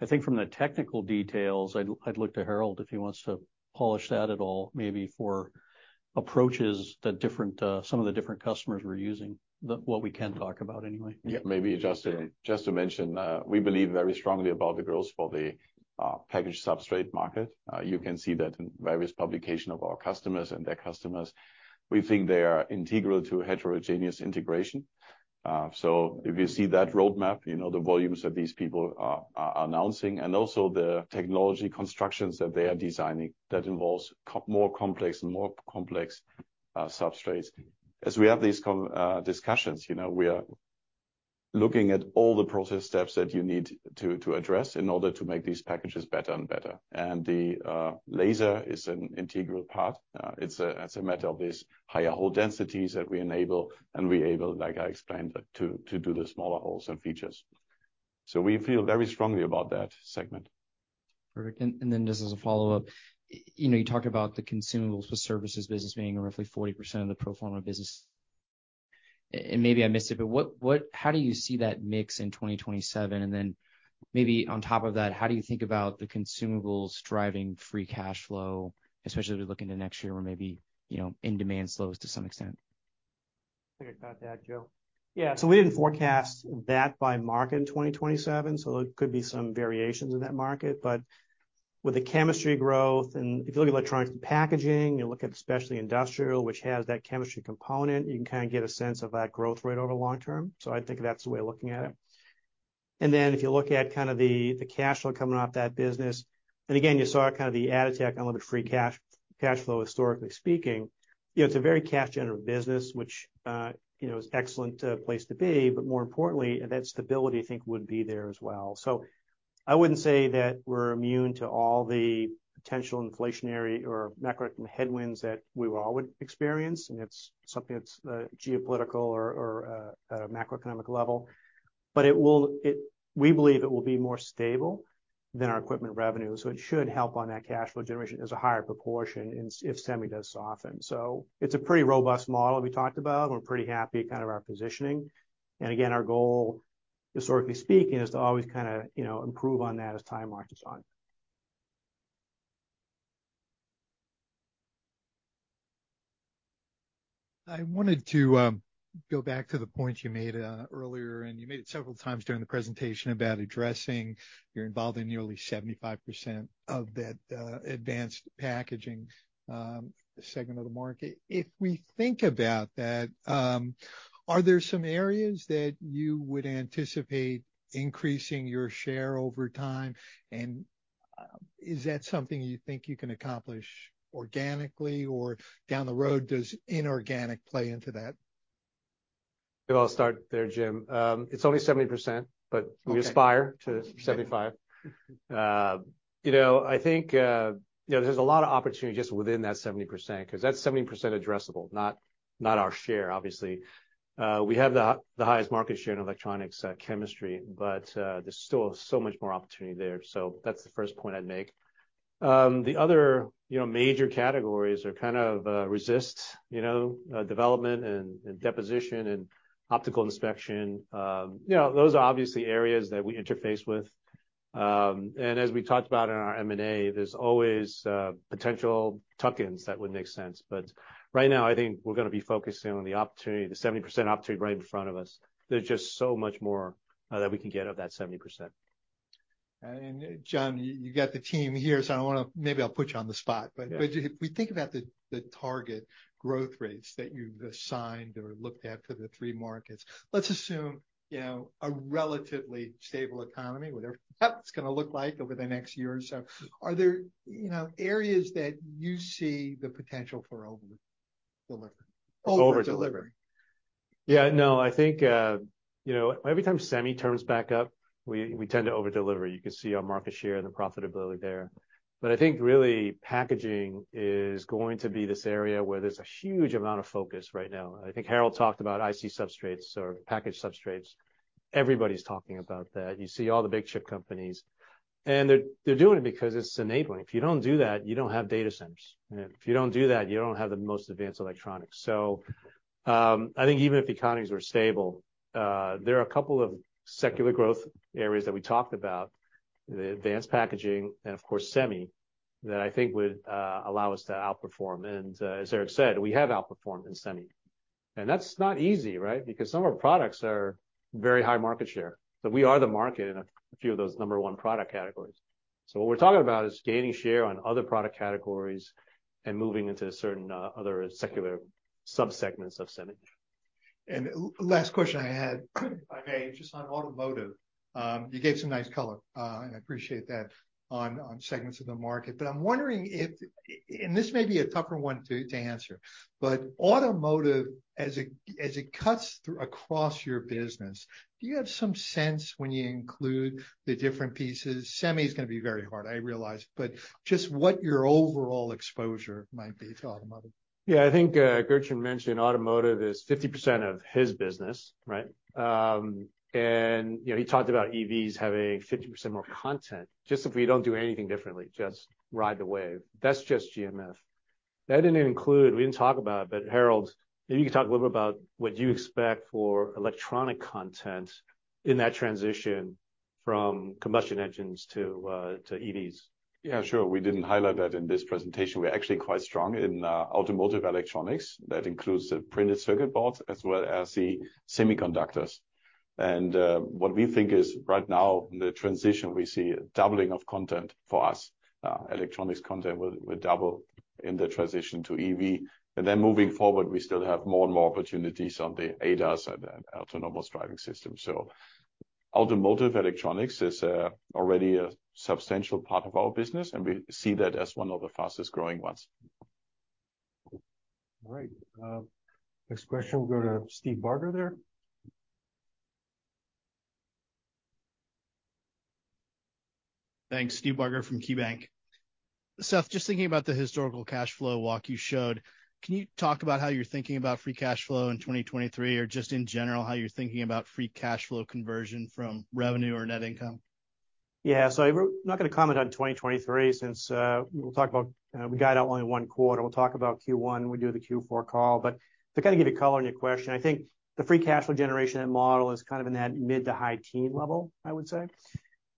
I think from the technical details, I'd look to Harald if he wants to polish that at all, maybe for approaches that different, some of the different customers were using, what we can talk about anyway. Maybe just to mention, we believe very strongly about the growth for the package substrate market. You can see that in various publication of our customers and their customers. We think they are integral to heterogeneous integration. If you see that roadmap, you know, the volumes that these people are announcing and also the technology constructions that they are designing that involves more complex and more complex substrates. As we have these discussions, you know, we are looking at all the process steps that you need to address in order to make these packages better and better. The laser is an integral part. It's a matter of these higher hole densities that we enable, and we able, like I explained, to do the smaller holes and features. We feel very strongly about that segment. Perfect. Then just as a follow-up, you know, you talked about the consumables with services business being roughly 40% of the pro forma business. And maybe I missed it, but what how do you see that mix in 2027? Then maybe on top of that, how do you think about the consumables driving free cash flow, especially as we look into next year where maybe, you know, in-demand slows to some extent? I think I got that, Joe. Yeah. We didn't forecast that by market in 2027, so there could be some variations in that market. With the chemistry growth, and if you look at electronics and packaging, you look at especially industrial, which has that chemistry component, you can kinda get a sense of that growth rate over long term. I think that's the way of looking at it. If you look at kind of the cash flow coming off that business, and again, you saw kind of the Atotech unlevered free cash flow, historically speaking, you know, it's a very cash generative business, which, you know, is excellent place to be, but more importantly, that stability I think would be there as well. I wouldn't say that we're immune to all the potential inflationary or macroeconomic headwinds that we all would experience, and it's something that's geopolitical or macroeconomic level. We believe it will be more stable than our equipment revenue, so it should help on that cash flow generation as a higher proportion if semi does soften. It's a pretty robust model we talked about. We're pretty happy kind of our positioning. Again, our goal, historically speaking, is to always kinda, you know, improve on that as time marches on. I wanted to go back to the point you made earlier, and you made it several times during the presentation about addressing you're involved in nearly 75% of that advanced packaging segment of the market. If we think about that, are there some areas that you would anticipate increasing your share over time? Is that something you think you can accomplish organically, or down the road, does inorganic play into that? If I'll start there, Jim. It's only 70%. Okay. We aspire to 75. You know, I think, you know, there's a lot of opportunity just within that 70% 'cause that's 70% addressable, not our share, obviously. We have the highest market share in electronics chemistry, but there's still so much more opportunity there. That's the first point I'd make. The other, you know, major categories are kind of resist, you know, development and deposition and optical inspection. You know, those are obviously areas that we interface with. As we talked about in our M&A, there's always potential tuck-ins that would make sense. Right now, I think we're gonna be focusing on the opportunity, the 70% opportunity right in front of us. There's just so much more that we can get of that 70%. John, you got the team here, so maybe I'll put you on the spot. Yeah. If we think about the target growth rates that you've assigned or looked at for the three markets, let's assume, you know, a relatively stable economy, whatever that's gonna look like over the next year or so. Are there, you know, areas that you see the potential for over delivery? Over delivery. Over delivery. Yeah. No, I think, you know, every time semi turns back up, we tend to over-deliver. You can see our market share and the profitability there. I think really packaging is going to be this area where there's a huge amount of focus right now. I think Harald talked about IC substrates or package substrates. Everybody's talking about that. You see all the big chip companies, and they're doing it because it's enabling. If you don't do that, you don't have data centers. If you don't do that, you don't have the most advanced electronics. I think even if economies were stable, there are a couple of secular growth areas that we talked about, the advanced packaging and of course semi, that I think would allow us to outperform. As Eric said, we have outperformed in semi. That's not easy, right? Because some of our products are very high market share, that we are the market in a few of those number one product categories. So what we're talking about is gaining share on other product categories and moving into certain other secular sub-segments of semi. Last question I had, if I may, just on automotive. You gave some nice color, and I appreciate that on segments of the market. I'm wondering if this may be a tougher one to answer, but automotive as it cuts through across your business, do you have some sense when you include the different pieces? Semi is gonna be very hard, I realize, but just what your overall exposure might be to automotive. Yeah. I think Gertjan mentioned automotive is 50% of his business, right? you know, he talked about EVs having 50% more content, just if we don't do anything differently, just ride the wave. That's just GMF. That didn't include, we didn't talk about, but Harald, maybe you could talk a little bit about what you expect for electronic content in that transition from combustion engines to EVs. Yeah, sure. We didn't highlight that in this presentation. We're actually quite strong in automotive electronics. That includes the printed circuit boards as well as the semiconductors. What we think is right now in the transition, we see a doubling of content for us. Electronics content will double in the transition to EV. Moving forward, we still have more and more opportunities on the ADAS and autonomous driving system. Automotive electronics is already a substantial part of our business, and we see that as one of the fastest-growing ones. All right. Next question will go to Steve Barger there. Thanks. Steve Barger from KeyBanc Capital Markets. Seth, just thinking about the historical cash flow walk you showed, can you talk about how you're thinking about free cash flow in 2023 or just in general, how you're thinking about free cash flow conversion from revenue or net income? We're not gonna comment on 2023 since we'll talk about we got out only one quarter. We'll talk about Q1 when we do the Q4 call. To kinda give you color on your question, I think the free cash flow generation and model is kind of in that mid to high teen level, I would say.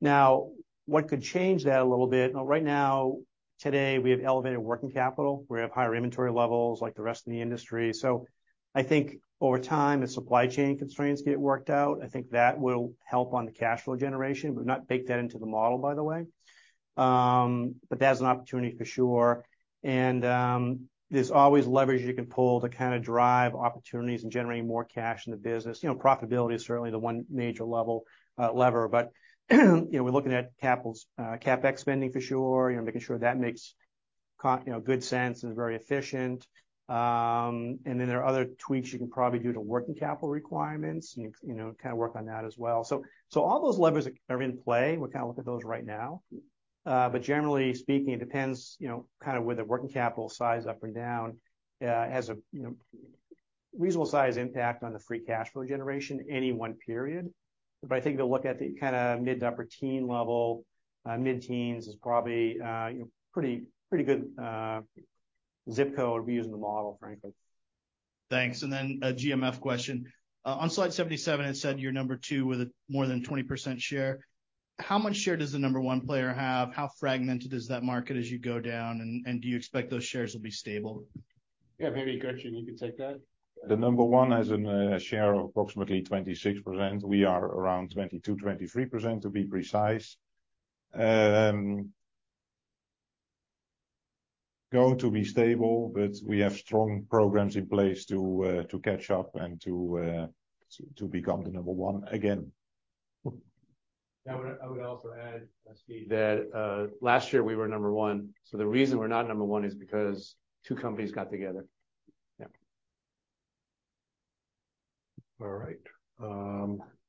Now, what could change that a little bit? Right now, today, we have elevated working capital. We have higher inventory levels like the rest of the industry. So I think over time, the supply chain constraints get worked out. I think that will help on the cash flow generation. We've not baked that into the model, by the way. But that's an opportunity for sure. There's always leverage you can pull to kinda drive opportunities and generate more cash in the business. You know, profitability is certainly the one major level, lever. You know, we're looking at capital's CapEx spending for sure, you know, making sure that makes good sense and very efficient. Then there are other tweaks you can probably do to working capital requirements and, you know, kind of work on that as well. All those levers are in play. We're kind of look at those right now. Generally speaking, it depends, you know, kind of with the working capital size up or down, has a reasonable size impact on the free cash flow generation any one period. I think they'll look at the kinda mid to upper teen level, mid-teens is probably, you know, pretty good ZIP code we use in the model, frankly. Thanks. A GMF question. On slide 77, it said you're number plus with a more than 20% share. How much share does the number one player have? How fragmented is that market as you go down? Do you expect those shares will be stable? Yeah. Maybe Gertjan, you can take that. The number one has a share of approximately 26%. We are around 22%, 23% to be precise. Going to be stable, but we have strong programs in place to catch up and to become the number one again. I would also add, Steve, that last year we were number one. The reason we're not number one is because two companies got together. Yeah. All right.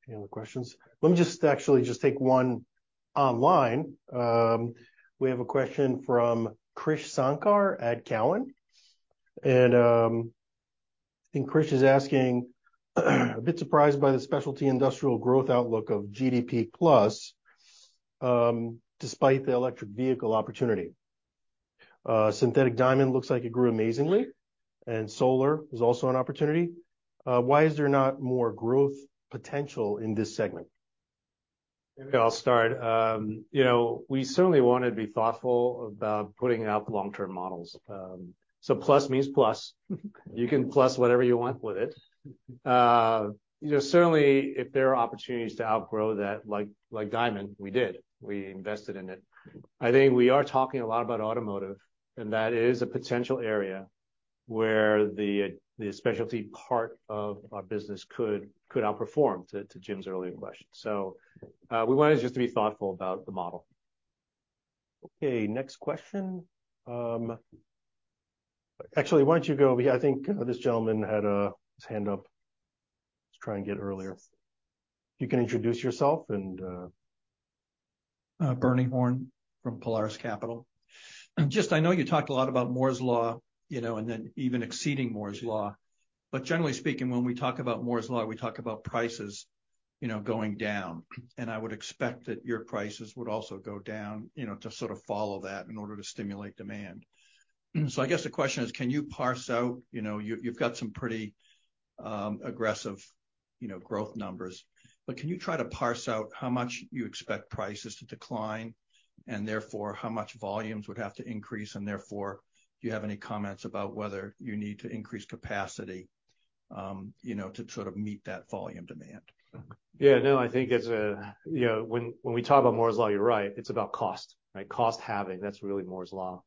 Any other questions? Let me just actually just take one online. We have a question from Krish Sankar at Cowen. Krish is asking, a bit surprised by the specialty industrial growth outlook of GDP plus, despite the electric vehicle opportunity. Synthetic diamond looks like it grew amazingly, and solar is also an opportunity. Why is there not more growth potential in this segment? Maybe I'll start. You know, we certainly wanna be thoughtful about putting out long-term models. Plus means plus. You can plus whatever you want with it. You know, certainly if there are opportunities to outgrow that, like diamond, we did, we invested in it. I think we are talking a lot about automotive, and that is a potential area where the specialty part of our business could outperform, to Jim's earlier question. We wanted just to be thoughtful about the model. Okay. Next question. actually, why don't you go over here? I think, this gentleman had, his hand up. Let's try and get earlier. You can introduce yourself and... Bernie Horn from Polaris Capital. I know you talked a lot about Moore's Law, and then even exceeding Moore's Law. Generally speaking, when we talk about Moore's Law, we talk about prices going down, and I would expect that your prices would also go down to sort of follow that in order to stimulate demand. I guess the question is, can you parse out, you've got some pretty aggressive growth numbers. Can you try to parse out how much you expect prices to decline, and therefore how much volumes would have to increase, and therefore, do you have any comments about whether you need to increase capacity to sort of meet that volume demand? Yeah, no, I think it's a, you know, when we talk about Moore's Law, you're right, it's about cost, right? Cost halving, that's really Moore's Law.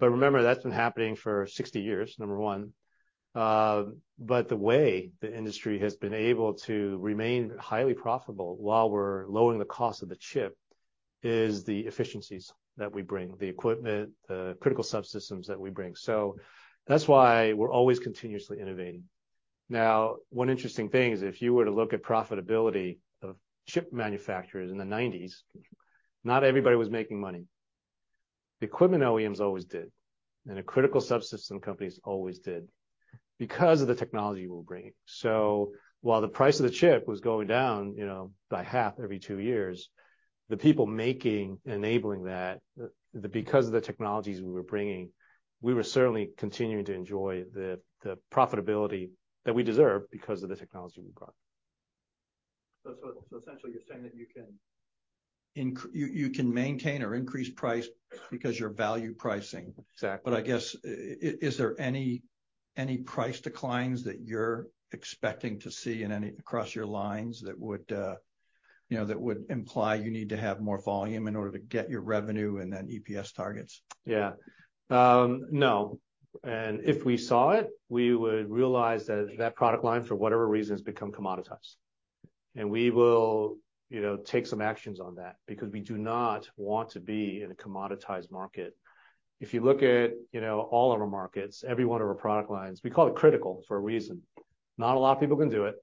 Remember, that's been happening for 60 years, number one. The way the industry has been able to remain highly profitable while we're lowering the cost of the chip is the efficiencies that we bring, the equipment, the critical subsystems that we bring. That's why we're always continuously innovating. Now, one interesting thing is if you were to look at profitability of chip manufacturers in the 1990s, not everybody was making money. The equipment OEMs always did, the critical subsystem companies always did because of the technology we're bringing. While the price of the chip was going down, you know, by half every two years, the people making, enabling that, because of the technologies we were bringing, we were certainly continuing to enjoy the profitability that we deserve because of the technology we brought. Essentially you're saying that you can maintain or increase price because you're value pricing. Exactly. I guess, is there any price declines that you're expecting to see across your lines that would, you know, that would imply you need to have more volume in order to get your revenue and then EPS targets? Yeah. No. If we saw it, we would realize that that product line, for whatever reason, has become commoditized. We will, you know, take some actions on that because we do not want to be in a commoditized market. If you look at, you know, all of our markets, every one of our product lines, we call it critical for a reason. Not a lot of people can do it,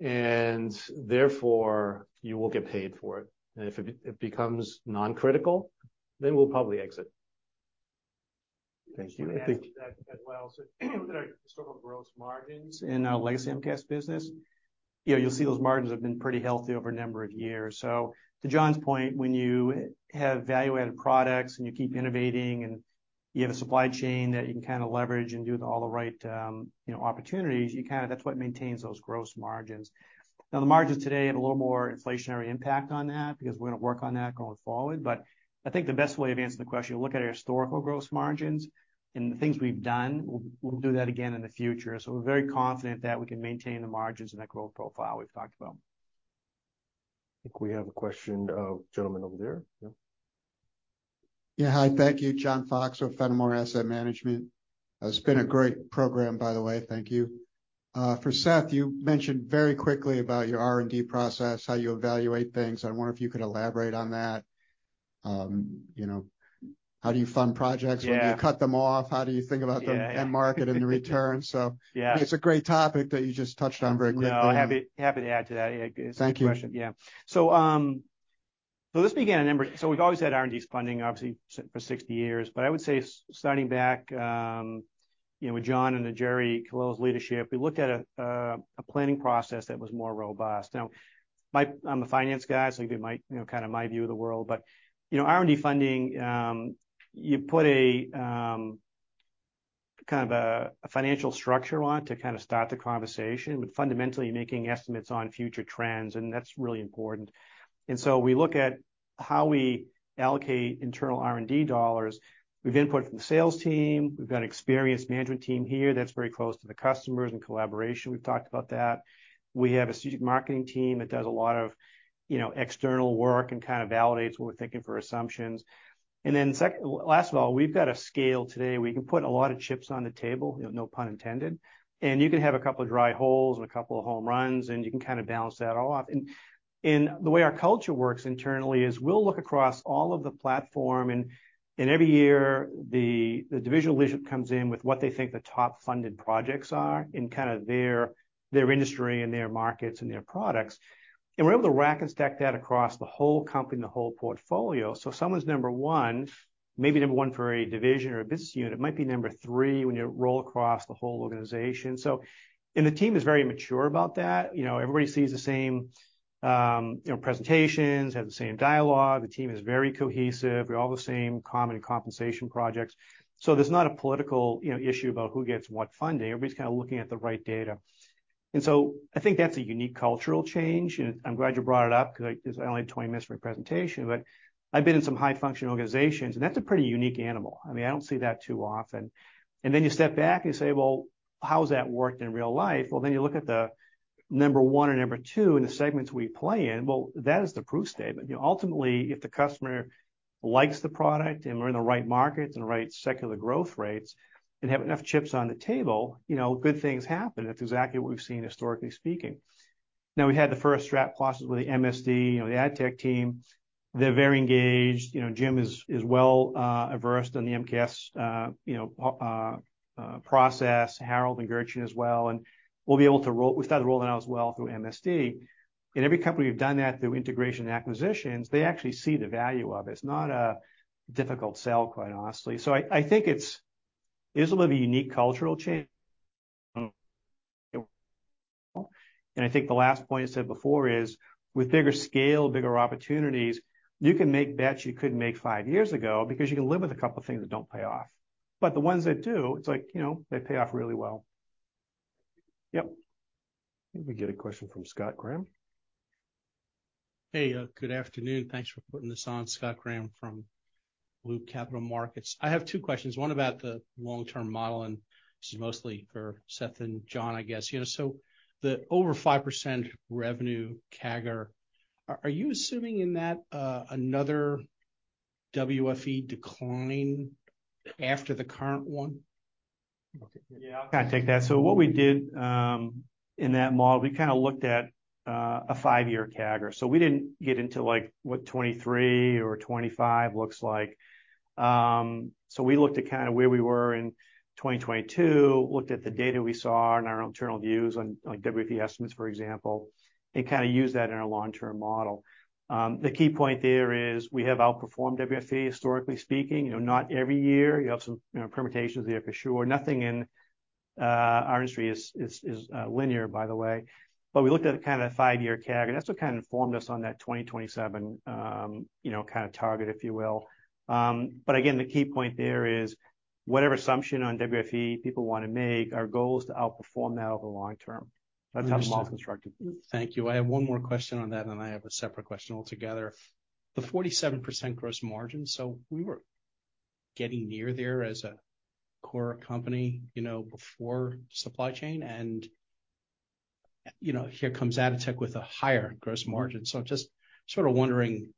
and therefore you will get paid for it. If it becomes non-critical, then we'll probably exit. Thank you. To add to that as well. With our historical gross margins in our legacy MKS business, you know, you'll see those margins have been pretty healthy over a number of years. To John's point, when you have value-added products and you keep innovating and you have a supply chain that you can kinda leverage and do all the right, you know, opportunities, that's what maintains those gross margins. The margins today have a little more inflationary impact on that because we're gonna work on that going forward. I think the best way to answer the question, look at our historical gross margins and the things we've done, we'll do that again in the future. We're very confident that we can maintain the margins and that growth profile we've talked about. I think we have a question of gentleman over there. Yeah. Yeah. Hi, thank you. John Fox with Fenimore Asset Management. It's been a great program, by the way. Thank you. For Seth, you mentioned very quickly about your R&D process, how you evaluate things. I wonder if you could elaborate on that. you know, how do you fund projects? Yeah. When do you cut them off? How do you think about the end market and the return? Yeah. It's a great topic that you just touched on very quickly. No, happy to add to that, yeah. Good question. Thank you. This began a number... We've always had R&D funding, obviously for 60 years. I would say starting back, you know, with John and then Jerry Colella's leadership, we looked at a planning process that was more robust. I'm a finance guy, so I'll give you my, you know, kinda my view of the world. You know, R&D funding, you put a kind of a financial structure on it to kinda start the conversation. Fundamentally, you're making estimates on future trends, and that's really important. We look at how we allocate internal R&D dollars. We have input from the sales team. We've got an experienced management team here that's very close to the customers in collaboration. We've talked about that. We have a strategic marketing team that does a lot of, you know, external work and kinda validates what we're thinking for assumptions. Last of all, we've got a scale today where we can put a lot of chips on the table, you know, no pun intended. You can have a couple of dry holes and a couple of home runs, and you can kinda balance that all off. The way our culture works internally is we'll look across all of the platform, and every year, the divisional leadership comes in with what they think the top funded projects are in kinda their industry and their markets and their products. We're able to rack and stack that across the whole company and the whole portfolio. If someone's number one, maybe number one for a division or a business unit, might be number three when you roll across the whole organization. And the team is very mature about that. You know, everybody sees the same, you know, presentations, have the same dialogue. The team is very cohesive. We all have the same common compensation projects. There's not a political, you know, issue about who gets what funding. Everybody's kinda looking at the right data. I think that's a unique cultural change, and I'm glad you brought it up because I only have 20 minutes for my presentation. I've been in some high-functioning organizations, and that's a pretty unique animal. I mean, I don't see that too often. You step back and you say, "Well, how has that worked in real life?" You look at the number one or number two in the segments we play in, well, that is the proof statement. You know, ultimately, if the customer likes the product, and we're in the right markets and the right secular growth rates and have enough chips on the table, you know, good things happen. That's exactly what we've seen, historically speaking. We had the 1st strap losses with the MSD, you know, the Atotech team. They're very engaged. You know, Jim is well versed in the MKS, you know, process. Harold and Gertjan as well. We've started rolling out as well through MSD. In every company we've done that through integration and acquisitions, they actually see the value of it. It's not a difficult sell, quite honestly. I think it's is a little bit of a unique cultural change. I think the last point I said before is with bigger scale, bigger opportunities, you can make bets you couldn't make five years ago because you can live with a couple of things that don't pay off. The ones that do, it's like, you know, they pay off really well. Yep. I think we get a question from Scott Graham. Hey, good afternoon. Thanks for putting this on. Scott Graham from Loop Capital Markets. I have two questions, one about the long-term model, and this is mostly for Seth and John, I guess. You know, the over 5% revenue CAGR, are you assuming in that another WFE decline after the current one? Yeah, I'll kinda take that. What we did, in that model, we kinda looked at a five-year CAGR. We didn't get into like what 2023 or 2025 looks like. We looked at kinda where we were in 2022, looked at the data we saw in our internal views on like WFE estimates, for example, and kinda used that in our long-term model. The key point there is we have outperformed WFE, historically speaking. You know, not every year. You have some, you know, permutations there for sure. Nothing in our industry is linear, by the way. We looked at kinda a five-year CAGR, and that's what kinda informed us on that 2027, you know, kinda target, if you will. Again, the key point there is whatever assumption on WFE people wanna make, our goal is to outperform that over the long term. That's how the model's constructed. Understood. Thank you. I have one more question on that. I have a separate question altogether. The 47% gross margin. We were getting near there as a core company, you know, before supply chain and, you know, here comes Atotech with a higher gross margin. Just sort of wondering,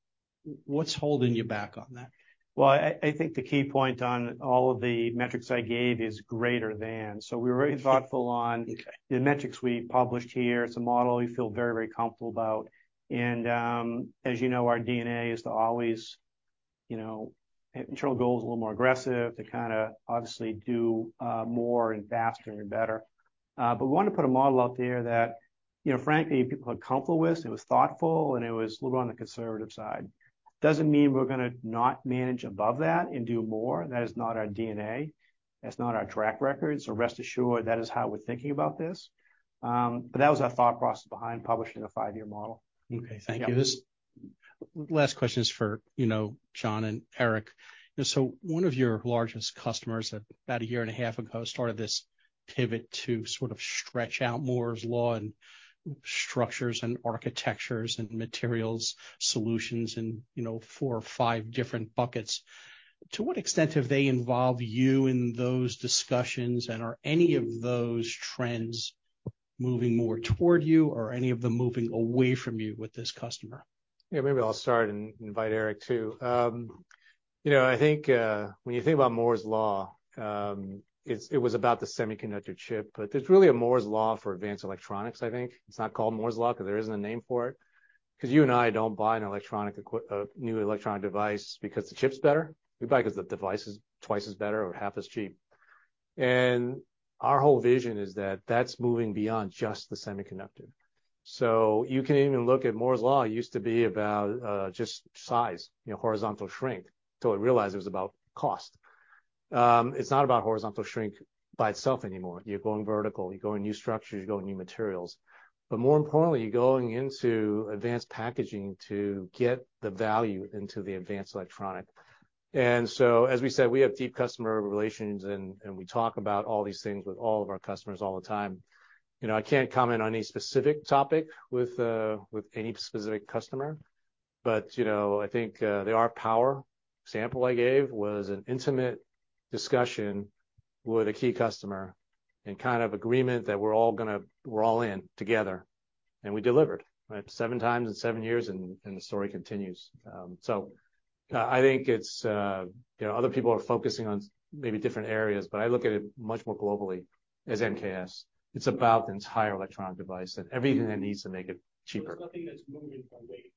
what's holding you back on that? I think the key point on all of the metrics I gave is greater than. We're very thoughtful. Okay... the metrics we published here. It's a model we feel very, very comfortable about. As you know, our DNA is to always, you know, have internal goals a little more aggressive to kinda obviously do more and faster and better. We wanted to put a model out there that, you know, frankly, people are comfortable with, it was thoughtful, and it was a little on the conservative side. Doesn't mean we're gonna not manage above that and do more. That is not our DNA. That's not our track record. Rest assured, that is how we're thinking about this. That was our thought process behind publishing a five-year model. Okay, thank you. Yeah. This last question is for, you know, John and Eric. You know, one of your largest customers about a year and a half ago started this pivot to sort of stretch out Moore's Law and structures and architectures and materials solutions in, you know, four or five different buckets. To what extent have they involved you in those discussions, and are any of those trends moving more toward you, or are any of them moving away from you with this customer? Yeah, maybe I'll start and invite Eric too. You know, I think, when you think about Moore's Law, it was about the semiconductor chip, but there's really a Moore's Law for advanced electronics, I think. It's not called Moore's Law, 'cause there isn't a name for it. Cause you and I don't buy a new electronic device because the chip's better. We buy it 'cause the device is twice as better or half as cheap. Our whole vision is that that's moving beyond just the semiconductor. You can even look at Moore's Law, it used to be about just size, you know, horizontal shrink, till we realized it was about cost. It's not about horizontal shrink by itself anymore. You're going vertical, you're going new structures, you're going new materials. More importantly, you're going into advanced packaging to get the value into the advanced electronic. As we said, we have deep customer relations, and we talk about all these things with all of our customers all the time. You know, I can't comment on any specific topic with any specific customer. You know, I think the RF power example I gave was an intimate discussion with a key customer and kind of agreement that we're all in together, and we delivered, right? 7x in seven years, and the story continues. I think it's, you know, other people are focusing on maybe different areas, but I look at it much more globally as MKS. It's about the entire electronic device and everything that needs to make it cheaper. There's nothing that's moving from weight.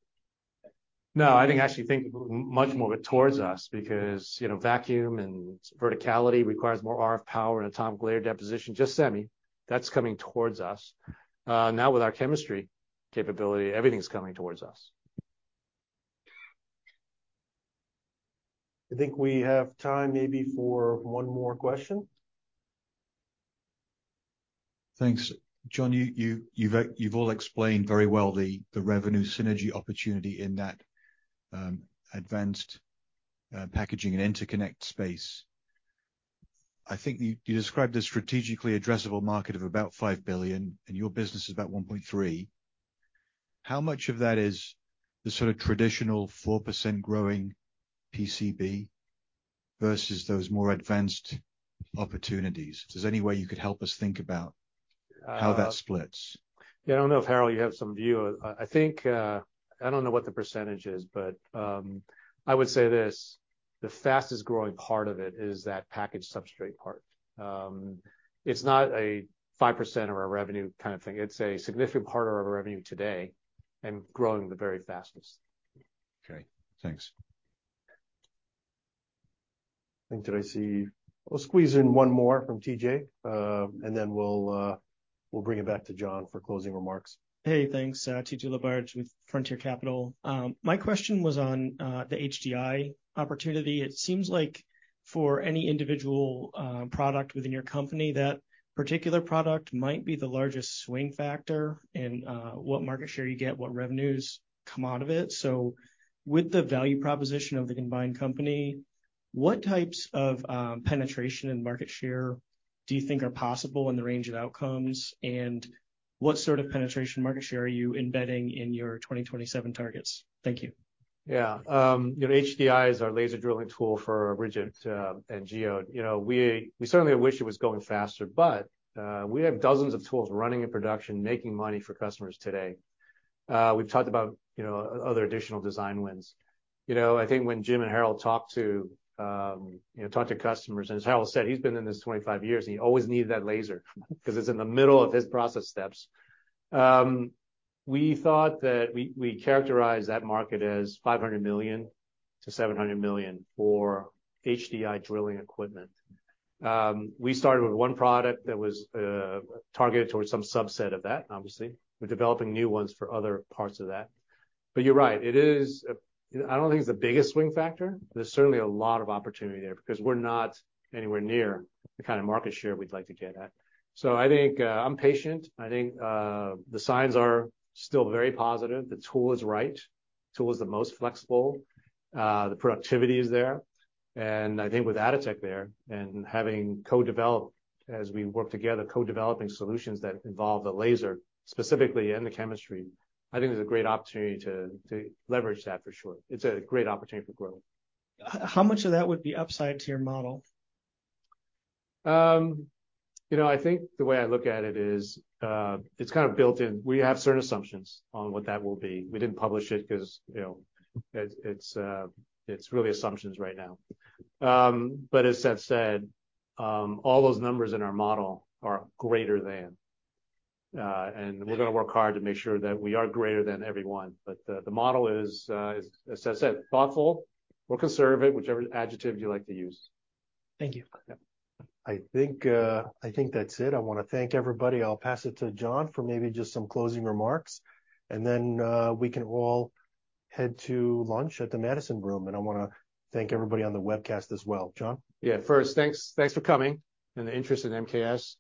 No, I actually think much more towards us because, you know, vacuum and verticality requires more RF power and atomic layer deposition, just semi. That's coming towards us. Now with our chemistry capability, everything's coming towards us. I think we have time maybe for one more question. Thanks. John, you've all explained very well the revenue synergy opportunity in that advanced packaging and interconnect space. I think you described a strategically addressable market of about $5 billion, and your business is about $1.3 billion. How much of that is the sort of traditional 4% growing PCB versus those more advanced opportunities? Is there any way you could help us think about how that splits? Yeah. I don't know if, Harold, you have some view. I think, I don't know what the percentage is, but I would say this, the fastest-growing part of it is that package substrate part. It's not a 5% of our revenue kind of thing. It's a significant part of our revenue today and growing the very fastest. Okay. Thanks. I think did I see... I'll squeeze in one more from TJ, and then we'll bring it back to John for closing remarks. Hey, thanks. TJ LaBarge with Frontier Capital. My question was on the HDI opportunity. It seems like for any individual product within your company, that particular product might be the largest swing factor in what market share you get, what revenues come out of it. With the value proposition of the combined company, what types of penetration and market share do you think are possible in the range of outcomes? What sort of penetration market share are you embedding in your 2027 targets? Thank you. Yeah. You know, HDI is our laser drilling tool for rigid and Geode. We certainly wish it was going faster, but we have dozens of tools running in production, making money for customers today. We've talked about, you know, other additional design wins. I think when Jim and Harald talk to, you know, talk to customers, and as Harald said, he's been in this 25 years, and he always needed that laser 'cause it's in the middle of his process steps. We thought that we characterized that market as $500 million-$700 million for HDI drilling equipment. We started with one product that was targeted towards some subset of that, obviously. We're developing new ones for other parts of that. You're right, it is I don't think it's the biggest swing factor. There's certainly a lot of opportunity there because we're not anywhere near the kind of market share we'd like to get at. I think, I'm patient. I think, the signs are still very positive. The tool is right. Tool is the most flexible. The productivity is there. I think with Atotech there and having co-developed, as we work together, co-developing solutions that involve the laser, specifically in the chemistry, I think there's a great opportunity to leverage that for sure. It's a great opportunity for growth. How much of that would be upside to your model? You know, I think the way I look at it is, it's kind of built in. We have certain assumptions on what that will be. We didn't publish it 'cause, you know, it's really assumptions right now. As Seth said, all those numbers in our model are greater than. We're gonna work hard to make sure that we are greater than everyone. The model is, as Seth said, thoughtful or conservative, whichever adjective you like to use. Thank you. Yeah. I think that's it. I wanna thank everybody. I'll pass it to John for maybe just some closing remarks. Then, we can all head to lunch at the Madison Room. I wanna thank everybody on the webcast as well. John? Yeah. First, thanks for coming and the interest in MKS.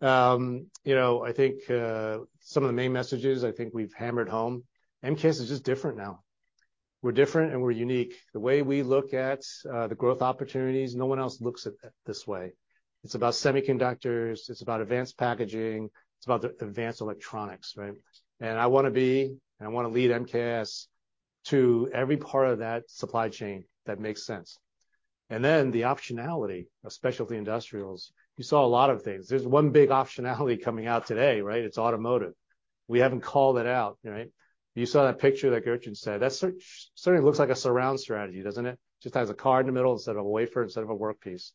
you know, I think some of the main messages I think we've hammered home, MKS is just different now. We're different and we're unique. The way we look at the growth opportunities, no one else looks at it this way. It's about semiconductors, it's about advanced packaging, it's about the advanced electronics, right? I wanna be, and I wanna lead MKS to every part of that supply chain that makes sense. Then the optionality of specialty industrials, you saw a lot of things. There's one big optionality coming out today, right? It's automotive. We haven't called it out, right? You saw that picture that Gertjan said. That certainly looks like a surround strategy, doesn't it? Just has a car in the middle instead of a wafer, instead of a workpiece.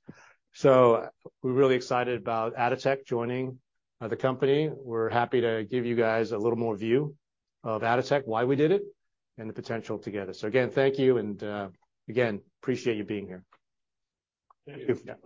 We're really excited about Atotech joining the company. We're happy to give you guys a little more view of Atotech, why we did it, and the potential together. Again, thank you, and again, appreciate you being here. Thank you. Yeah.